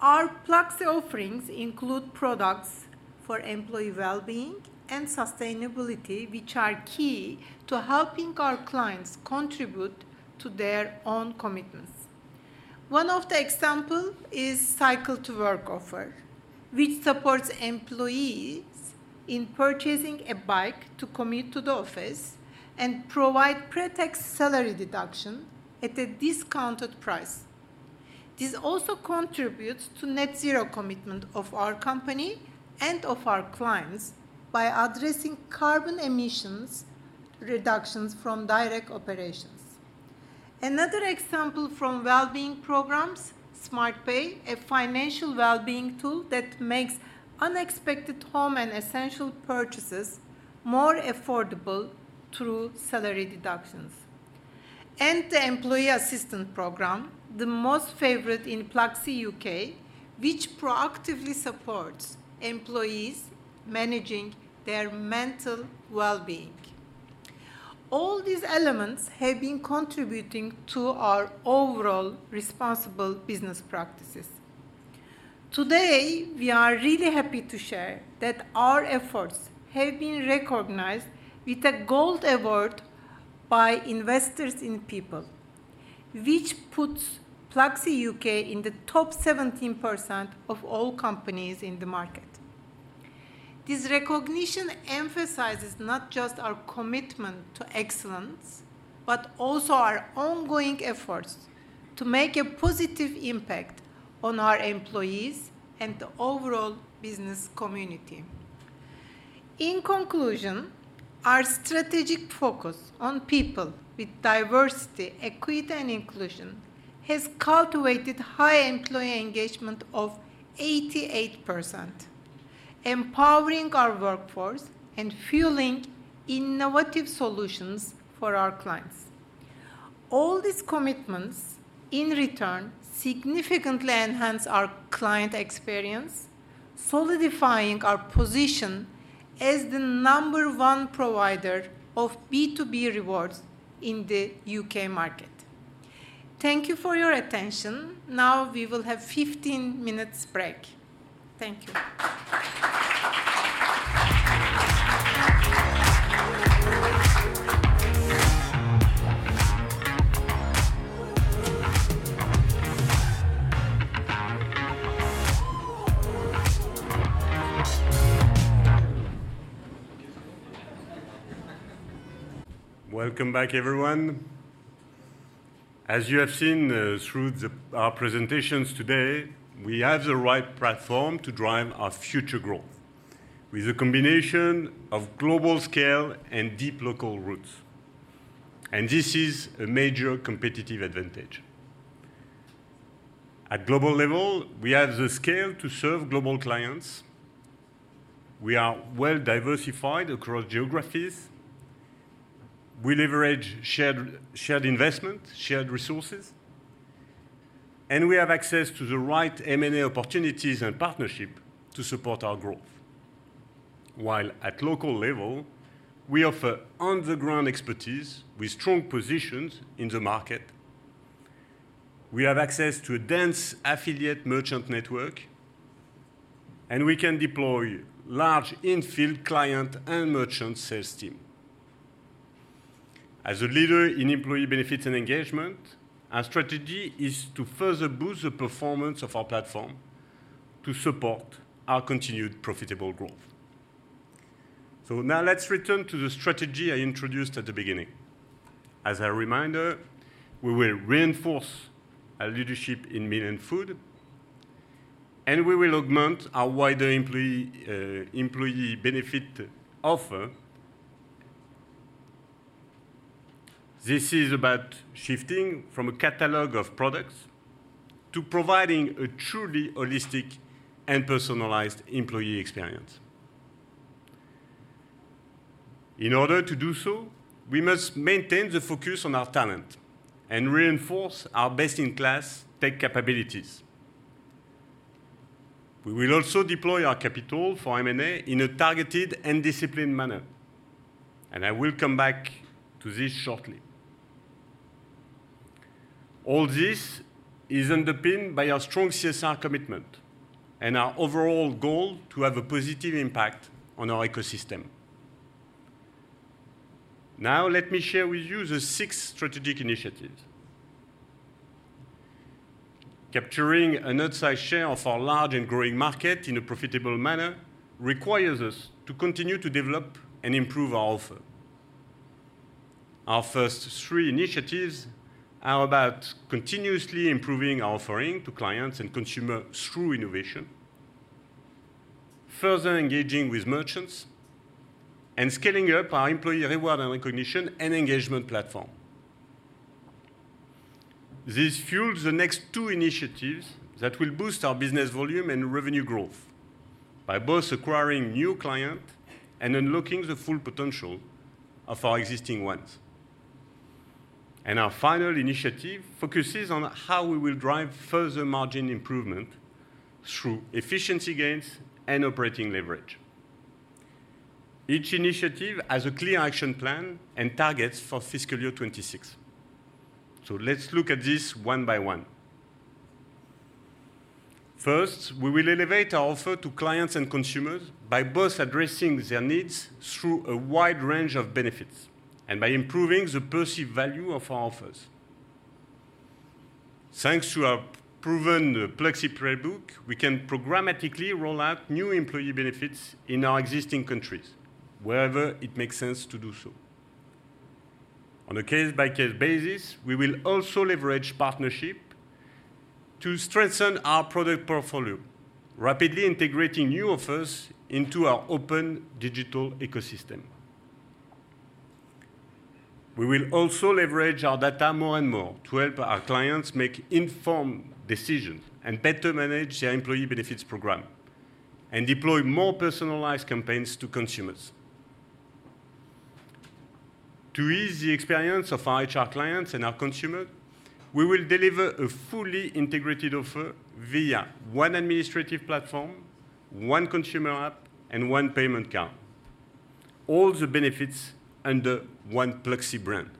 Our Pluxee offerings include products for employee well-being and sustainability, which are key to helping our clients contribute to their own commitments. One of the example is Cycle to Work offer, which supports employees in purchasing a bike to commute to the office and provide pre-tax salary deduction at a discounted price. This also contributes to net zero commitment of our company and of our clients by addressing carbon emissions reductions from direct operations. Another example from well-being programs, SmartPay, a financial well-being tool that makes unexpected home and essential purchases more affordable through salary deductions. And the Employee Assistance Program, the most favorite in Pluxee UK, which proactively supports employees managing their mental well-being. All these elements have been contributing to our overall responsible business practices. Today, we are really happy to share that our efforts have been recognized with a Gold Award by Investors in People, which puts Pluxee UK in the top 17% of all companies in the market. This recognition emphasizes not just our commitment to excellence, but also our ongoing efforts to make a positive impact on our employees and the overall business community. In conclusion, our strategic focus on people with diversity, equity, and inclusion has cultivated high employee engagement of 88%, empowering our workforce and fueling innovative solutions for our clients. All these commitments, in return, significantly enhance our client experience, solidifying our position as the number one provider of B2B rewards in the U.K. market. Thank you for your attention. Now, we will have 15 minutes break. Thank you. Welcome back, everyone. As you have seen through our presentations today, we have the right platform to drive our future growth with a combination of global scale and deep local roots, and this is a major competitive advantage. At global level, we have the scale to serve global clients. We are well diversified across geographies. We leverage shared investment, shared resources, and we have access to the right M&A opportunities and partnership to support our growth. While at local level, we offer on-the-ground expertise with strong positions in the market, we have access to a dense affiliate merchant network, and we can deploy large in-field client and merchant sales team. As a leader in employee benefits and engagement, our strategy is to further boost the performance of our platform to support our continued profitable growth. So now let's return to the strategy I introduced at the beginning. As a reminder, we will reinforce our leadership in meal and food, and we will augment our wider employee, employee benefit offer. This is about shifting from a catalog of products to providing a truly holistic and personalized employee experience.... In order to do so, we must maintain the focus on our talent and reinforce our best-in-class tech capabilities. We will also deploy our capital for M&A in a targeted and disciplined manner, and I will come back to this shortly. All this is underpinned by our strong CSR commitment and our overall goal to have a positive impact on our ecosystem. Now, let me share with you the six strategic initiatives. Capturing an outsized share of our large and growing market in a profitable manner requires us to continue to develop and improve our offer. Our first three initiatives are about continuously improving our offering to clients and consumers through innovation, further engaging with merchants, and scaling up our employee reward and recognition and engagement platform. This fuels the next two initiatives that will boost our business volume and revenue growth by both acquiring new client and unlocking the full potential of our existing ones. Our final initiative focuses on how we will drive further margin improvement through efficiency gains and operating leverage. Each initiative has a clear action plan and targets for fiscal year 2026. Let's look at this one by one. First, we will elevate our offer to clients and consumers by both addressing their needs through a wide range of benefits and by improving the perceived value of our offers. Thanks to our proven Pluxee playbook, we can programmatically roll out new employee benefits in our existing countries, wherever it makes sense to do so. On a case-by-case basis, we will also leverage partnership to strengthen our product portfolio, rapidly integrating new offers into our open digital ecosystem. We will also leverage our data more and more to help our clients make informed decisions and better manage their employee benefits program, and deploy more personalized campaigns to consumers. To ease the experience of our HR clients and our consumers, we will deliver a fully integrated offer via one administrative platform, one consumer app, and one payment card. All the benefits under one Pluxee brand.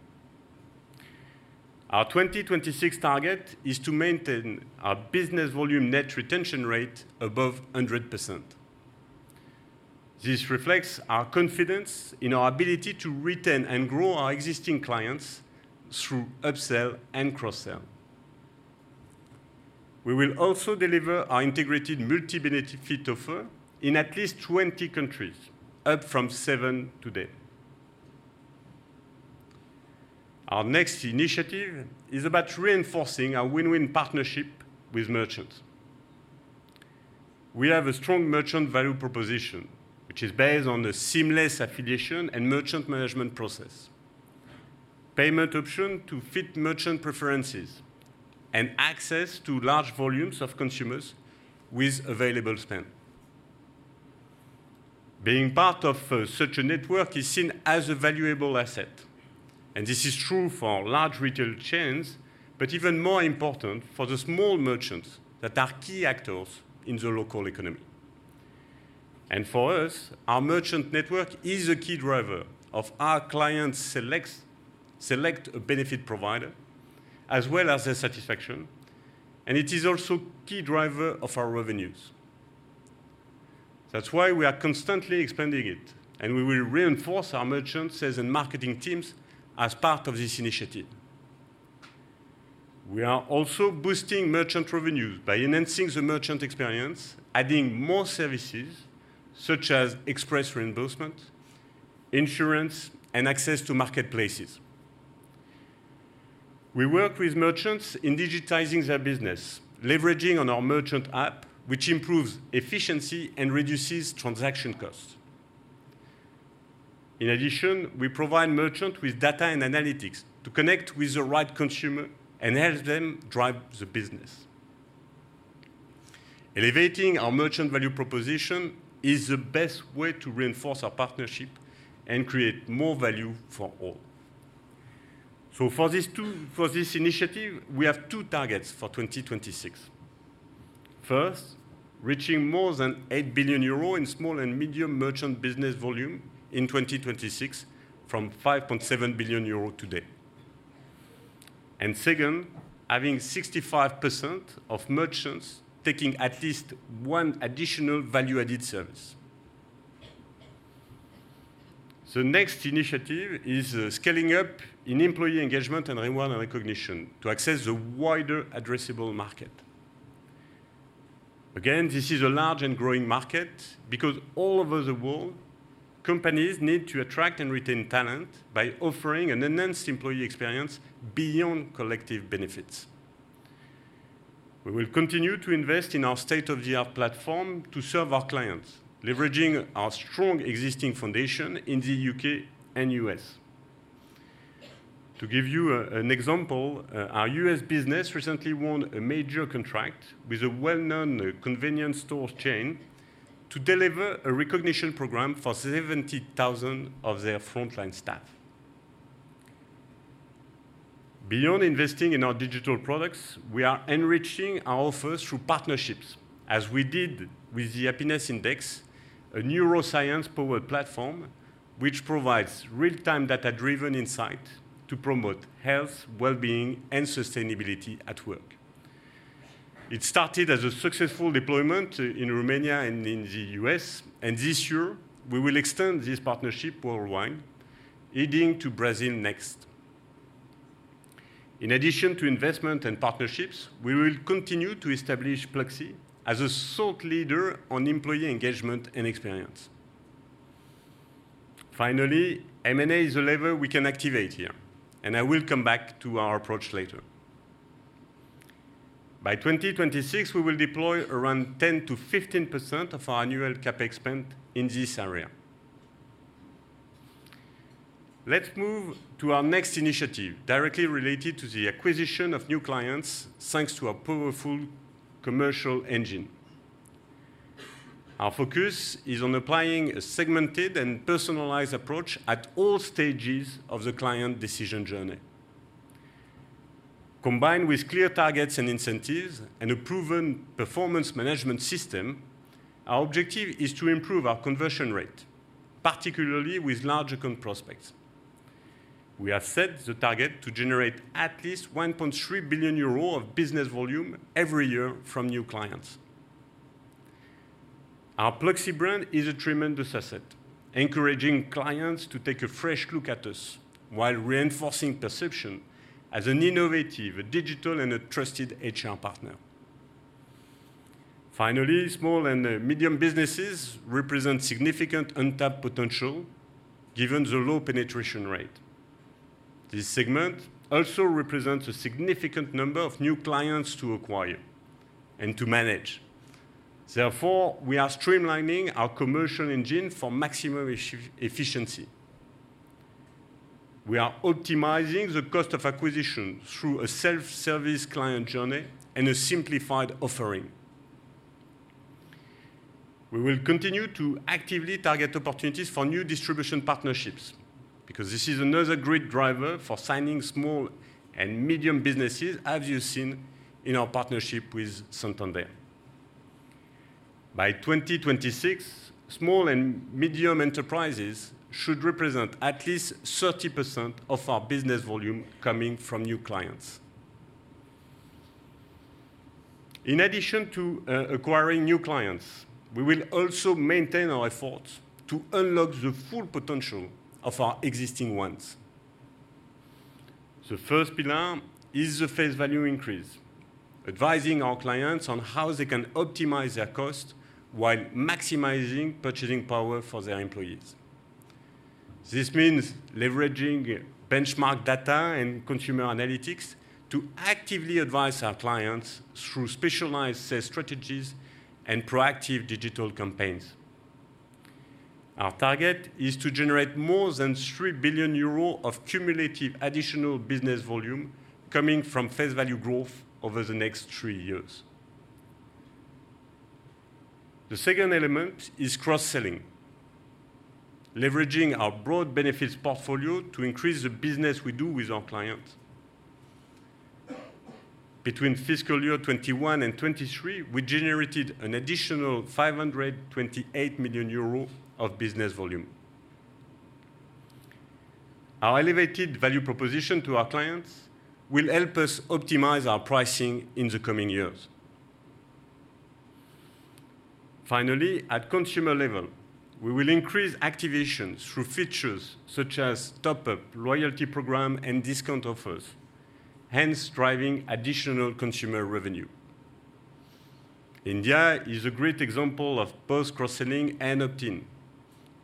Our 2026 target is to maintain our business volume net retention rate above 100%. This reflects our confidence in our ability to retain and grow our existing clients through upsell and cross-sell. We will also deliver our integrated multi-benefit offer in at least 20 countries, up from 7 today. Our next initiative is about reinforcing our win-win partnership with merchants. We have a strong merchant value proposition, which is based on a seamless affiliation and merchant management process, payment option to fit merchant preferences, and access to large volumes of consumers with available spend. Being part of such a network is seen as a valuable asset, and this is true for large retail chains, but even more important for the small merchants that are key actors in the local economy. For us, our merchant network is a key driver of our clients select a benefit provider, as well as their satisfaction, and it is also key driver of our revenues. That's why we are constantly expanding it, and we will reinforce our merchants' sales and marketing teams as part of this initiative. We are also boosting merchant revenues by enhancing the merchant experience, adding more services such as express reimbursement, insurance, and access to marketplaces. We work with merchants in digitizing their business, leveraging on our merchant app, which improves efficiency and reduces transaction costs. In addition, we provide merchant with data and analytics to connect with the right consumer and help them drive the business. Elevating our merchant value proposition is the best way to reinforce our partnership and create more value for all. So for this initiative, we have two targets for 2026. First, reaching more than 8 billion euro in small and medium merchant business volume in 2026, from 5.7 billion euro today. And second, having 65% of merchants taking at least one additional value-added service. The next initiative is scaling up in employee engagement and reward and recognition to access the wider addressable market. Again, this is a large and growing market because all over the world, companies need to attract and retain talent by offering an enhanced employee experience beyond collective benefits. We will continue to invest in our state-of-the-art platform to serve our clients, leveraging our strong existing foundation in the UK and US. To give you an example, our US business recently won a major contract with a well-known convenience store chain to deliver a recognition program for 70,000 of their frontline staff. Beyond investing in our digital products, we are enriching our offers through partnerships, as we did with the Happiness Index, a neuroscience-powered platform which provides real-time, data-driven insight to promote health, well-being, and sustainability at work. It started as a successful deployment in Romania and in the U.S., and this year, we will extend this partnership worldwide, heading to Brazil next. In addition to investment and partnerships, we will continue to establish Pluxee as a thought leader on employee engagement and experience. Finally, M&A is a lever we can activate here, and I will come back to our approach later. By 2026, we will deploy around 10%-15% of our annual CapEx spend in this area. Let's move to our next initiative, directly related to the acquisition of new clients, thanks to our powerful commercial engine. Our focus is on applying a segmented and personalized approach at all stages of the client decision journey. Combined with clear targets and incentives and a proven performance management system, our objective is to improve our conversion rate, particularly with large account prospects. We have set the target to generate at least 1.3 billion euro of business volume every year from new clients. Our Pluxee brand is a tremendous asset, encouraging clients to take a fresh look at us while reinforcing perception as an innovative, a digital, and a trusted HR partner. Finally, small and medium businesses represent significant untapped potential, given the low penetration rate. This segment also represents a significant number of new clients to acquire and to manage. Therefore, we are streamlining our commercial engine for maximum efficiency. We are optimizing the cost of acquisition through a self-service client journey and a simplified offering. We will continue to actively target opportunities for new distribution partnerships, because this is another great driver for signing small and medium businesses, as you've seen in our partnership with Santander. By 2026, small and medium enterprises should represent at least 30% of our business volume coming from new clients. In addition to acquiring new clients, we will also maintain our efforts to unlock the full potential of our existing ones. The first pillar is the face value increase, advising our clients on how they can optimize their cost while maximizing purchasing power for their employees. This means leveraging benchmark data and consumer analytics to actively advise our clients through specialized sales strategies and proactive digital campaigns. Our target is to generate more than 3 billion euro of cumulative additional business volume coming from face value growth over the next three years. The second element is cross-selling, leveraging our broad benefits portfolio to increase the business we do with our clients. Between fiscal year 2021 and 2023, we generated an additional 528 million euro of business volume. Our elevated value proposition to our clients will help us optimize our pricing in the coming years. Finally, at consumer level, we will increase activation through features such as top-up loyalty program and discount offers, hence driving additional consumer revenue. India is a great example of both cross-selling and opt-in.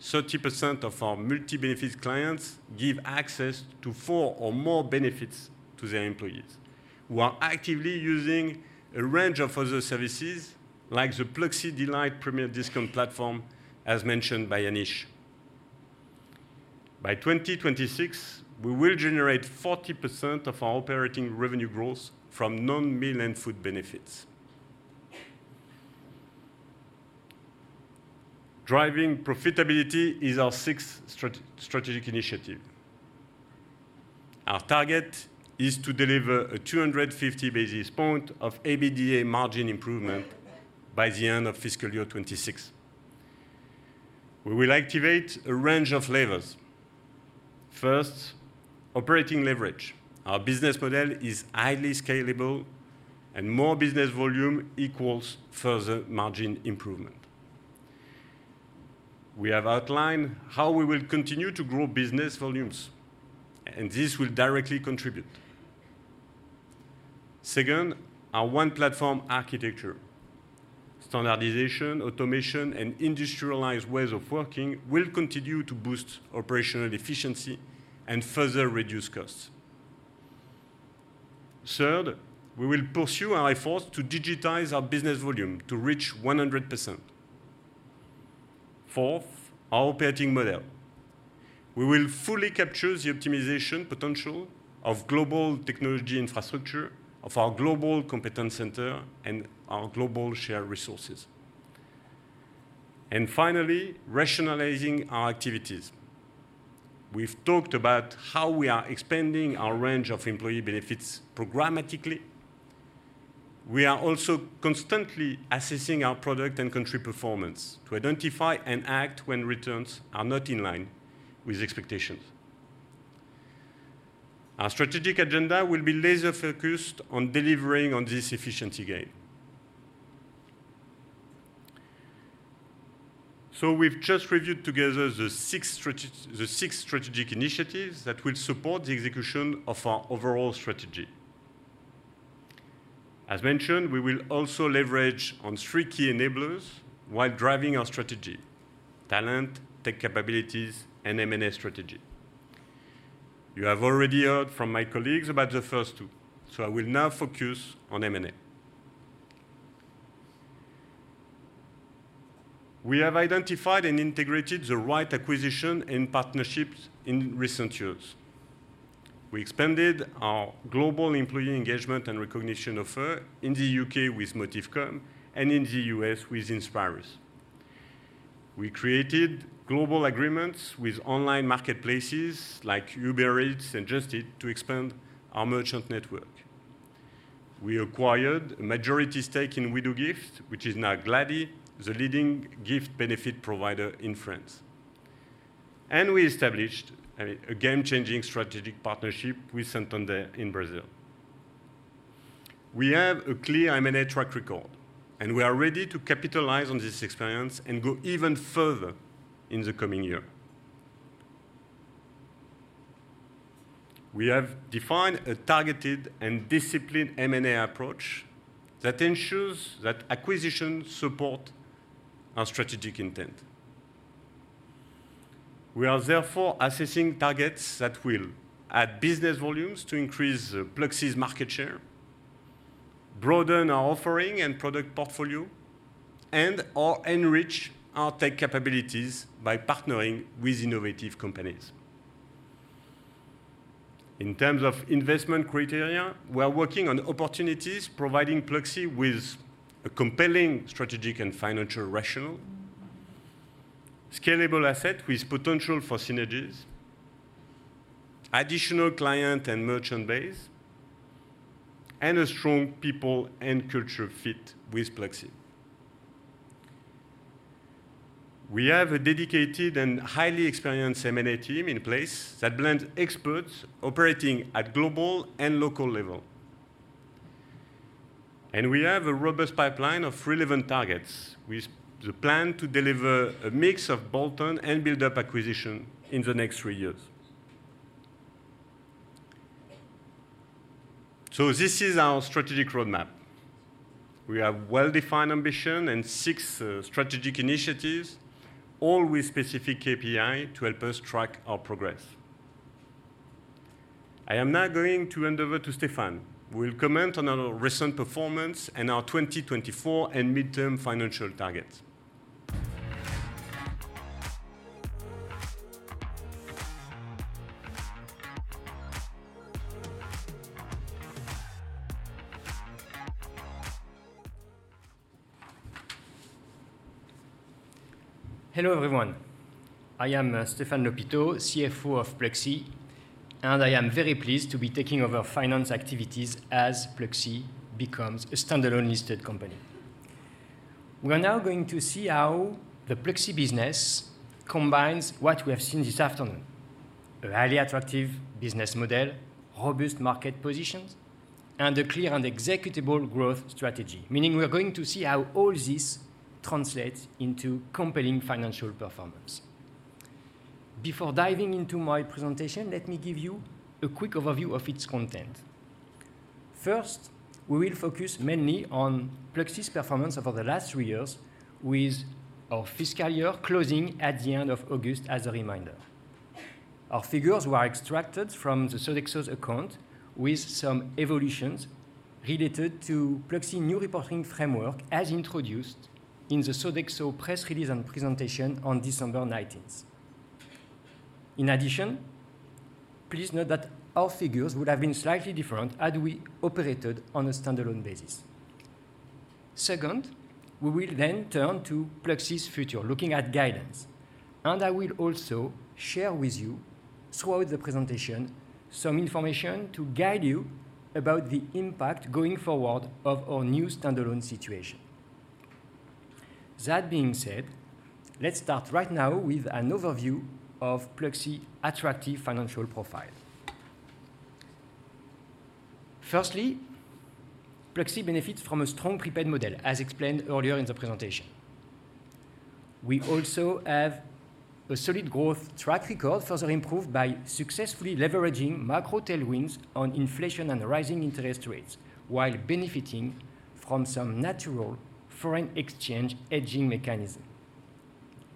30% of our multi-benefit clients give access to four or more benefits to their employees, who are actively using a range of other services, like the Pluxee Delights Premier discount platform, as mentioned by Anish. By 2026, we will generate 40% of our operating revenue growth from non-meal and food benefits. Driving profitability is our sixth strategic initiative. Our target is to deliver 250 basis point of EBITDA margin improvement by the end of fiscal year 2026. We will activate a range of levers. First, operating leverage. Our business model is highly scalable, and more business volume equals further margin improvement. We have outlined how we will continue to grow business volumes, and this will directly contribute. Second, our One Platform architecture. Standardization, automation, and industrialized ways of working will continue to boost operational efficiency and further reduce costs. Third, we will pursue our efforts to digitize our business volume to reach 100%.... Fourth, our operating model. We will fully capture the optimization potential of global technology infrastructure, of our global competence center, and our global shared resources. And finally, rationalizing our activities. We've talked about how we are expanding our range of employee benefits programmatically. We are also constantly assessing our product and country performance to identify and act when returns are not in line with expectations. Our strategic agenda will be laser-focused on delivering on this efficiency gain. So we've just reviewed together the six strategic initiatives that will support the execution of our overall strategy. As mentioned, we will also leverage on three key enablers while driving our strategy: talent, tech capabilities, and M&A strategy. You have already heard from my colleagues about the first two, so I will now focus on M&A. We have identified and integrated the right acquisition and partnerships in recent years. We expanded our global employee engagement and recognition offer in the U.K. with Motivcom and in the U.S. with Inspirus. We created global agreements with online marketplaces like Uber Eats and Just Eat to expand our merchant network. We acquired a majority stake in Wedoogift, which is now Glady, the leading gift benefit provider in France. And we established a game-changing strategic partnership with Santander in Brazil. We have a clear M&A track record, and we are ready to capitalize on this experience and go even further in the coming year. We have defined a targeted and disciplined M&A approach that ensures that acquisitions support our strategic intent. We are therefore assessing targets that will add business volumes to increase Pluxee's market share, broaden our offering and product portfolio, and/or enrich our tech capabilities by partnering with innovative companies. In terms of investment criteria, we are working on opportunities providing Pluxee with a compelling strategic and financial rationale, scalable asset with potential for synergies, additional client and merchant base, and a strong people and culture fit with Pluxee. We have a dedicated and highly experienced M&A team in place that blends experts operating at global and local level. We have a robust pipeline of relevant targets, with the plan to deliver a mix of bolt-on and build-up acquisition in the next three years. This is our strategic roadmap. We have well-defined ambition and six strategic initiatives, all with specific KPI to help us track our progress. I am now going to hand over to Stéphane, who will comment on our recent performance and our 2024 and midterm financial targets. Hello, everyone. I am Stéphane Lhopiteau, CFO of Pluxee, and I am very pleased to be taking over finance activities as Pluxee becomes a standalone listed company. We are now going to see how the Pluxee business combines what we have seen this afternoon: a highly attractive business model, robust market positions, and a clear and executable growth strategy. Meaning, we are going to see how all this translates into compelling financial performance. Before diving into my presentation, let me give you a quick overview of its content. First, we will focus mainly on Pluxee's performance over the last three years, with our fiscal year closing at the end of August as a reminder. Our figures were extracted from the Sodexo account, with some evolutions related to Pluxee's new reporting framework, as introduced in the Sodexo press release and presentation on December nineteenth. In addition, please note that our figures would have been slightly different had we operated on a standalone basis. Second, we will then turn to Pluxee's future, looking at guidance, and I will also share with you, throughout the presentation, some information to guide you about the impact going forward of our new standalone situation. That being said, let's start right now with an overview of Pluxee's attractive financial profile. Firstly, Pluxee benefits from a strong prepaid model, as explained earlier in the presentation. We also have a solid growth track record, further improved by successfully leveraging macro tailwinds on inflation and rising interest rates, while benefiting from some natural foreign exchange hedging mechanism.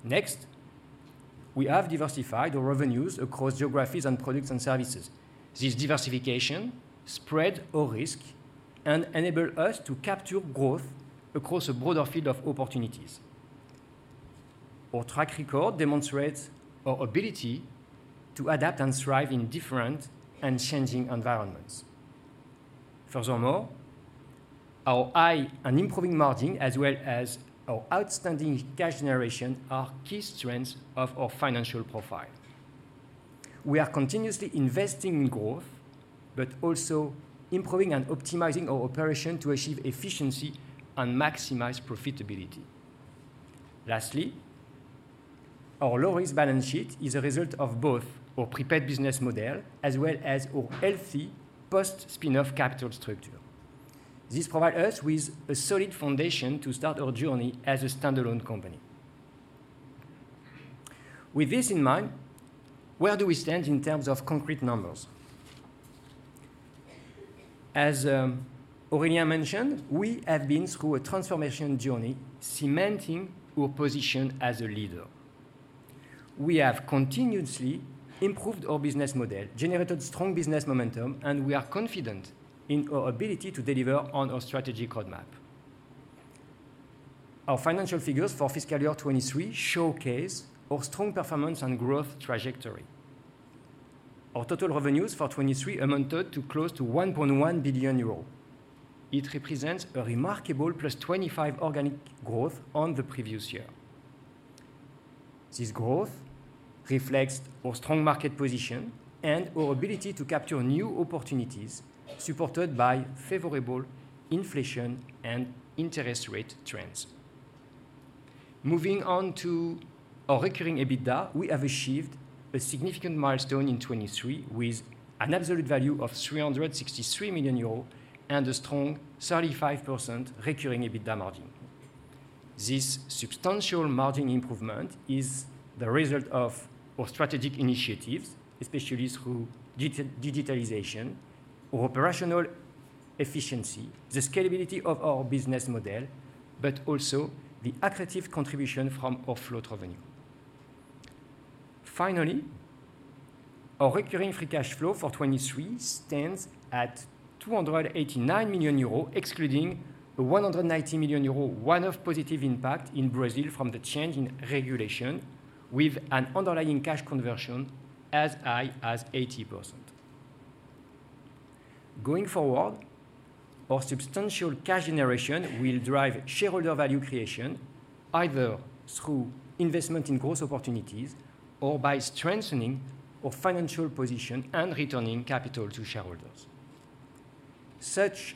Next, we have diversified our revenues across geographies and products and services. This diversification spread our risk and enable us to capture growth across a broader field of opportunities. Our track record demonstrates our ability to adapt and thrive in different and changing environments. Furthermore, our high and improving margin, as well as our outstanding cash generation, are key strengths of our financial profile. We are continuously investing in growth, but also improving and optimizing our operation to achieve efficiency and maximize profitability. Lastly, our low-risk balance sheet is a result of both our prepared business model as well as our healthy post-spin-off capital structure. This provide us with a solid foundation to start our journey as a standalone company. With this in mind, where do we stand in terms of concrete numbers? As, Aurélien mentioned, we have been through a transformation journey, cementing our position as a leader. We have continuously improved our business model, generated strong business momentum, and we are confident in our ability to deliver on our strategic roadmap. Our financial figures for fiscal year 2023 showcase our strong performance and growth trajectory. Our total revenues for 2023 amounted to close to 1.1 billion euros. It represents a remarkable +25% organic growth on the previous year. This growth reflects our strong market position and our ability to capture new opportunities, supported by favorable inflation and interest rate trends. Moving on to our recurring EBITDA, we have achieved a significant milestone in 2023, with an absolute value of 363 million euros and a strong 35% recurring EBITDA margin. This substantial margin improvement is the result of our strategic initiatives, especially through digitalization, our operational efficiency, the scalability of our business model, but also the accretive contribution from our float revenue. Finally, our recurring free cash flow for 2023 stands at 289 million euro, excluding a 190 million euro one-off positive impact in Brazil from the change in regulation, with an underlying cash conversion as high as 80%. Going forward, our substantial cash generation will drive shareholder value creation, either through investment in growth opportunities or by strengthening our financial position and returning capital to shareholders. Such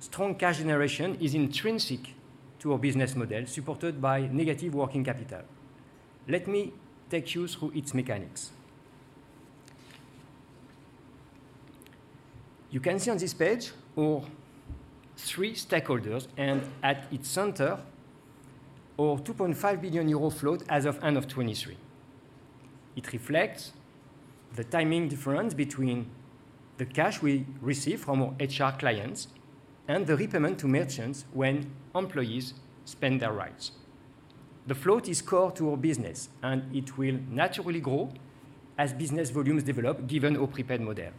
strong cash generation is intrinsic to our business model, supported by negative working capital. Let me take you through its mechanics. You can see on this page our three stakeholders, and at its center, our 2.5 billion euro float as of end of 2023. It reflects the timing difference between the cash we receive from our HR clients and the repayment to merchants when employees spend their rights. The float is core to our business, and it will naturally grow as business volumes develop, given our prepared model.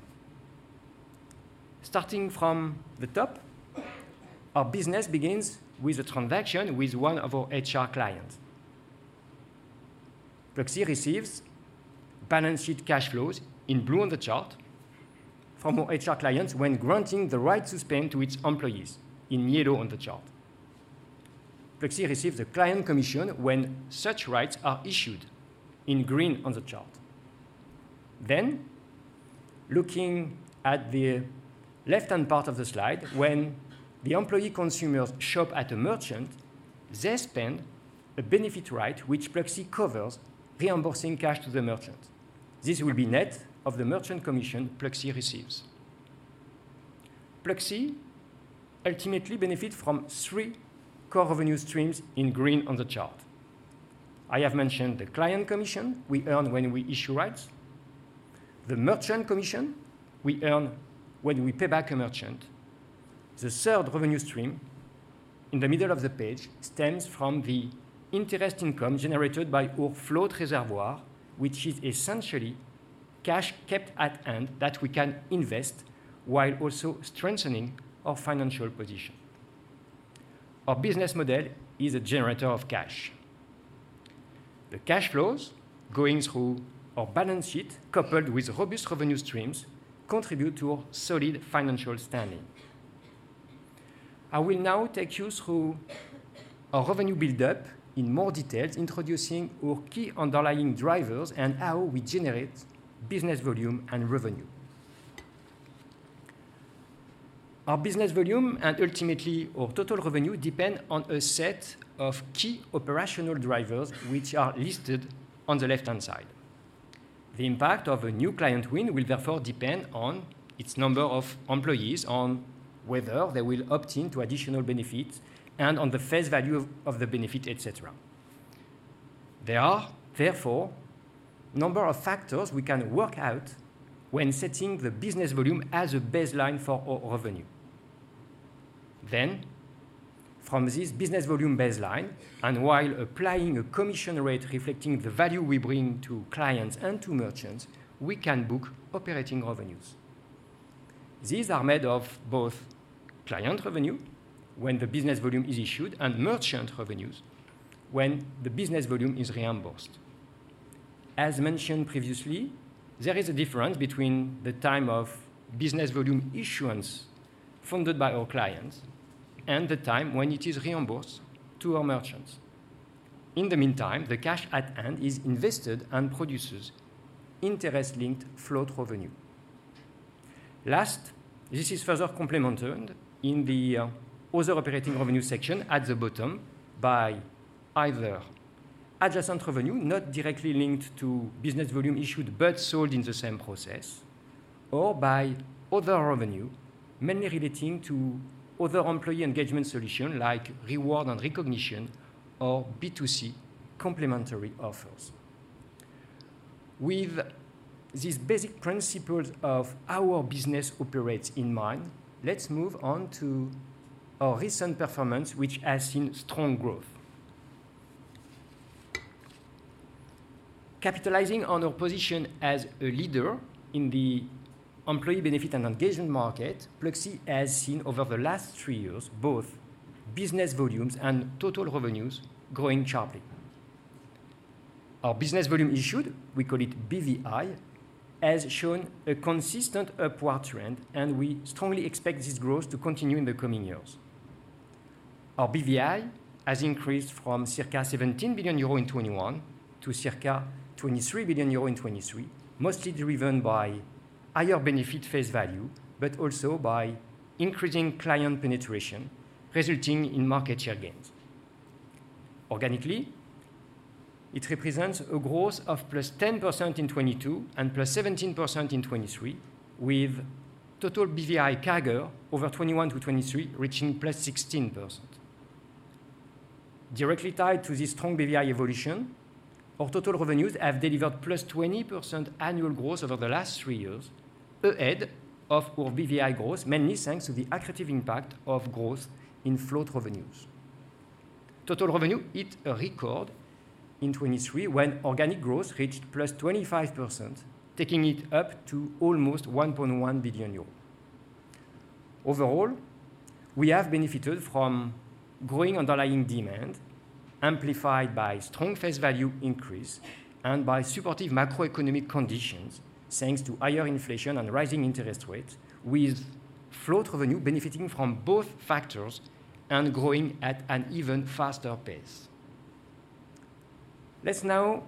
Starting from the top, our business begins with a transaction with one of our HR clients. Pluxee receives balance sheet cash flows, in blue on the chart, from our HR clients when granting the right to spend to its employees, in yellow on the chart. Pluxee receives a client commission when such rights are issued, in green on the chart. Then, looking at the left-hand part of the slide, when the employee consumers shop at a merchant, they spend a benefit right, which Pluxee covers, reimbursing cash to the merchant. This will be net of the merchant commission Pluxee receives. Pluxee ultimately benefit from three core revenue streams, in green on the chart. I have mentioned the client commission we earn when we issue rights, the merchant commission we earn when we pay back a merchant. The third revenue stream, in the middle of the page, stems from the interest income generated by our float reservoir, which is essentially cash kept at hand that we can invest while also strengthening our financial position. Our business model is a generator of cash. The cash flows going through our balance sheet, coupled with robust revenue streams, contribute to our solid financial standing. I will now take you through our revenue build-up in more details, introducing our key underlying drivers and how we generate business volume and revenue. Our business volume, and ultimately our total revenue, depend on a set of key operational drivers, which are listed on the left-hand side. The impact of a new client win will therefore depend on its number of employees, on whether they will opt in to additional benefits, and on the face value of the benefit, et cetera. There are, therefore, number of factors we can work out when setting the business volume as a baseline for our revenue.... Then from this business volume baseline, and while applying a commission rate reflecting the value we bring to clients and to merchants, we can book operating revenues. These are made of both client revenue, when the business volume is issued, and merchant revenues, when the business volume is reimbursed. As mentioned previously, there is a difference between the time of business volume issuance funded by our clients and the time when it is reimbursed to our merchants. In the meantime, the cash at hand is invested and produces interest-linked float revenue. Last, this is further complemented in the other operating revenue section at the bottom by either adjacent revenue, not directly linked to business volume issued, but sold in the same process, or by other revenue, mainly relating to other employee engagement solution, like reward and recognition or B2C complementary offers. With these basic principles of how our business operates in mind, let's move on to our recent performance, which has seen strong growth. Capitalizing on our position as a leader in the employee benefit and engagement market, Pluxee has seen over the last three years both business volumes and total revenues growing sharply. Our business volume issued, we call it BVI, has shown a consistent upward trend, and we strongly expect this growth to continue in the coming years. Our BVI has increased from circa 17 billion euro in 2021 to circa 23 billion euro in 2023, mostly driven by higher benefit face value, but also by increasing client penetration, resulting in market share gains. Organically, it represents a growth of +10% in 2022 and +17% in 2023, with total BVI CAGR over 2021 to 2023, reaching +16%. Directly tied to this strong BVI evolution, our total revenues have delivered +20% annual growth over the last three years, ahead of our BVI growth, mainly thanks to the accretive impact of growth in float revenues. Total revenue hit a record in 2023, when organic growth reached +25%, taking it up to almost 1.1 billion euros. Overall, we have benefited from growing underlying demand, amplified by strong face value increase and by supportive macroeconomic conditions, thanks to higher inflation and rising interest rates, with float revenue benefiting from both factors and growing at an even faster pace. Let's now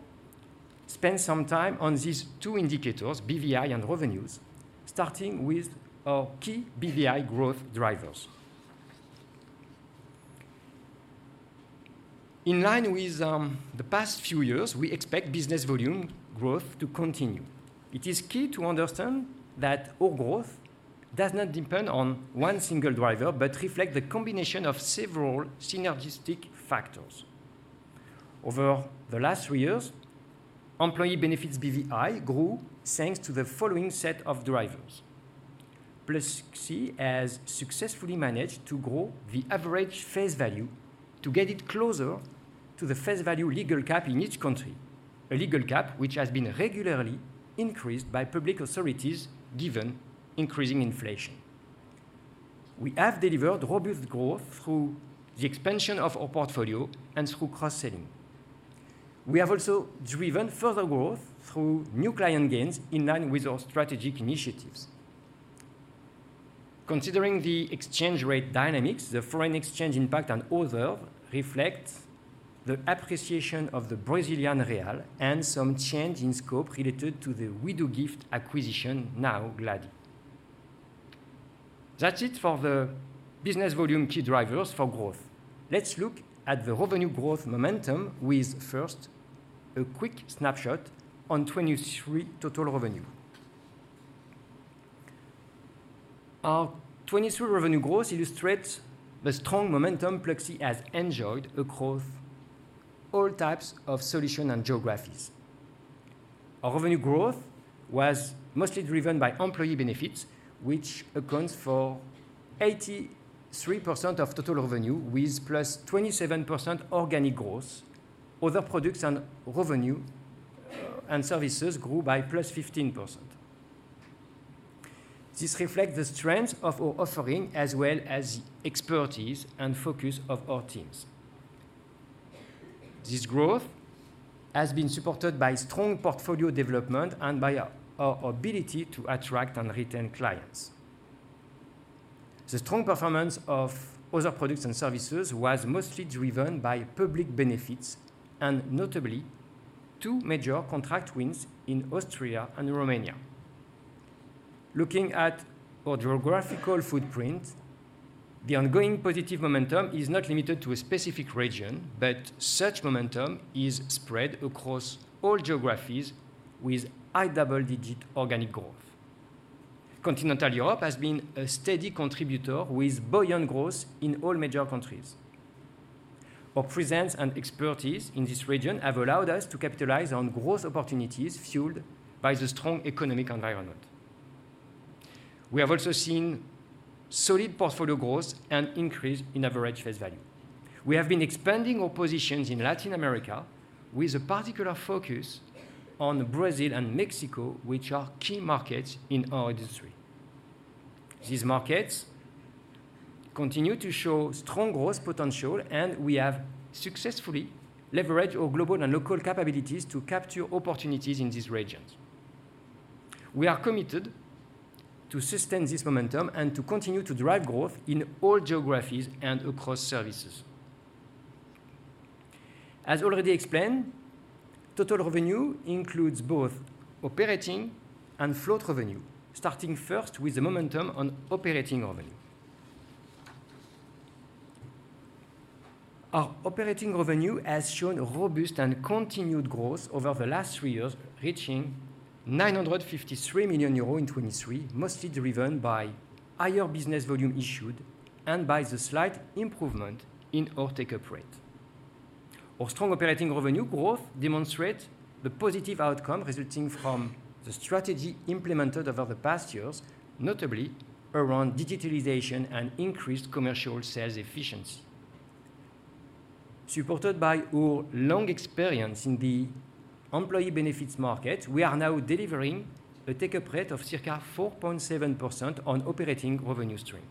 spend some time on these two indicators, BVI and revenues, starting with our key BVI growth drivers. In line with the past few years, we expect business volume growth to continue. It is key to understand that our growth does not depend on one single driver, but reflect the combination of several synergistic factors. Over the last three years, employee benefits BVI grew thanks to the following set of drivers: Pluxee has successfully managed to grow the average face value to get it closer to the face value legal cap in each country, a legal cap which has been regularly increased by public authorities given increasing inflation. We have delivered robust growth through the expansion of our portfolio and through cross-selling. We have also driven further growth through new client gains in line with our strategic initiatives. Considering the exchange rate dynamics, the foreign exchange impact on Other reflects the appreciation of the Brazilian real and some change in scope related to the Wedoogift acquisition, now Glady. That's it for the business volume key drivers for growth. Let's look at the revenue growth momentum with first, a quick snapshot on 2023 total revenue. Our 2023 revenue growth illustrates the strong momentum Pluxee has enjoyed across all types of solution and geographies. Our revenue growth was mostly driven by employee benefits, which accounts for 83% of total revenue, with +27% organic growth. Other products and revenue and services grew by +15%. This reflects the strength of our offering, as well as expertise and focus of our teams. This growth has been supported by strong portfolio development and by our ability to attract and retain clients. The strong performance of other products and services was mostly driven by public benefits and notably, two major contract wins in Austria and Romania. Looking at our geographical footprint, the ongoing positive momentum is not limited to a specific region, but such momentum is spread across all geographies with high double-digit organic growth. Continental Europe has been a steady contributor with buoyant growth in all major countries. Our presence and expertise in this region have allowed us to capitalize on growth opportunities fueled by the strong economic environment. We have also seen solid portfolio growth and increase in average face value. We have been expanding our positions in Latin America with a particular focus on Brazil and Mexico, which are key markets in our industry. These markets continue to show strong growth potential, and we have successfully leveraged our global and local capabilities to capture opportunities in these regions. We are committed to sustain this momentum and to continue to drive growth in all geographies and across services. As already explained, total revenue includes both operating and float revenue, starting first with the momentum on operating revenue. Our operating revenue has shown robust and continued growth over the last three years, reaching 953 million euros in 2023, mostly driven by higher business volume issued and by the slight improvement in our take-up rate. Our strong operating revenue growth demonstrate the positive outcome resulting from the strategy implemented over the past years, notably around digitalization and increased commercial sales efficiency. Supported by our long experience in the employee benefits market, we are now delivering a take-up rate of circa 4.7% on operating revenue stream.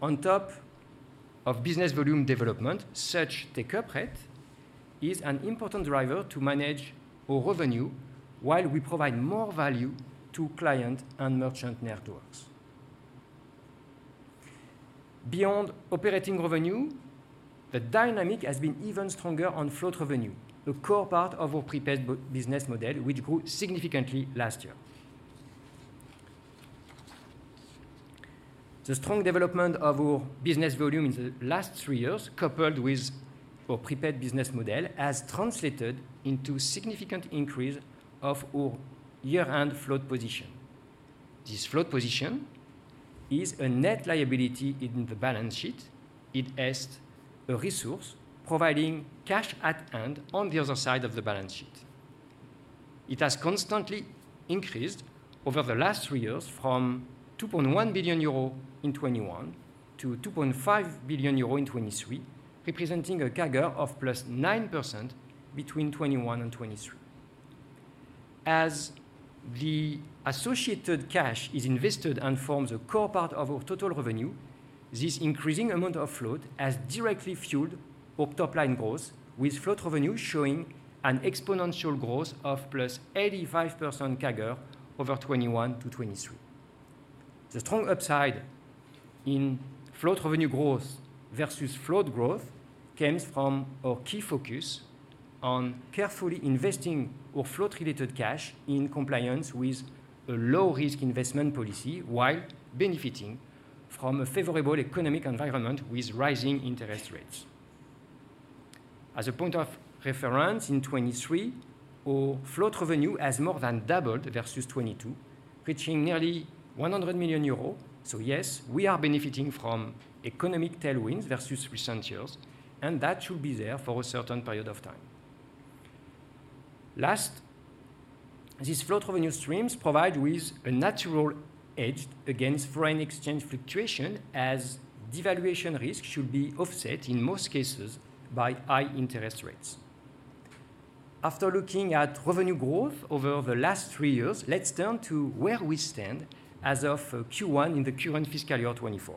On top of business volume development, such take-up rate is an important driver to manage our revenue while we provide more value to client and merchant networks. Beyond operating revenue, the dynamic has been even stronger on float revenue, a core part of our prepaid business model, which grew significantly last year. The strong development of our business volume in the last three years, coupled with our prepaid business model, has translated into significant increase of our year-end float position. This float position is a net liability in the balance sheet. It is a resource providing cash at hand on the other side of the balance sheet. It has constantly increased over the last three years from 2.1 billion euro in 2021 to 2.5 billion euro in 2023, representing a CAGR of +9% between 2021 and 2023. As the associated cash is invested and forms a core part of our total revenue, this increasing amount of float has directly fueled our top-line growth, with float revenue showing an exponential growth of +85% CAGR over 2021 to 2023. The strong upside in float revenue growth versus float growth comes from our key focus on carefully investing our float-related cash in compliance with a low-risk investment policy, while benefiting from a favorable economic environment with rising interest rates. As a point of reference, in 2023, our float revenue has more than doubled versus 2022, reaching nearly 100 million euros. So yes, we are benefiting from economic tailwinds versus recent years, and that should be there for a certain period of time. Last, these float revenue streams provide with a natural hedge against foreign exchange fluctuation, as devaluation risk should be offset in most cases by high interest rates. After looking at revenue growth over the last three years, let's turn to where we stand as of Q1 in the Q1 fiscal year 2024.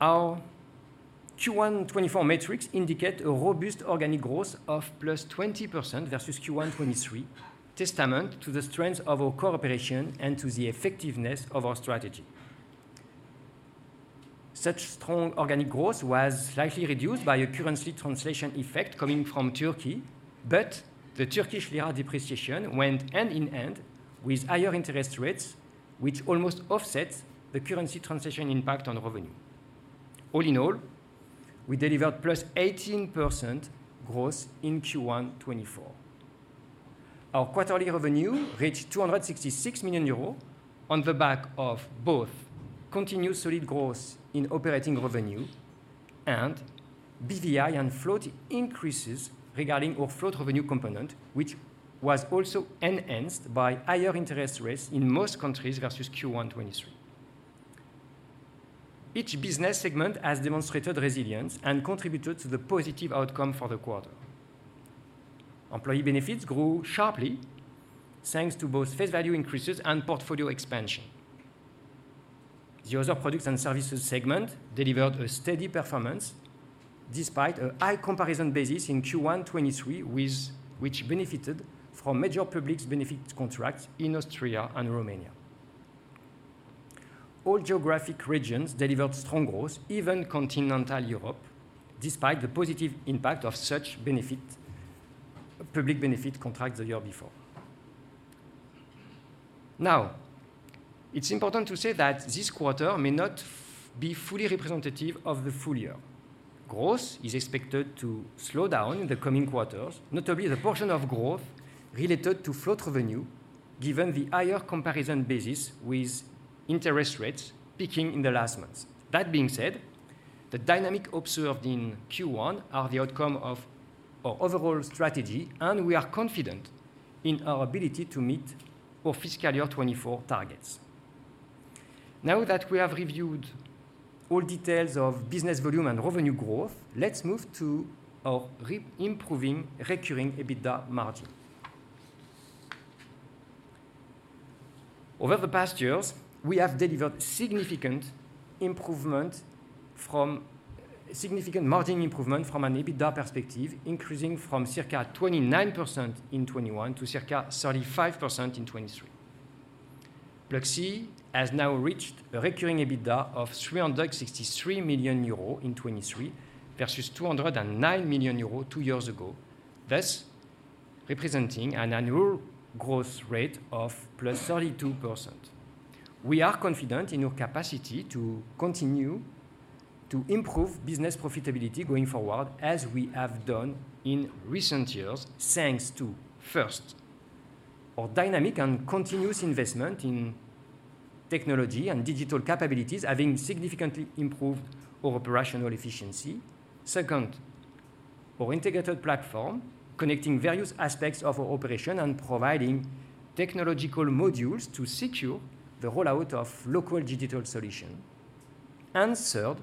Our Q1 2024 metrics indicate a robust organic growth of +20% versus Q1 2023, testament to the strength of our cooperation and to the effectiveness of our strategy. Such strong organic growth was slightly reduced by a currency translation effect coming from Turkey, but the Turkish lira depreciation went hand in hand with higher interest rates, which almost offset the currency translation impact on revenue. All in all, we delivered +18% growth in Q1 2024. Our quarterly revenue reached 266 million euros on the back of both continued solid growth in operating revenue and BVI and float increases regarding our float revenue component, which was also enhanced by higher interest rates in most countries versus Q1 2023. Each business segment has demonstrated resilience and contributed to the positive outcome for the quarter. Employee benefits grew sharply, thanks to both face value increases and portfolio expansion. The other products and services segment delivered a steady performance, despite a high comparison basis in Q1 2023, which benefited from major public benefits contracts in Austria and Romania. All geographic regions delivered strong growth, even continental Europe, despite the positive impact of such public benefit contracts the year before. Now, it's important to say that this quarter may not be fully representative of the full year. Growth is expected to slow down in the coming quarters, notably the portion of growth related to float revenue, given the higher comparison basis with interest rates peaking in the last months. That being said, the dynamic observed in Q1 are the outcome of our overall strategy, and we are confident in our ability to meet our fiscal year 2024 targets. Now that we have reviewed all details of business volume and revenue growth, let's move to our improving recurring EBITDA margin. Over the past years, we have delivered significant margin improvement from an EBITDA perspective, increasing from circa 29% in 2021 to circa 35% in 2023. Pluxee has now reached a recurring EBITDA of 363 million euro in 2023, versus 209 million euro two years ago, thus representing an annual growth rate of +32%. We are confident in our capacity to continue to improve business profitability going forward, as we have done in recent years, thanks to, first, our dynamic and continuous investment in technology and digital capabilities, having significantly improved our operational efficiency. Second, our integrated platform, connecting various aspects of our operation and providing technological modules to secure the rollout of local digital solution. And third,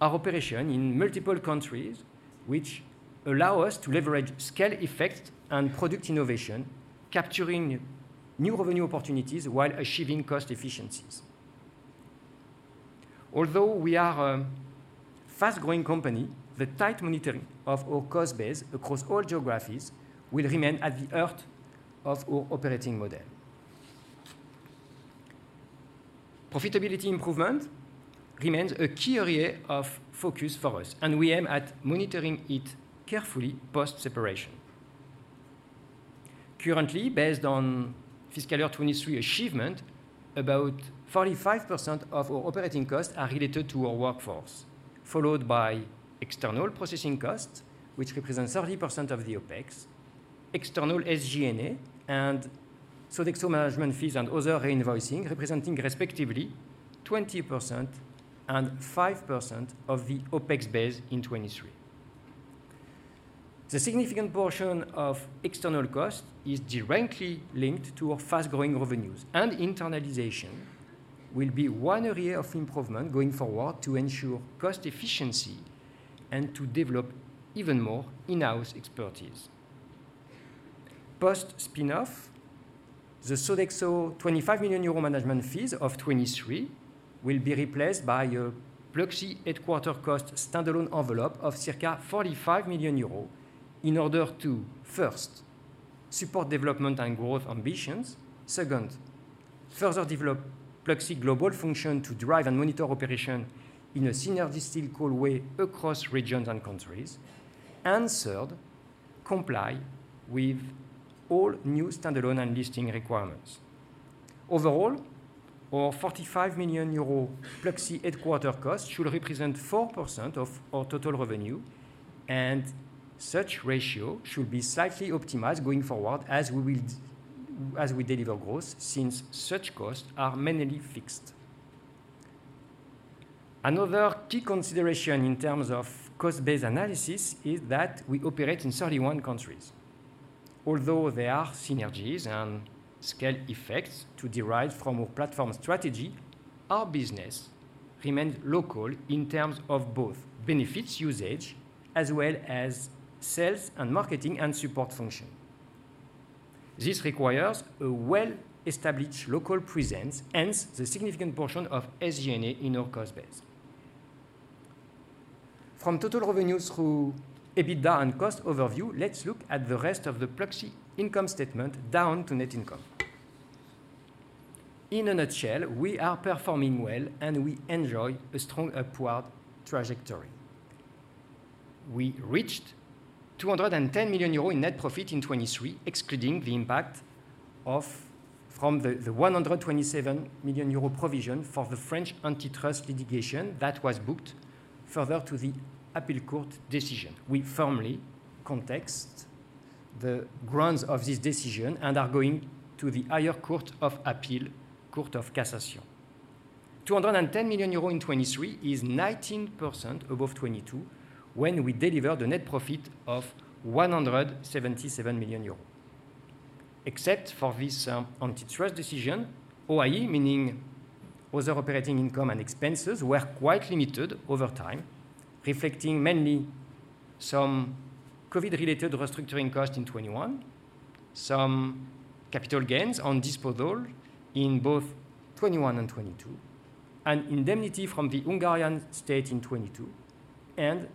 our operation in multiple countries, which allow us to leverage scale effect and product innovation, capturing new revenue opportunities while achieving cost efficiencies. Although we are a fast-growing company, the tight monitoring of our cost base across all geographies will remain at the heart of our operating model. Profitability improvement remains a key area of focus for us, and we aim at monitoring it carefully post-separation. Currently, based on fiscal year 2023 achievement, about 45% of our operating costs are related to our workforce, followed by external processing costs, which represents 30% of the OpEx, external SG&A, and Sodexo management fees and other invoicing, representing respectively 20% and 5% of the OpEx base in 2023. The significant portion of external cost is directly linked to our fast-growing revenues, and internalization will be one area of improvement going forward to ensure cost efficiency and to develop even more in-house expertise. Post-spin-off, the Sodexo 25 million euro management fees of 2023 will be replaced by a Pluxee headquarters cost standalone envelope of circa 45 million euros in order to, first, support development and growth ambitions. Second, further develop Pluxee global function to drive and monitor operation in a synergistic way across regions and countries. And third, comply with all new standalone and listing requirements. Overall, our 45 million euro Pluxee headquarters cost should represent 4% of our total revenue, and such ratio should be slightly optimized going forward, as we will deliver growth, since such costs are mainly fixed. Another key consideration in terms of cost-based analysis is that we operate in 31 countries. Although there are synergies and scale effects to derive from our platform strategy, our business remains local in terms of both benefits usage as well as sales and marketing and support function. This requires a well-established local presence, hence the significant portion of SG&A in our cost base. From total revenues through EBITDA and cost overview, let's look at the rest of the Pluxee income statement down to net income. In a nutshell, we are performing well, and we enjoy a strong upward trajectory. We reached 210 million euros in net profit in 2023, excluding the impact from the one hundred and twenty-seven million euro provision for the French antitrust litigation that was booked further to the appeal court decision. We firmly contest the grounds of this decision and are going to the higher court of appeal, Court of Cassation. 210 million euros in 2023 is 19% above 2022, when we delivered a net profit of 177 million euros. Except for this, antitrust decision, OIE, meaning other operating income and expenses, were quite limited over time, reflecting mainly some COVID-related restructuring cost in 2021, some capital gains on disposal in both 2021 and 2022, an indemnity from the Hungarian state in 2022, and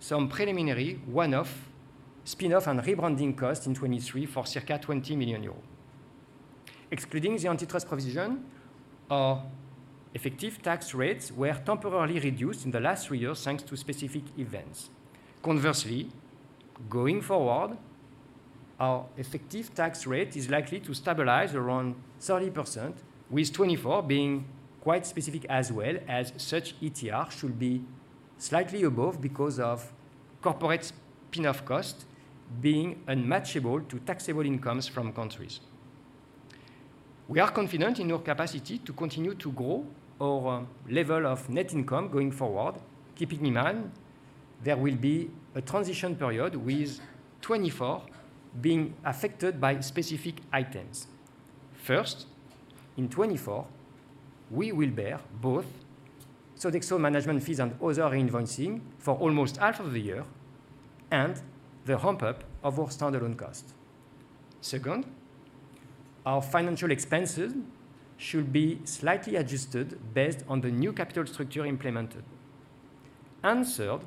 some preliminary one-off, spin-off and rebranding costs in 2023 for circa 20 million euros. Excluding the antitrust provision, our effective tax rates were temporarily reduced in the last three years, thanks to specific events. Conversely, going forward our effective tax rate is likely to stabilize around 30%, with 2024 being quite specific as well, as such ETR should be slightly above because of corporate spin-off cost being unmatchable to taxable incomes from countries. We are confident in our capacity to continue to grow our level of net income going forward, keeping in mind there will be a transition period with 2024 being affected by specific items. First, in 2024, we will bear both Sodexo management fees and other invoicing for almost half of the year, and the ramp-up of our standalone cost. Second, our financial expenses should be slightly adjusted based on the new capital structure implemented. And third,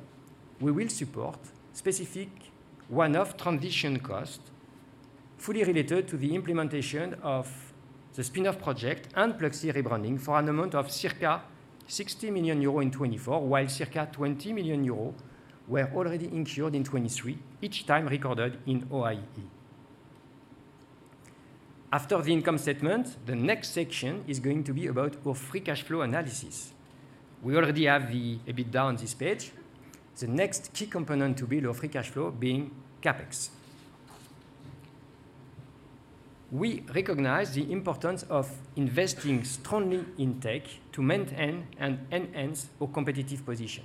we will support specific one-off transition cost fully related to the implementation of the spin-off project and Pluxee rebranding for an amount of circa 60 million euro in 2024, while circa 20 million euro were already incurred in 2023, each time recorded in OIE. After the income statement, the next section is going to be about our free cash flow analysis. We already have the EBITDA on this page. The next key component to build our free cash flow being CapEx. We recognize the importance of investing strongly in tech to maintain and enhance our competitive position.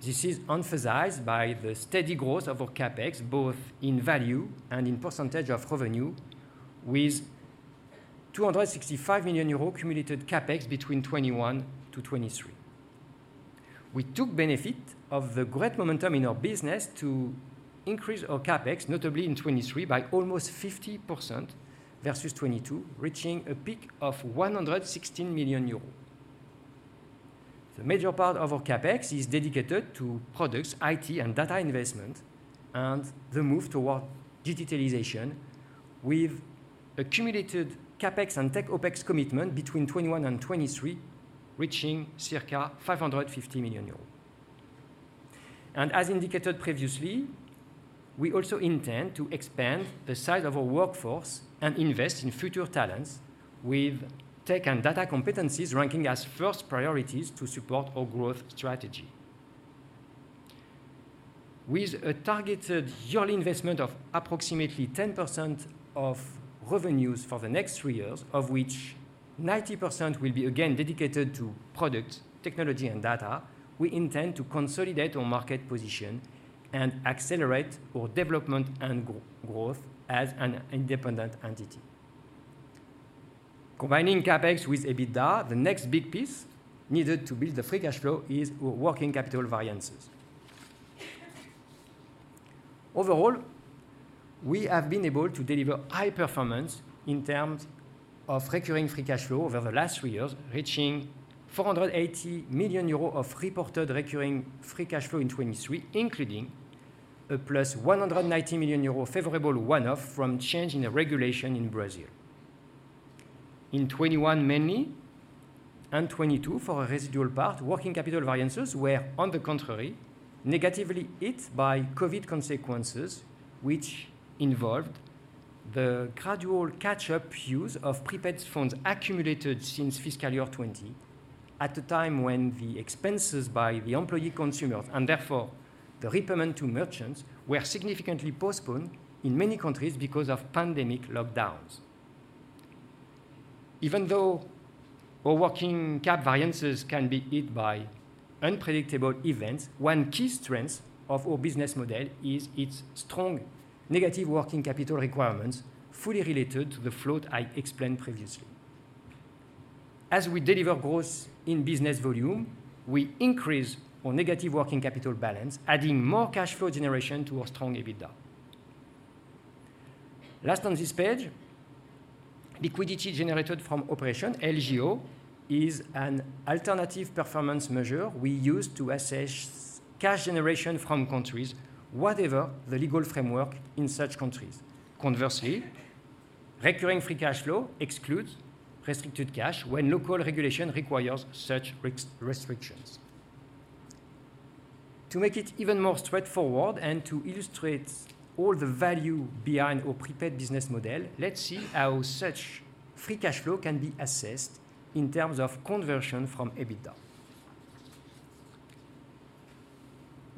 This is emphasized by the steady growth of our CapEx, both in value and in percentage of revenue, with 265 million euro cumulative CapEx between 2021 and 2023. We took benefit of the great momentum in our business to increase our CapEx, notably in 2023, by almost 50% versus 2022, reaching a peak of 116 million euros. The major part of our CapEx is dedicated to products, IT, and data investment, and the move toward digitalization, with accumulated CapEx and tech OpEx commitment between 2021 and 2023, reaching circa 550 million euros. And as indicated previously, we also intend to expand the size of our workforce and invest in future talents with tech and data competencies ranking as first priorities to support our growth strategy. With a targeted yearly investment of approximately 10% of revenues for the next three years, of which 90% will be again dedicated to product, technology, and data, we intend to consolidate our market position and accelerate our development and growth as an independent entity. Combining CapEx with EBITDA, the next big piece needed to build the free cash flow is our working capital variances. Overall, we have been able to deliver high performance in terms of recurring free cash flow over the last three years, reaching 480 million euros of reported recurring free cash flow in 2023, including a +190 million euros favorable one-off from change in the regulation in Brazil. In 2021 mainly, and 2022 for a residual part, working capital variances were, on the contrary, negatively hit by COVID consequences, which involved the gradual catch-up use of prepaid funds accumulated since fiscal year 2020, at a time when the expenses by the employee consumers, and therefore the repayment to merchants, were significantly postponed in many countries because of pandemic lockdowns. Even though our working cap variances can be hit by unpredictable events, one key strength of our business model is its strong negative working capital requirements, fully related to the float I explained previously. As we deliver growth in business volume, we increase our negative working capital balance, adding more cash flow generation to our strong EBITDA. Last on this page, liquidity generated from operation, LGO, is an alternative performance measure we use to assess cash generation from countries, whatever the legal framework in such countries. Conversely, recurring free cash flow excludes restricted cash when local regulation requires such restrictions. To make it even more straightforward and to illustrate all the value behind our prepaid business model, let's see how such free cash flow can be assessed in terms of conversion from EBITDA.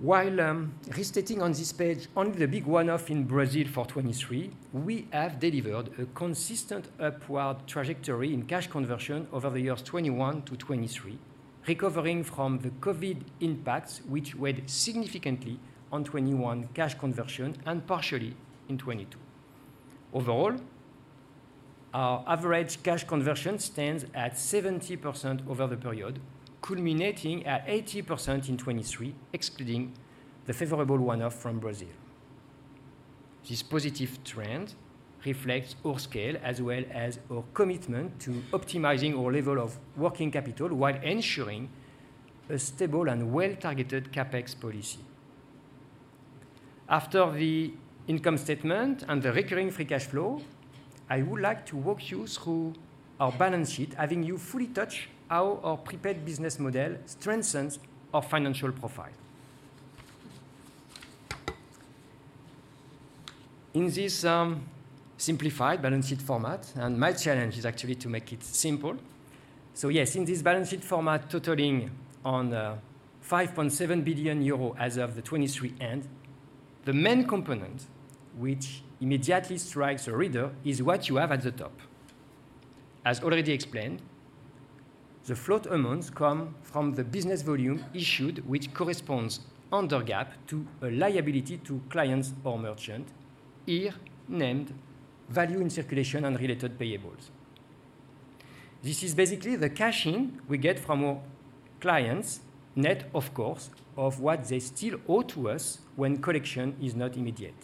While restating on this page only the big one-off in Brazil for 2023, we have delivered a consistent upward trajectory in cash conversion over the years 2021 to 2023, recovering from the COVID impacts, which weighed significantly on 2021 cash conversion and partially in 2022. Overall, our average cash conversion stands at 70% over the period, culminating at 80% in 2023, excluding the favorable one-off from Brazil. This positive trend reflects our scale, as well as our commitment to optimizing our level of working capital while ensuring a stable and well-targeted CapEx policy. After the income statement and the recurring free cash flow, I would like to walk you through our balance sheet, having you fully touch how our prepaid business model strengthens our financial profile. In this simplified balance sheet format, and my challenge is actually to make it simple. So yes, in this balance sheet format, totaling 5.7 billion euro as of the end of 2023, the main component, which immediately strikes a reader, is what you have at the top. As already explained, the float amounts come from the business volume issued, which corresponds under GAAP to a liability to clients or merchant, here named value in circulation and related payables. This is basically the cash in we get from our clients, net, of course, of what they still owe to us when collection is not immediate.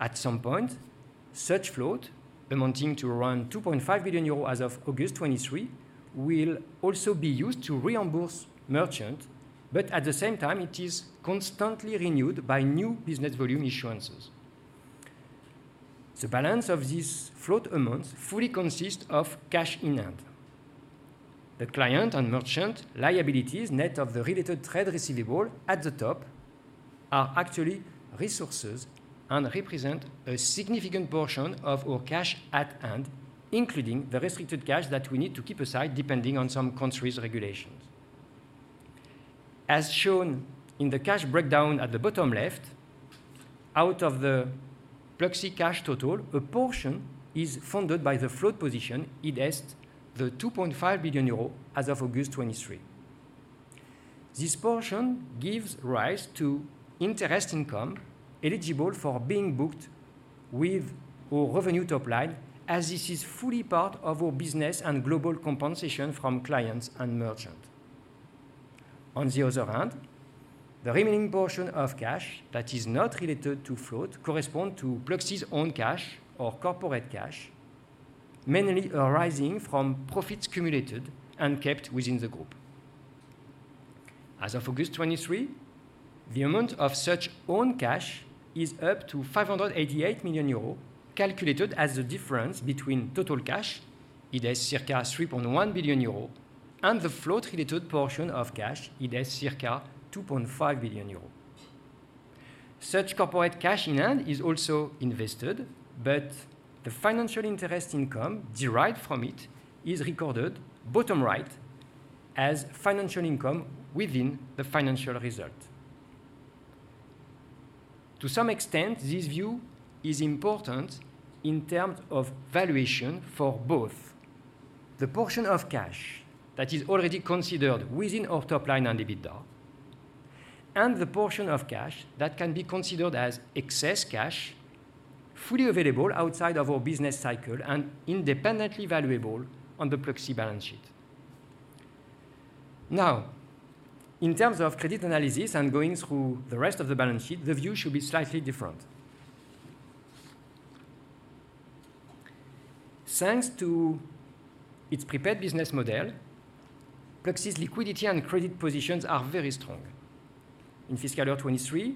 At some point, such float, amounting to around 2.5 billion euros as of August 2023, will also be used to reimburse merchant, but at the same time, it is constantly renewed by new business volume insurances. The balance of this float amount fully consists of cash in hand. The client and merchant liabilities, net of the related trade receivable at the top, are actually resources and represent a significant portion of our cash at hand, including the restricted cash that we need to keep aside, depending on some countries' regulations. As shown in the cash breakdown at the bottom left, out of the Pluxee cash total, a portion is funded by the float position, i.e., the 2.5 billion euro as of August 2023. This portion gives rise to interest income eligible for being booked with our revenue top line, as this is fully part of our business and global compensation from clients and merchant. On the other hand, the remaining portion of cash that is not related to float correspond to Pluxee's own cash or corporate cash, mainly arising from profits accumulated and kept within the group. As of August 2023, the amount of such own cash is up to 588 million euros, calculated as the difference between total cash, i.e., circa 3.1 billion euros, and the float-related portion of cash, i.e., circa 2.5 billion euros. Such corporate cash in hand is also invested, but the financial interest income derived from it is recorded bottom right as financial income within the financial result. To some extent, this view is important in terms of valuation for both the portion of cash that is already considered within our top line and EBITDA, and the portion of cash that can be considered as excess cash, fully available outside of our business cycle and independently valuable on the Pluxee balance sheet. Now, in terms of credit analysis and going through the rest of the balance sheet, the view should be slightly different. Thanks to its prepaid business model, Pluxee's liquidity and credit positions are very strong. In fiscal year 2023,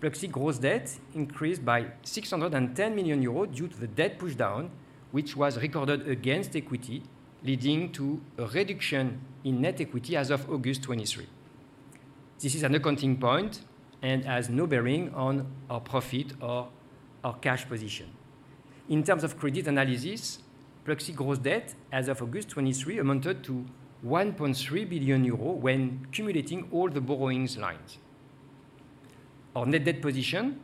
Pluxee gross debt increased by 610 million euros due to the debt pushdown, which was recorded against equity, leading to a reduction in net equity as of August 2023. This is an accounting point and has no bearing on our profit or our cash position. In terms of credit analysis, Pluxee gross debt as of August 2023 amounted to 1.3 billion euros when accumulating all the borrowings lines. Our net debt position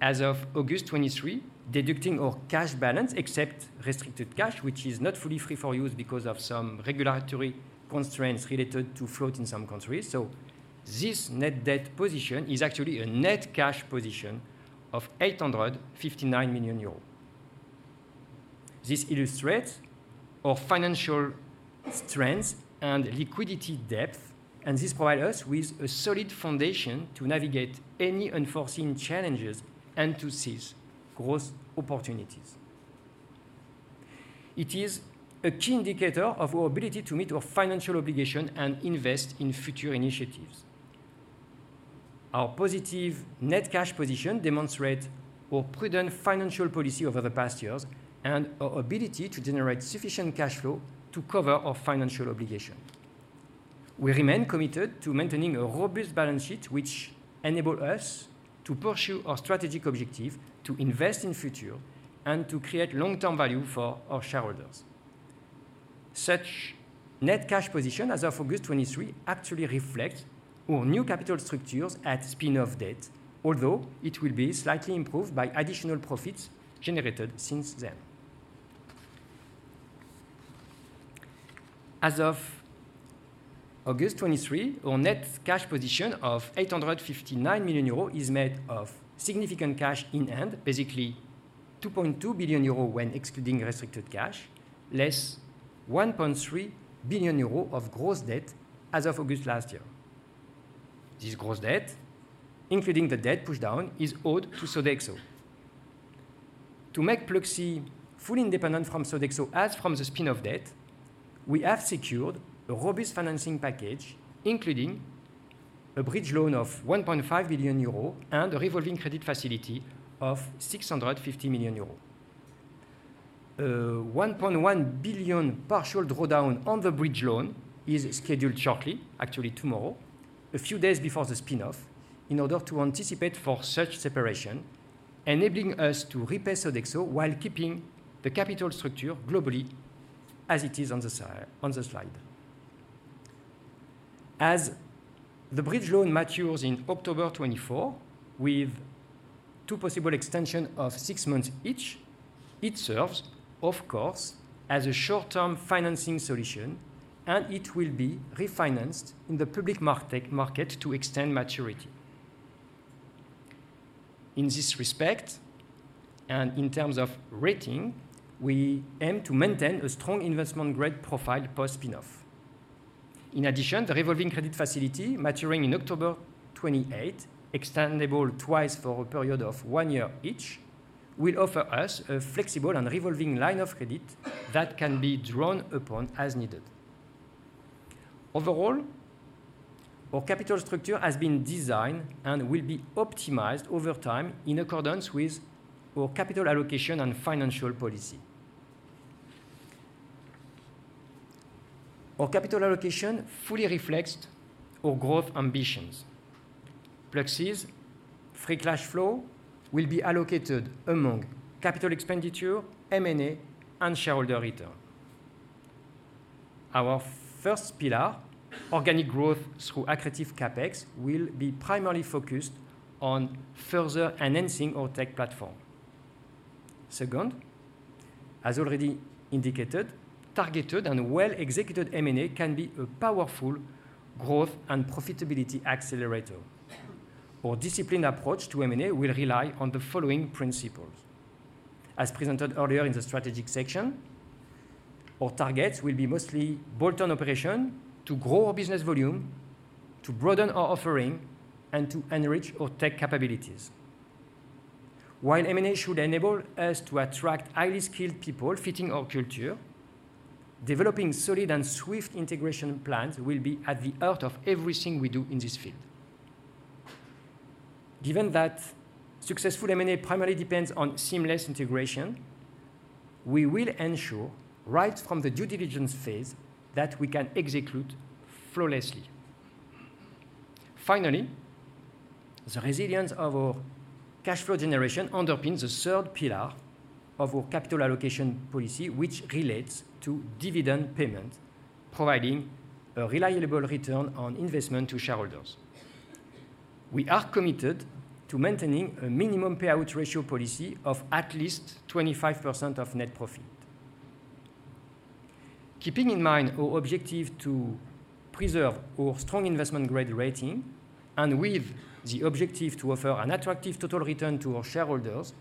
as of August 2023, deducting our cash balance, except restricted cash, which is not fully free for use because of some regulatory constraints related to float in some countries. So this net debt position is actually a net cash position of 859 million euros. This illustrates our financial strength and liquidity depth, and this provide us with a solid foundation to navigate any unforeseen challenges and to seize growth opportunities. It is a key indicator of our ability to meet our financial obligation and invest in future initiatives. Our positive net cash position demonstrate our prudent financial policy over the past years and our ability to generate sufficient cash flow to cover our financial obligation. We remain committed to maintaining a robust balance sheet, which enable us to pursue our strategic objective, to invest in future, and to create long-term value for our shareholders. Such net cash position as of August 2023 actually reflects our new capital structures at spin-off date, although it will be slightly improved by additional profits generated since then. As of August 2023, our net cash position of 859 million euro is made of significant cash in hand, basically 2.2 billion euro when excluding restricted cash, less 1.3 billion euro of gross debt as of August last year. This gross debt, including the debt pushdown, is owed to Sodexo. To make Pluxee fully independent from Sodexo as from the spin-off date, we have secured a robust financing package, including a bridge loan of 1.5 billion euro and a revolving credit facility of 650 million euro. One point one billion partial drawdown on the bridge loan is scheduled shortly, actually tomorrow, a few days before the spin-off, in order to anticipate for such separation, enabling us to repay Sodexo while keeping the capital structure globally as it is on the slide. As the bridge loan matures in October 2024, with two possible extension of six months each, it serves, of course, as a short-term financing solution, and it will be refinanced in the public market to extend maturity. In this respect, and in terms of rating, we aim to maintain a strong investment-grade profile post-spin-off. In addition, the revolving credit facility, maturing in October 2028, extendable twice for a period of one year each, will offer us a flexible and revolving line of credit that can be drawn upon as needed. Overall, our capital structure has been designed and will be optimized over time in accordance with our capital allocation and financial policy. Our capital allocation fully reflects our growth ambitions. Pluxee's free cash flow will be allocated among capital expenditure, M&A, and shareholder return. Our first pillar, organic growth through accretive CapEx, will be primarily focused on further enhancing our tech platform. Second, as already indicated, targeted and well-executed M&A can be a powerful growth and profitability accelerator. Our disciplined approach to M&A will rely on the following principles. As presented earlier in the strategic section, our targets will be mostly bolt-on operation to grow our business volume, to broaden our offering, and to enrich our tech capabilities. While M&A should enable us to attract highly skilled people fitting our culture, developing solid and swift integration plans will be at the heart of everything we do in this field. Given that successful M&A primarily depends on seamless integration, we will ensure, right from the due diligence phase, that we can execute flawlessly. Finally, the resilience of our cash flow generation underpins the third pillar of our capital allocation policy, which relates to dividend payment, providing a reliable return on investment to shareholders. We are committed to maintaining a minimum payout ratio policy of at least 25% of net profit. Keeping in mind our objective to preserve our strong investment-grade rating, and with the objective to offer an attractive total return to our shareholders,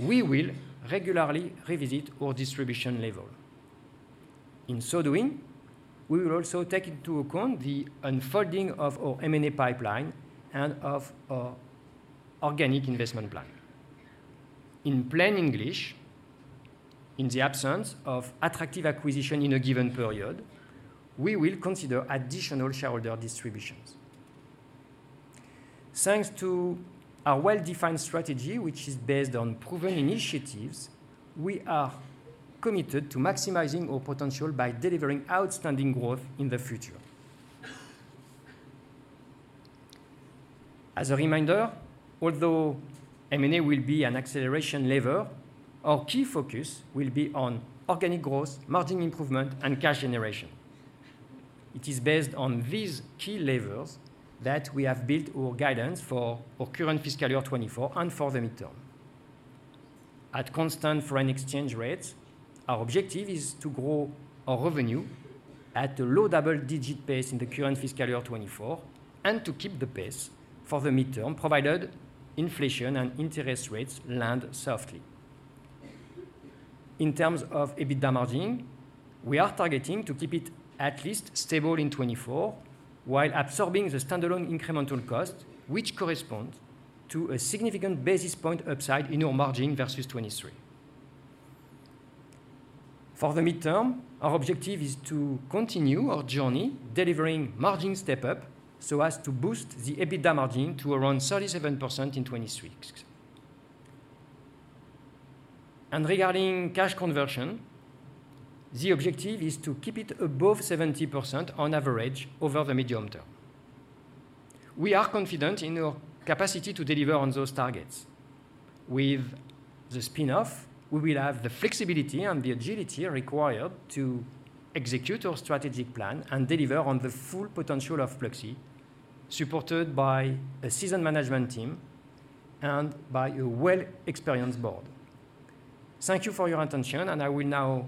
we will regularly revisit our distribution level. In so doing, we will also take into account the unfolding of our M&A pipeline and of our organic investment plan. In plain English, in the absence of attractive acquisition in a given period, we will consider additional shareholder distributions. Thanks to our well-defined strategy, which is based on proven initiatives, we are committed to maximizing our potential by delivering outstanding growth in the future. As a reminder, although M&A will be an acceleration lever, our key focus will be on organic growth, margin improvement, and cash generation. It is based on these key levers that we have built our guidance for our current fiscal year 2024 and for the midterm. At constant foreign exchange rates, our objective is to grow our revenue at a low double-digit pace in the current fiscal year 2024, and to keep the pace for the midterm, provided inflation and interest rates land softly. In terms of EBITDA margin, we are targeting to keep it at least stable in 2024, while absorbing the standalone incremental cost, which corresponds to a significant basis point upside in our margin versus 2023. For the midterm, our objective is to continue our journey, delivering margin step-up, so as to boost the EBITDA margin to around 37% in 2026. Regarding cash conversion, the objective is to keep it above 70% on average over the medium term. We are confident in our capacity to deliver on those targets. With the spin-off, we will have the flexibility and the agility required to execute our strategic plan and deliver on the full potential of Pluxee, supported by a seasoned management team and by a well-experienced board. Thank you for your attention, and I will now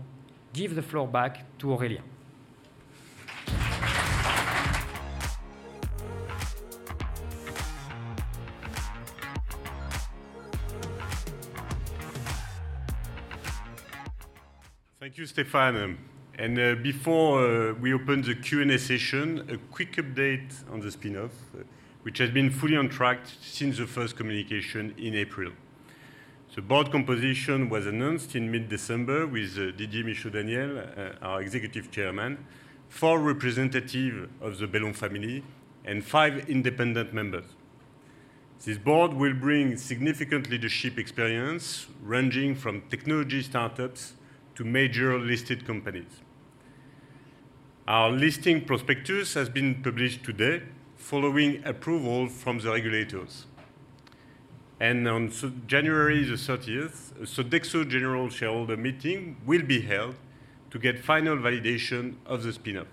give the floor back to Aurélien. Thank you, Stéphane. Before we open the Q&A session, a quick update on the spin-off, which has been fully on track since the first communication in April... The board composition was announced in mid-December with Didier Michaud-Daniel, our Executive Chairman, four representative of the Bellon family, and five independent members. This board will bring significant leadership experience, ranging from technology startups to major listed companies. Our listing prospectus has been published today, following approval from the regulators. On January the thirtieth, Sodexo general shareholder meeting will be held to get final validation of the spin-off.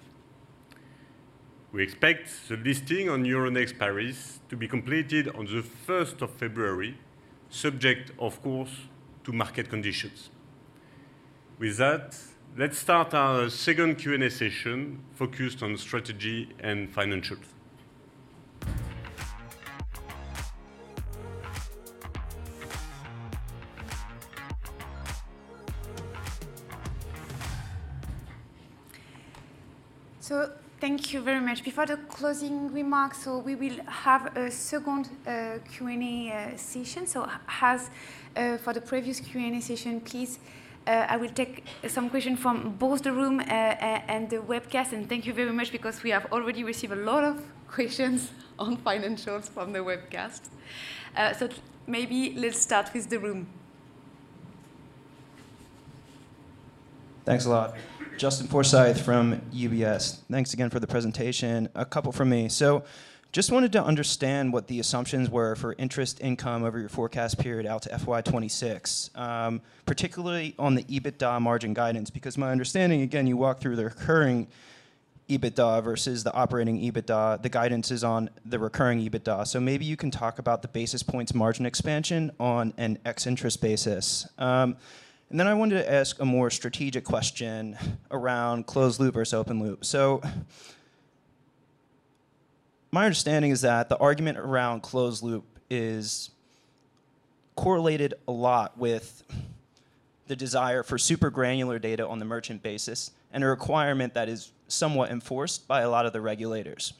We expect the listing on Euronext Paris to be completed on the first of February, subject, of course, to market conditions. With that, let's start our second Q&A session, focused on strategy and financials. So thank you very much. Before the closing remarks, so we will have a second Q&A session. So as for the previous Q&A session, please, I will take some question from both the room and the webcast. And thank you very much, because we have already received a lot of questions on financials from the webcast. So maybe let's start with the room. Thanks a lot. Justin Forsythe from UBS. Thanks again for the presentation. A couple from me. So just wanted to understand what the assumptions were for interest income over your forecast period out to FY 2026, particularly on the EBITDA margin guidance, because my understanding, again, you walked through the recurring EBITDA versus the operating EBITDA. The guidance is on the recurring EBITDA. So maybe you can talk about the basis points margin expansion on an ex-interest basis. And then I wanted to ask a more strategic question around closed-loop versus open-loop. So, my understanding is that the argument around closed-loop is correlated a lot with the desire for super granular data on the merchant basis, and a requirement that is somewhat enforced by a lot of the regulators.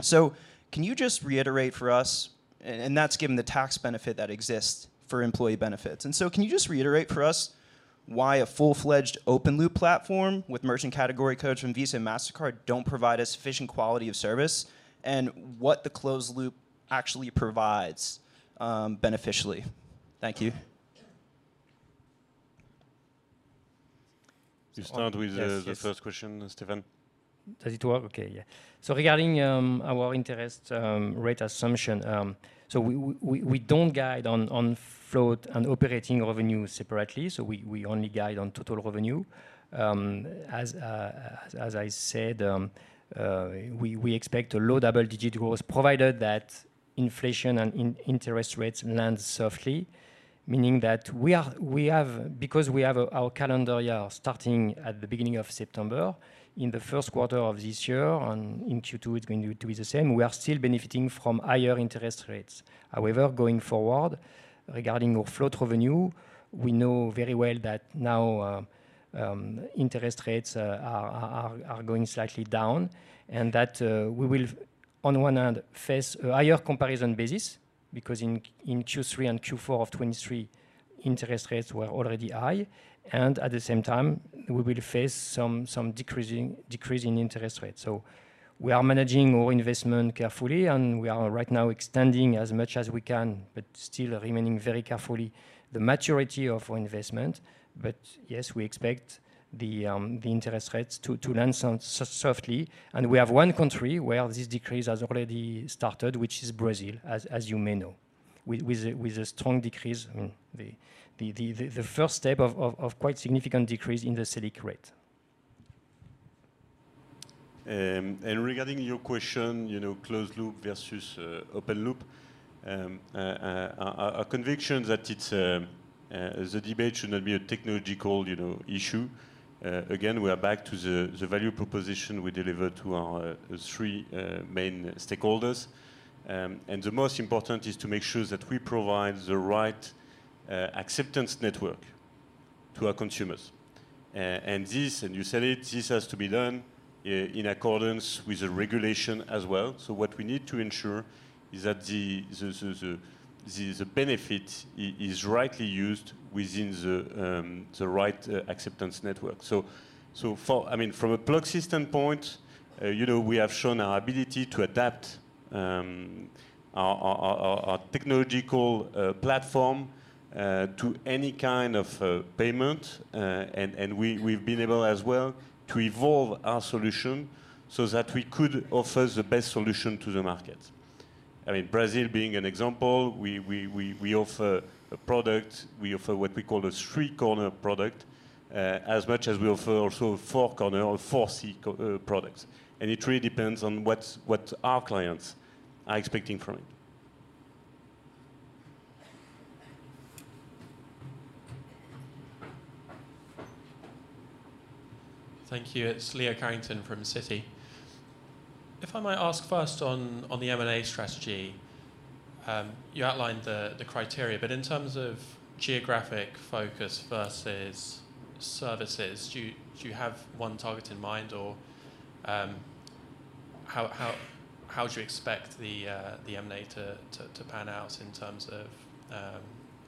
So can you just reiterate for us... and that's given the tax benefit that exists for employee benefits. And so can you just reiterate for us why a full-fledged open-loop platform with merchant category codes from Visa and Mastercard don't provide a sufficient quality of service, and what the closed-loop actually provides, beneficially? Thank you. You start with the. Yes, yes... the first question, Stéphane? Does it work? Okay, yeah. So regarding our interest rate assumption, so we don't guide on float and operating revenue separately, so we only guide on total revenue. As I said, we expect a low double-digit growth, provided that inflation and interest rates land softly, meaning that we have—because we have our calendar year starting at the beginning of September, in the first quarter of this year, in Q2, it's going to be the same. We are still benefiting from higher interest rates. However, going forward, regarding our float revenue, we know very well that now interest rates are going slightly down, and that we will, on one hand, face a higher comparison basis, because in Q3 and Q4 of 2023, interest rates were already high, and at the same time, we will face some decreasing interest rates. So we are managing our investment carefully, and we are right now extending as much as we can, but still remaining very carefully the maturity of our investment. But yes, we expect the interest rates to land some softly. And we have one country where this decrease has already started, which is Brazil, as you may know, with a strong decrease in the first step of quite significant decrease in the Selic Rate. And regarding your question, you know, closed-loop versus open-loop, our conviction that it's the debate should not be a technological, you know, issue. Again, we are back to the value proposition we deliver to our three main stakeholders. And the most important is to make sure that we provide the right acceptance network to our consumers. And this, and you said it, this has to be done in accordance with the regulation as well. So what we need to ensure is that the benefit is rightly used within the right acceptance network. So, for—I mean, from a Pluxee standpoint, you know, we have shown our ability to adapt our technological platform to any kind of payment. And we have been able as well to evolve our solution so that we could offer the best solution to the market. I mean, Brazil being an example, we offer a product, we offer what we call a three-corner product, as much as we offer also four-corner or four-C co-products. And it really depends on what our clients are expecting from it. Thank you. It's Leo Carrington from Citi. If I might ask first on the M&A strategy, you outlined the criteria, but in terms of geographic focus versus services, do you have one target in mind, or how do you expect the M&A to pan out in terms of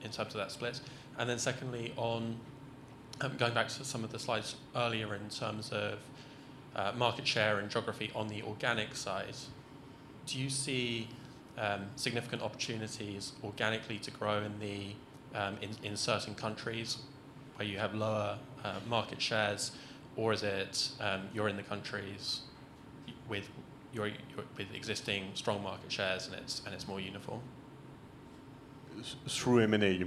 that split? And then secondly, going back to some of the slides earlier in terms of market share and geography on the organic side, do you see significant opportunities organically to grow in the certain countries where you have lower market shares? Or is it you're in the countries with your existing strong market shares, and it's more uniform? Growth through M&A, you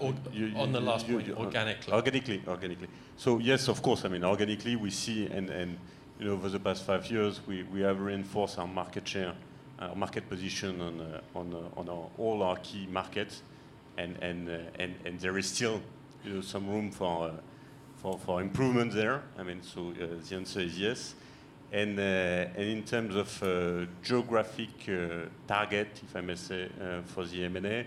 mean? On the last point, organically. Organically, organically. So yes, of course. I mean, organically, we see and, and, you know, over the past five years, we have reinforced our market share, our market position on all our key markets. And there is still, you know, some room for improvement there. I mean, so the answer is yes. And in terms of geographic target, if I may say, for the M&A,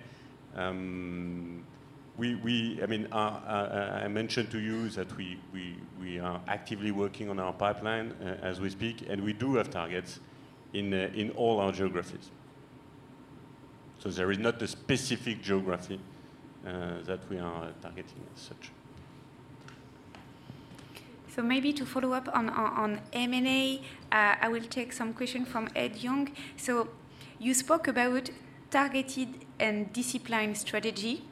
we—I mean, I mentioned to you that we are actively working on our pipeline as we speak, and we do have targets in all our geographies. So there is not a specific geography that we are targeting as such. So maybe to follow up on M&A, I will take some question from Ed Yong. So you spoke about targeted and disciplined strategy,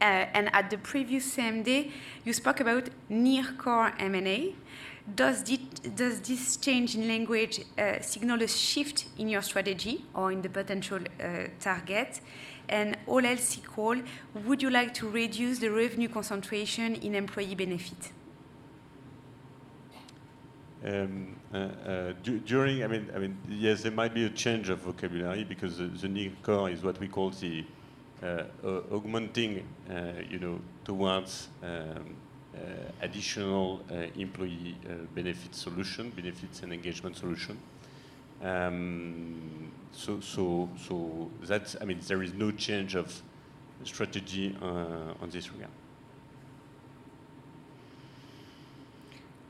and at the previous same day, you spoke about near-core M&A. Does this change in language signal a shift in your strategy or in the potential target? And all else equal, would you like to reduce the revenue concentration in employee benefit? I mean, yes, there might be a change of vocabulary because the non-core is what we call the augmenting, you know, towards additional employee benefit solution, benefits and engagement solution. So that's—I mean, there is no change of strategy on this regard.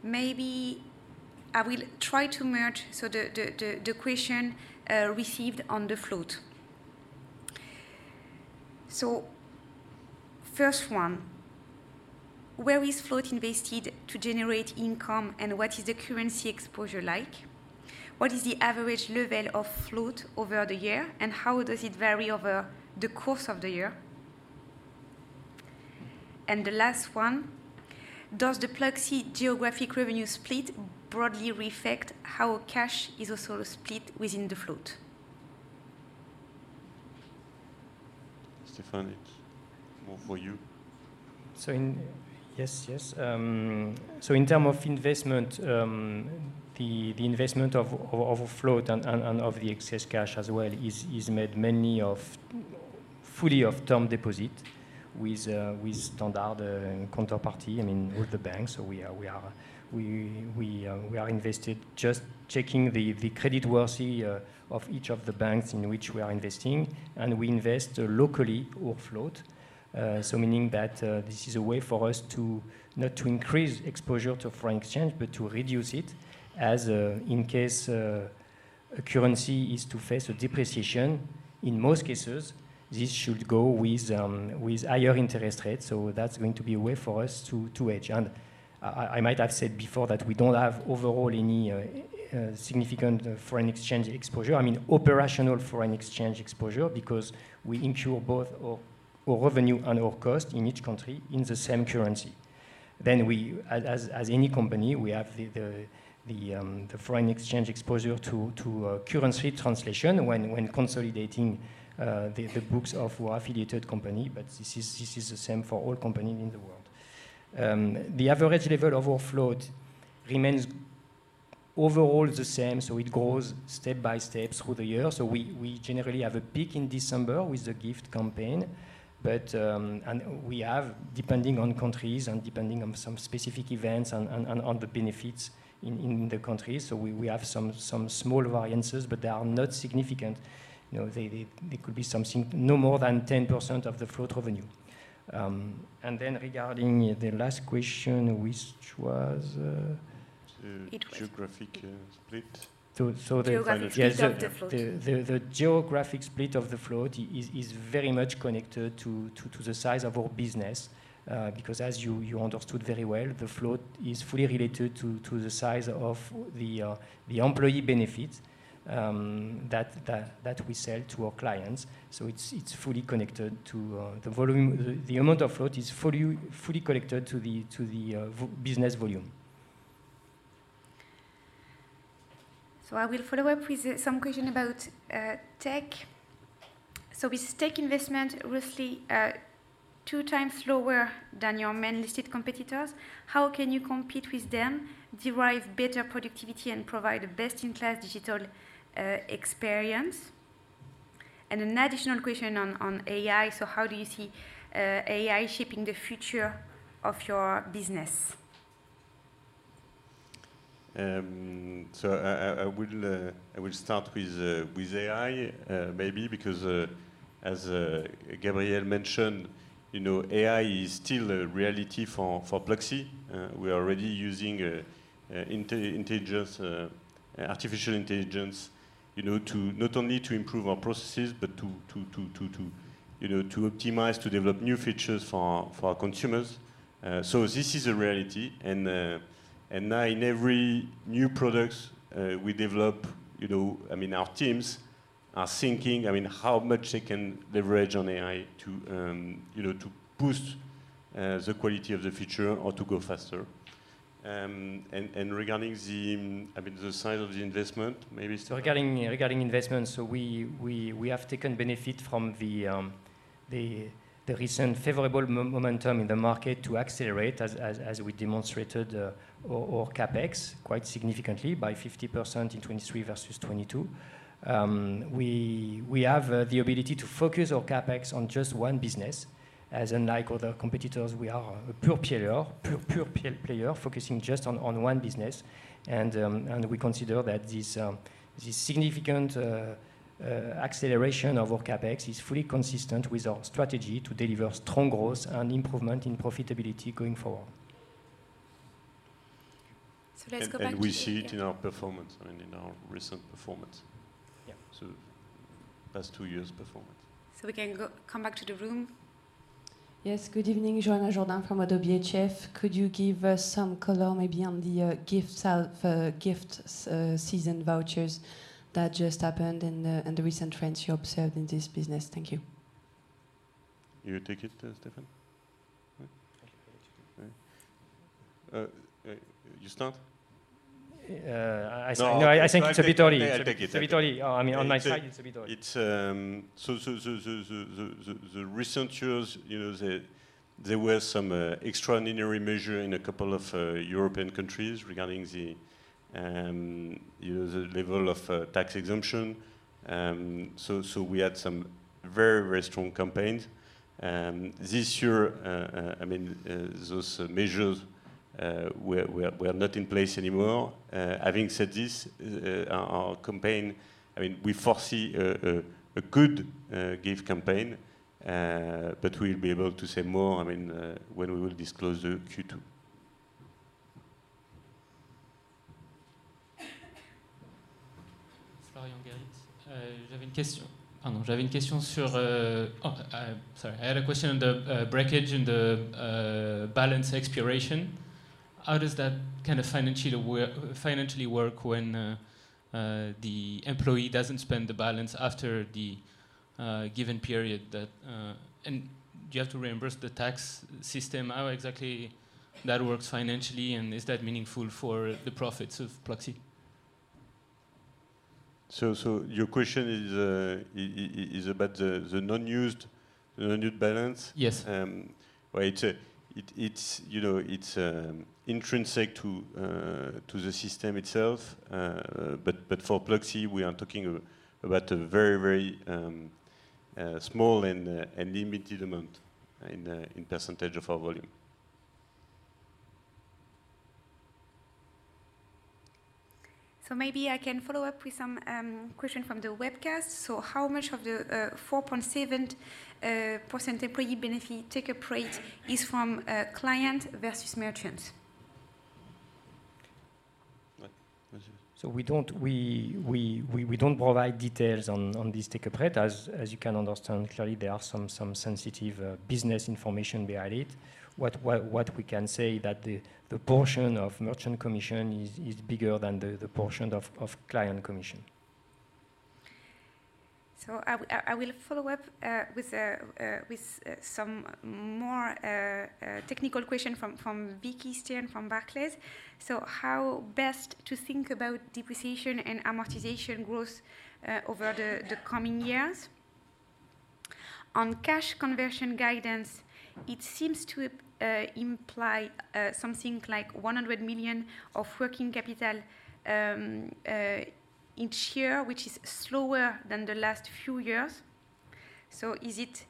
Maybe I will try to merge so the question received on the float. So first one: Where is float invested to generate income, and what is the currency exposure like? What is the average level of float over the year, and how does it vary over the course of the year? And the last one: Does the Pluxee geographic revenue split broadly reflect how cash is also split within the float? Stéphane, it's more for you. So in... Yes, yes. So in terms of investment, the investment of float and of the excess cash as well is made mainly of, fully of term deposits with standard counterparties, I mean, with the banks. So we are invested just checking the creditworthiness of each of the banks in which we are investing, and we invest locally our float. So meaning that, this is a way for us to not to increase exposure to foreign exchange, but to reduce it as in case a currency is to face a depreciation. In most cases, this should go with higher interest rates, so that's going to be a way for us to hedge. I might have said before that we don't have overall any significant foreign exchange exposure. I mean, operational foreign exchange exposure, because we ensure both our revenue and our cost in each country in the same currency. Then we, as any company, we have the foreign exchange exposure to currency translation when consolidating the books of our affiliated company, but this is the same for all company in the world. The average level of our float remains overall the same, so it goes step by step through the year. So we generally have a peak in December with the gift campaign, but and we have, depending on countries and depending on some specific events and on the benefits in the country. So we have some small variances, but they are not significant. You know, they could be something no more than 10% of the float revenue. And then regarding the last question, which was- The geographic split. Geographic split of the float. So, yes, the geographic split of the float is very much connected to the size of our business, because as you understood very well, the float is fully related to the size of the employee benefit that we sell to our clients. So it's fully connected to the volume. The amount of float is fully connected to the business volume. So I will follow up with some question about tech. So with tech investment roughly two times lower than your main listed competitors, how can you compete with them, derive better productivity, and provide a best-in-class digital experience? And an additional question on AI: So how do you see AI shaping the future of your business? So I will start with AI, maybe because, as Gabriel mentioned, you know, AI is still a reality for Pluxee. We are already using artificial intelligence, you know, to not only improve our processes, but to optimize, to develop new features for our consumers. So this is a reality, and now in every new products we develop, you know. I mean, our teams are thinking, I mean, how much they can leverage on AI to, you know, to boost the quality of the feature or to go faster. And regarding the size of the investment, maybe Stéphane? Regarding investment, so we have taken benefit from the recent favorable momentum in the market to accelerate as we demonstrated our CapEx quite significantly by 50% in 2023 versus 2022. We have the ability to focus our CapEx on just one business. As unlike other competitors, we are a pure player, focusing just on one business. And we consider that this significant acceleration of our CapEx is fully consistent with our strategy to deliver strong growth and improvement in profitability going forward. Let's go back to- We see it in our performance, I mean, in our recent performance. Yeah. Past 2 years' performance. So we can come back to the room. Yes. Good evening, Joanna Jordan from Oddo BHF. Could you give us some color maybe on the gift seasonal vouchers that just happened and the recent trends you observed in this business? Thank you. You take it, Stéphane? You start? Uh, I, I- No- No, I think it's Viktoria. I take it. It's Viktoria. I mean, on my side, it's Viktoria. So recently, you know, there were some extraordinary measure in a couple of European countries regarding the, you know, the level of tax exemption. So we had some very, very strong campaigns. This year, I mean, those measures were not in place anymore. Having said this, our campaign, I mean, we foresee a good gift campaign, but we'll be able to say more, I mean, when we will disclose the Q2. Florian Gerbaud. J'avais une question... Pardon, j'avais une question sur... Oh, sorry. I had a question on the breakage and the balance expiration. How does that kind of financially work when the employee doesn't spend the balance after the given period that... And do you have to reimburse the tax system? How exactly that works financially, and is that meaningful for the profits of Pluxee? So, your question is about the unused balance? Yes. Well, it's, you know, it's intrinsic to the system itself. But for Pluxee, we are talking about a very, very small and limited amount in percentage of our volume. Maybe I can follow up with some question from the webcast. How much of the 4.7% employee benefit take-up rate is from client versus merchants? Uh, Monsieur? So we don't provide details on this take-up rate. As you can understand, actually, there are some sensitive business information behind it. What we can say that the portion of merchant commission is bigger than the portion of client commission. So I will follow up with some more technical question from Vicky Stern, from Barclays. So how best to think about depreciation and amortization growth over the coming years? On cash conversion guidance, it seems to imply something like 100 million of working capital each year, which is slower than the last few years. So is it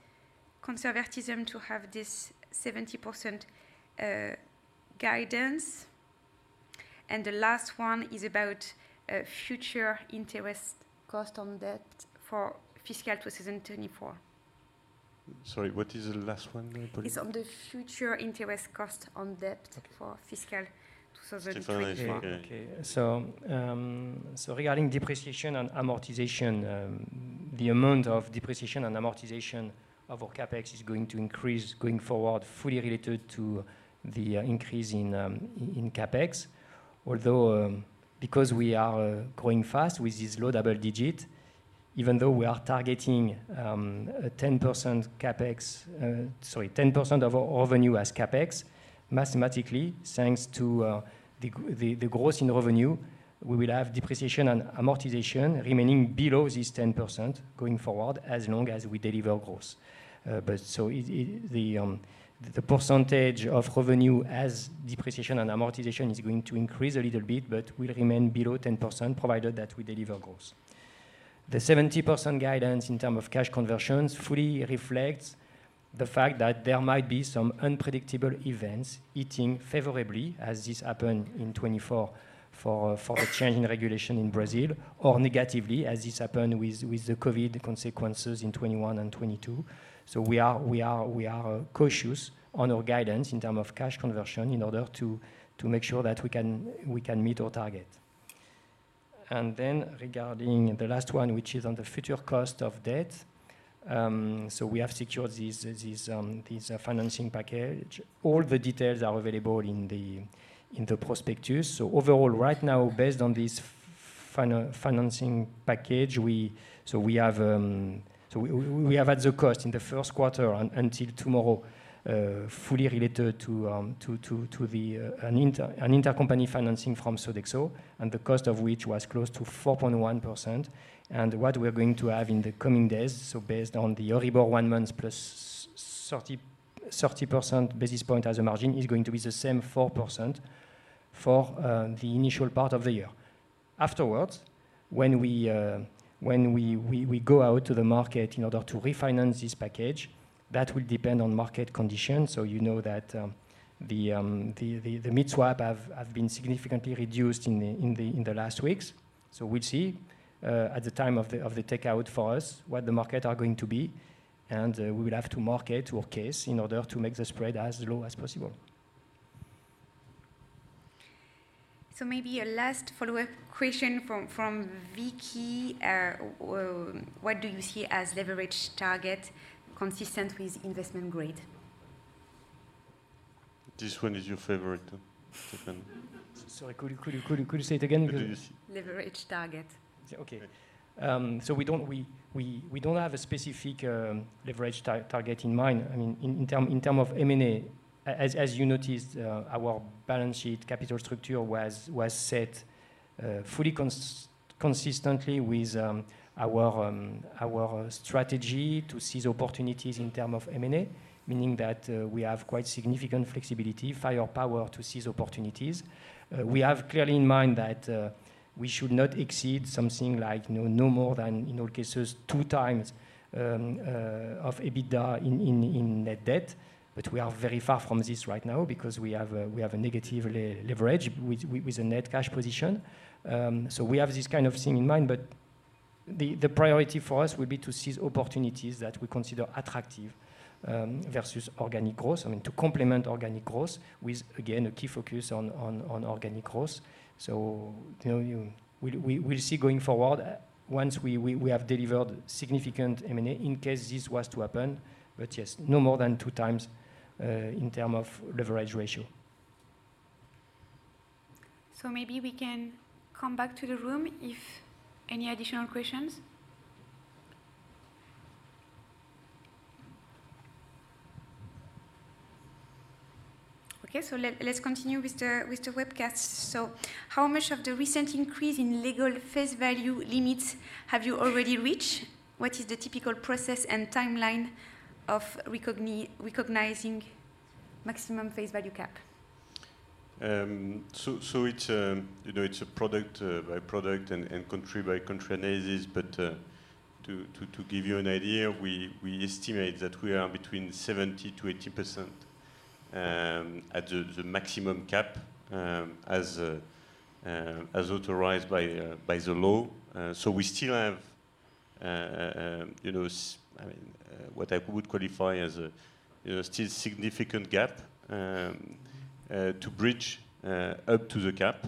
conservatism to have this 70% guidance? And the last one is about future interest cost on debt for fiscal 2024. Sorry, what is the last one, Pauline? It's on the future interest cost on debt- Okay. -for fiscal 2024. Stefan, okay. Okay. So, so regarding depreciation and amortization, the amount of depreciation and amortization of our CapEx is going to increase going forward, fully related to the increase in CapEx. Although, because we are growing fast with this low double digit, even though we are targeting a 10% CapEx... Sorry, 10% of our revenue as CapEx, mathematically, thanks to the growth in revenue, we will have depreciation and amortization remaining below this 10% going forward, as long as we deliver growth. But so, the percentage of revenue as depreciation and amortization is going to increase a little bit, but will remain below 10%, provided that we deliver growth. The 70% guidance in term of cash conversions fully reflects-... the fact that there might be some unpredictable events hitting favorably, as this happened in 2024 for a change in regulation in Brazil, or negatively, as this happened with the COVID consequences in 2021 and 2022. So we are cautious on our guidance in terms of cash conversion in order to make sure that we can meet our target. And then regarding the last one, which is on the future cost of debt, so we have secured this financing package. All the details are available in the prospectus. So overall, right now, based on this financing package, so we have... So we have had the cost in the first quarter until tomorrow fully related to an intercompany financing from Sodexo, and the cost of which was close to 4.1%. And what we are going to have in the coming days, so based on the Euribor one month plus 30 basis points as a margin, is going to be the same 4% for the initial part of the year. Afterwards, when we go out to the market in order to refinance this package, that will depend on market conditions. So you know that the mid-swap have been significantly reduced in the last weeks. So we'll see at the time of the take out for us what the market are going to be, and we will have to market our case in order to make the spread as low as possible. So maybe a last follow-up question from Vicky. What do you see as leverage target consistent with investment grade? This one is your favorite, Stéphane. Sorry, could you say it again, please? Do you see- Leverage target. Yeah. Okay. So we don't have a specific leverage target in mind. I mean, in terms of M&A, as you noticed, our balance sheet capital structure was set fully consistently with our strategy to seize opportunities in terms of M&A, meaning that we have quite significant flexibility, firepower, to seize opportunities. We have clearly in mind that we should not exceed something like, you know, no more than, in all cases, 2x EBITDA in net debt. But we are very far from this right now because we have a negative leverage with a net cash position. So we have this kind of thing in mind, but the priority for us will be to seize opportunities that we consider attractive versus organic growth. I mean, to complement organic growth with, again, a key focus on organic growth. So, you know, we'll see going forward, once we have delivered significant M&A, in case this was to happen. But yes, no more than 2x in terms of leverage ratio. So maybe we can come back to the room if any additional questions? Okay, so let's continue with the webcast. So how much of the recent increase in legal face value limits have you already reached? What is the typical process and timeline of recognizing maximum face value cap? So it's, you know, it's a product by product and country by country analysis. But to give you an idea, we estimate that we are between 70%-80% at the maximum cap as authorized by the law. So we still have, you know, I mean, what I would qualify as a, you know, still significant gap to bridge up to the cap.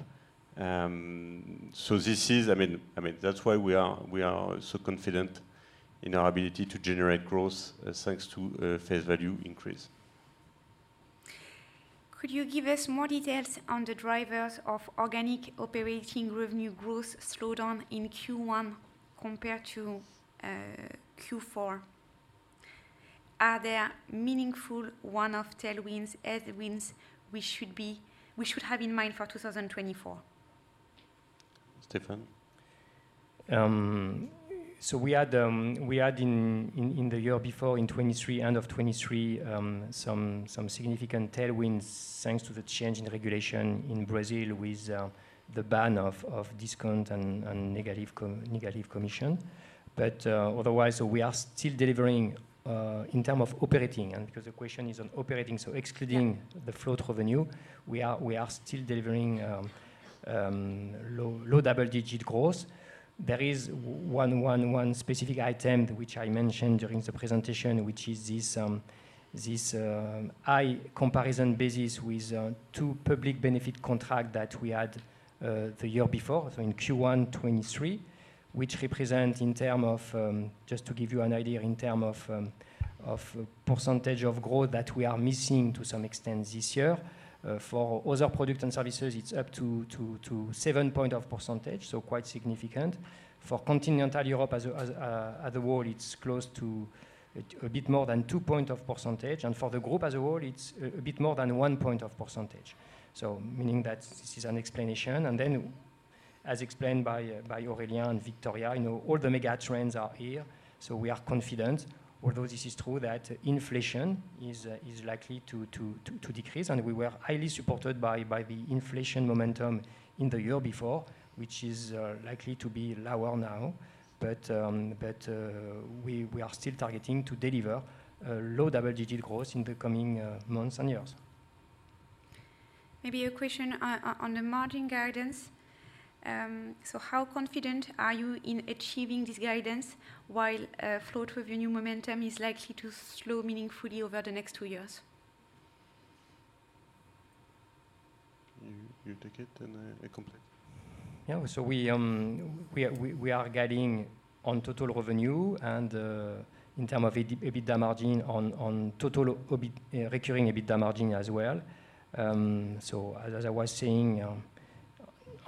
So this is... I mean, that's why we are so confident in our ability to generate growth thanks to a face value increase. Could you give us more details on the drivers of organic operating revenue growth slowdown in Q1 compared to Q4? Are there meaningful one-off tailwinds, headwinds we should have in mind for 2024? Stefan? So we had in the year before, in 2023, end of 2023, some significant tailwinds, thanks to the change in regulation in Brazil with the ban of discount and negative commission. But otherwise, we are still delivering in terms of operating, and because the question is on operating, so excluding- Yeah... the float revenue, we are still delivering low double-digit growth. There is one specific item, which I mentioned during the presentation, which is this high comparison basis with two public benefit contract that we had the year before, so in Q1 2023, which represent in terms of. Just to give you an idea, in terms of of percentage of growth that we are missing to some extent this year. For other products and services, it's up to seven percentage points, so quite significant. For Continental Europe as a whole, it's close to a bit more than 2 percentage points, and for the group as a whole, it's a bit more than 1 percentage point. So meaning that this is an explanation. Then, as explained by Aurélien and Viktoria, you know, all the mega trends are here, so we are confident, although this is true, that inflation is likely to decrease. We were highly supported by the inflation momentum in the year before, which is likely to be lower now. But we are still targeting to deliver a low double-digit growth in the coming months and years.... maybe a question on the margin guidance. So how confident are you in achieving this guidance while float revenue momentum is likely to slow meaningfully over the next two years? You take it, and I complete. Yeah. So we are guiding on total revenue and in terms of EBITDA margin on total EBIT recurring EBITDA margin as well. So as I was saying,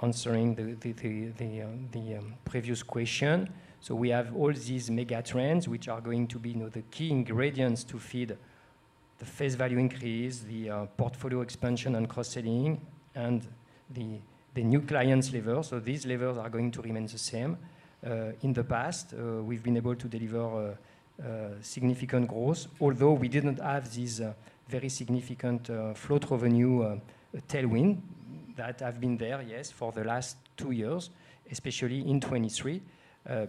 answering the previous question, so we have all these mega trends which are going to be, you know, the key ingredients to feed the face value increase, the portfolio expansion and cross-selling, and the new clients level. So these levels are going to remain the same. In the past, we've been able to deliver significant growth, although we didn't have these very significant float revenue tailwind that have been there, yes, for the last two years, especially in 2023.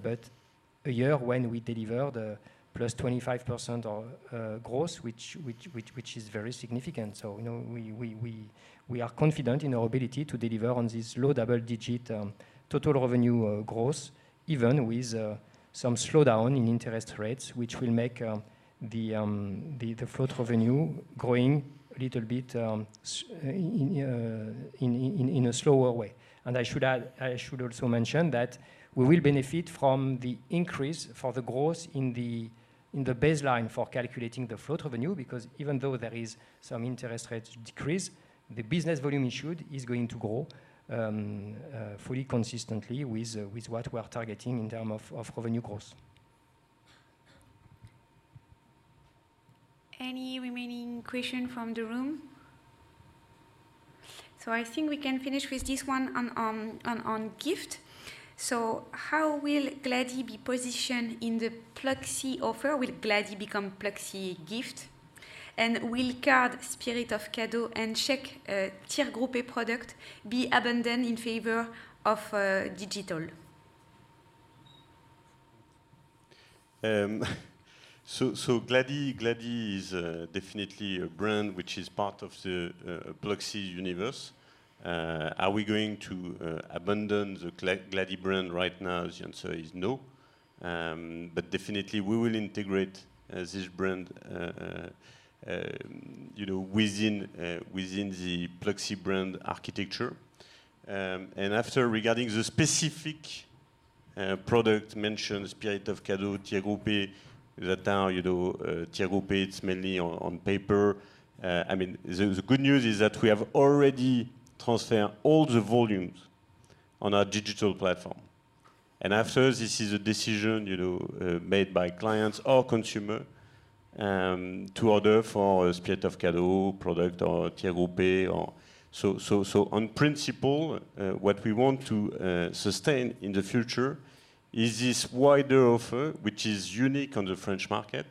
But a year when we delivered plus 25% growth, which is very significant. So, you know, we are confident in our ability to deliver on this low double-digit total revenue growth, even with some slowdown in interest rates, which will make the float revenue growing a little bit in a slower way. And I should add I should also mention that we will benefit from the increase for the growth in the baseline for calculating the float revenue, because even though there is some interest rates decrease, the business volume insured is going to grow fully consistently with what we are targeting in term of revenue growth. Any remaining question from the room? So I think we can finish with this one on gift. So how will Glady be positioned in the Pluxee offer? Will Glady become Pluxee gift? And will card Spirit of Cadeau and check Tir Groupé product be abandoned in favor of digital? So, Glady is definitely a brand which is part of the Pluxee universe. Are we going to abandon the Glady brand right now? The answer is no. But definitely we will integrate this brand, you know, within the Pluxee brand architecture. And after regarding the specific product mentioned, Spirit of Cadeau, Tir Groupé, that now, you know, Tir Groupé, it's mainly on paper. I mean, the good news is that we have already transferred all the volumes on our digital platform. And after, this is a decision, you know, made by clients or consumer to order for a Spirit of Cadeau product or Tir Groupé or... On principle, what we want to sustain in the future is this wider offer, which is unique on the French market,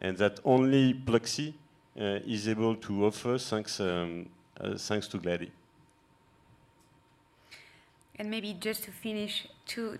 and that only Pluxee is able to offer, thanks to Glady. And maybe just to finish, two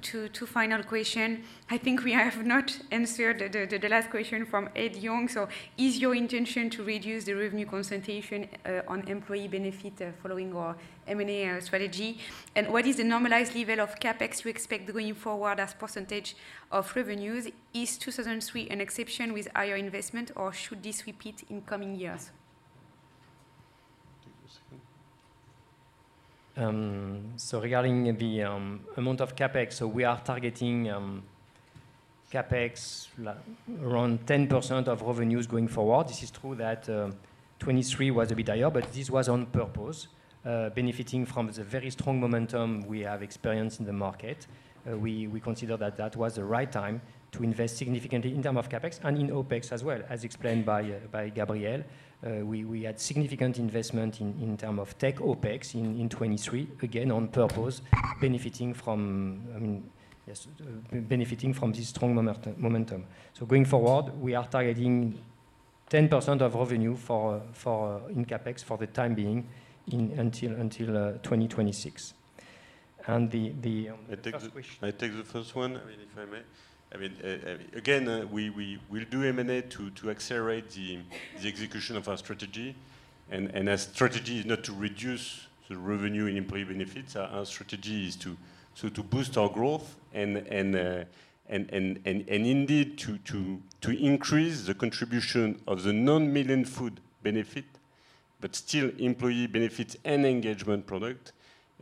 final question. I think we have not answered the last question from Ed Yong. So is your intention to reduce the revenue concentration on employee benefit following our M&A strategy? And what is the normalized level of CapEx you expect going forward as percentage of revenues? Is 2023 an exception with higher investment, or should this repeat in coming years? Take a second. So regarding the amount of CapEx, so we are targeting CapEx around 10% of revenues going forward. This is true that 2023 was a bit higher, but this was on purpose, benefiting from the very strong momentum we have experienced in the market. We consider that that was the right time to invest significantly in term of CapEx and in OpEx as well, as explained by by Gabriel. We had significant investment in term of tech OpEx in 2023, again, on purpose, benefiting from, I mean, yes, benefiting from this strong momentum. So going forward, we are targeting 10% of revenue for CapEx for the time being until 2026. And the first question- I take the, I take the first one, I mean, if I may. I mean, again, we'll do M&A to accelerate the execution of our strategy. And our strategy is not to reduce the revenue in employee benefits. Our strategy is to so to boost our growth and indeed to increase the contribution of the non-meal and food benefit, but still employee benefits and engagement product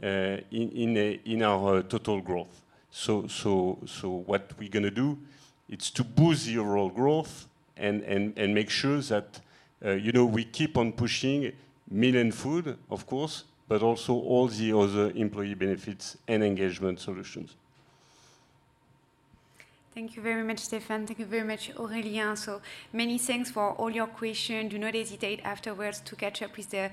in our total growth. So what we're gonna do it's to boost the overall growth and make sure that, you know, we keep on pushing meal and food, of course, but also all the other employee benefits and engagement solutions. Thank you very much, Stéphane. Thank you very much, Aurélien. So many thanks for all your question. Do not hesitate afterwards to catch up with the,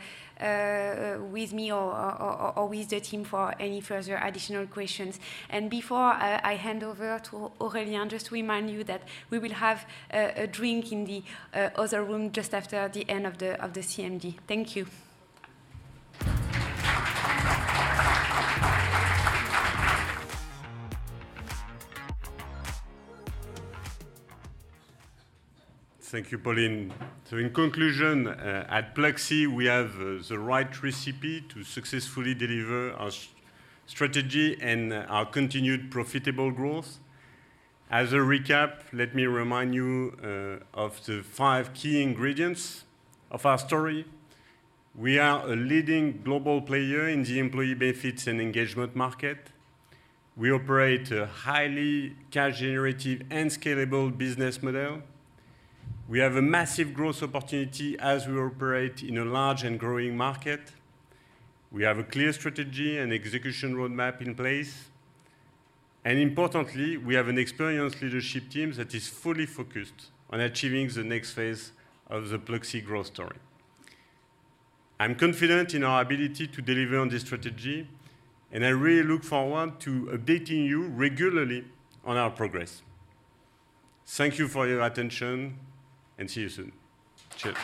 with me or with the team for any further additional questions. And before I hand over to Aurélien, just to remind you that we will have a drink in the other room just after the end of the CMD. Thank you. Thank you, Pauline. So in conclusion, at Pluxee, we have the right recipe to successfully deliver our strategy and our continued profitable growth. As a recap, let me remind you of the five key ingredients of our story. We are a leading global player in the employee benefits and engagement market. We operate a highly cash-generative and scalable business model. We have a massive growth opportunity as we operate in a large and growing market. We have a clear strategy and execution roadmap in place. And importantly, we have an experienced leadership team that is fully focused on achieving the next phase of the Pluxee growth story. I'm confident in our ability to deliver on this strategy, and I really look forward to updating you regularly on our progress. Thank you for your attention, and see you soon. Cheers.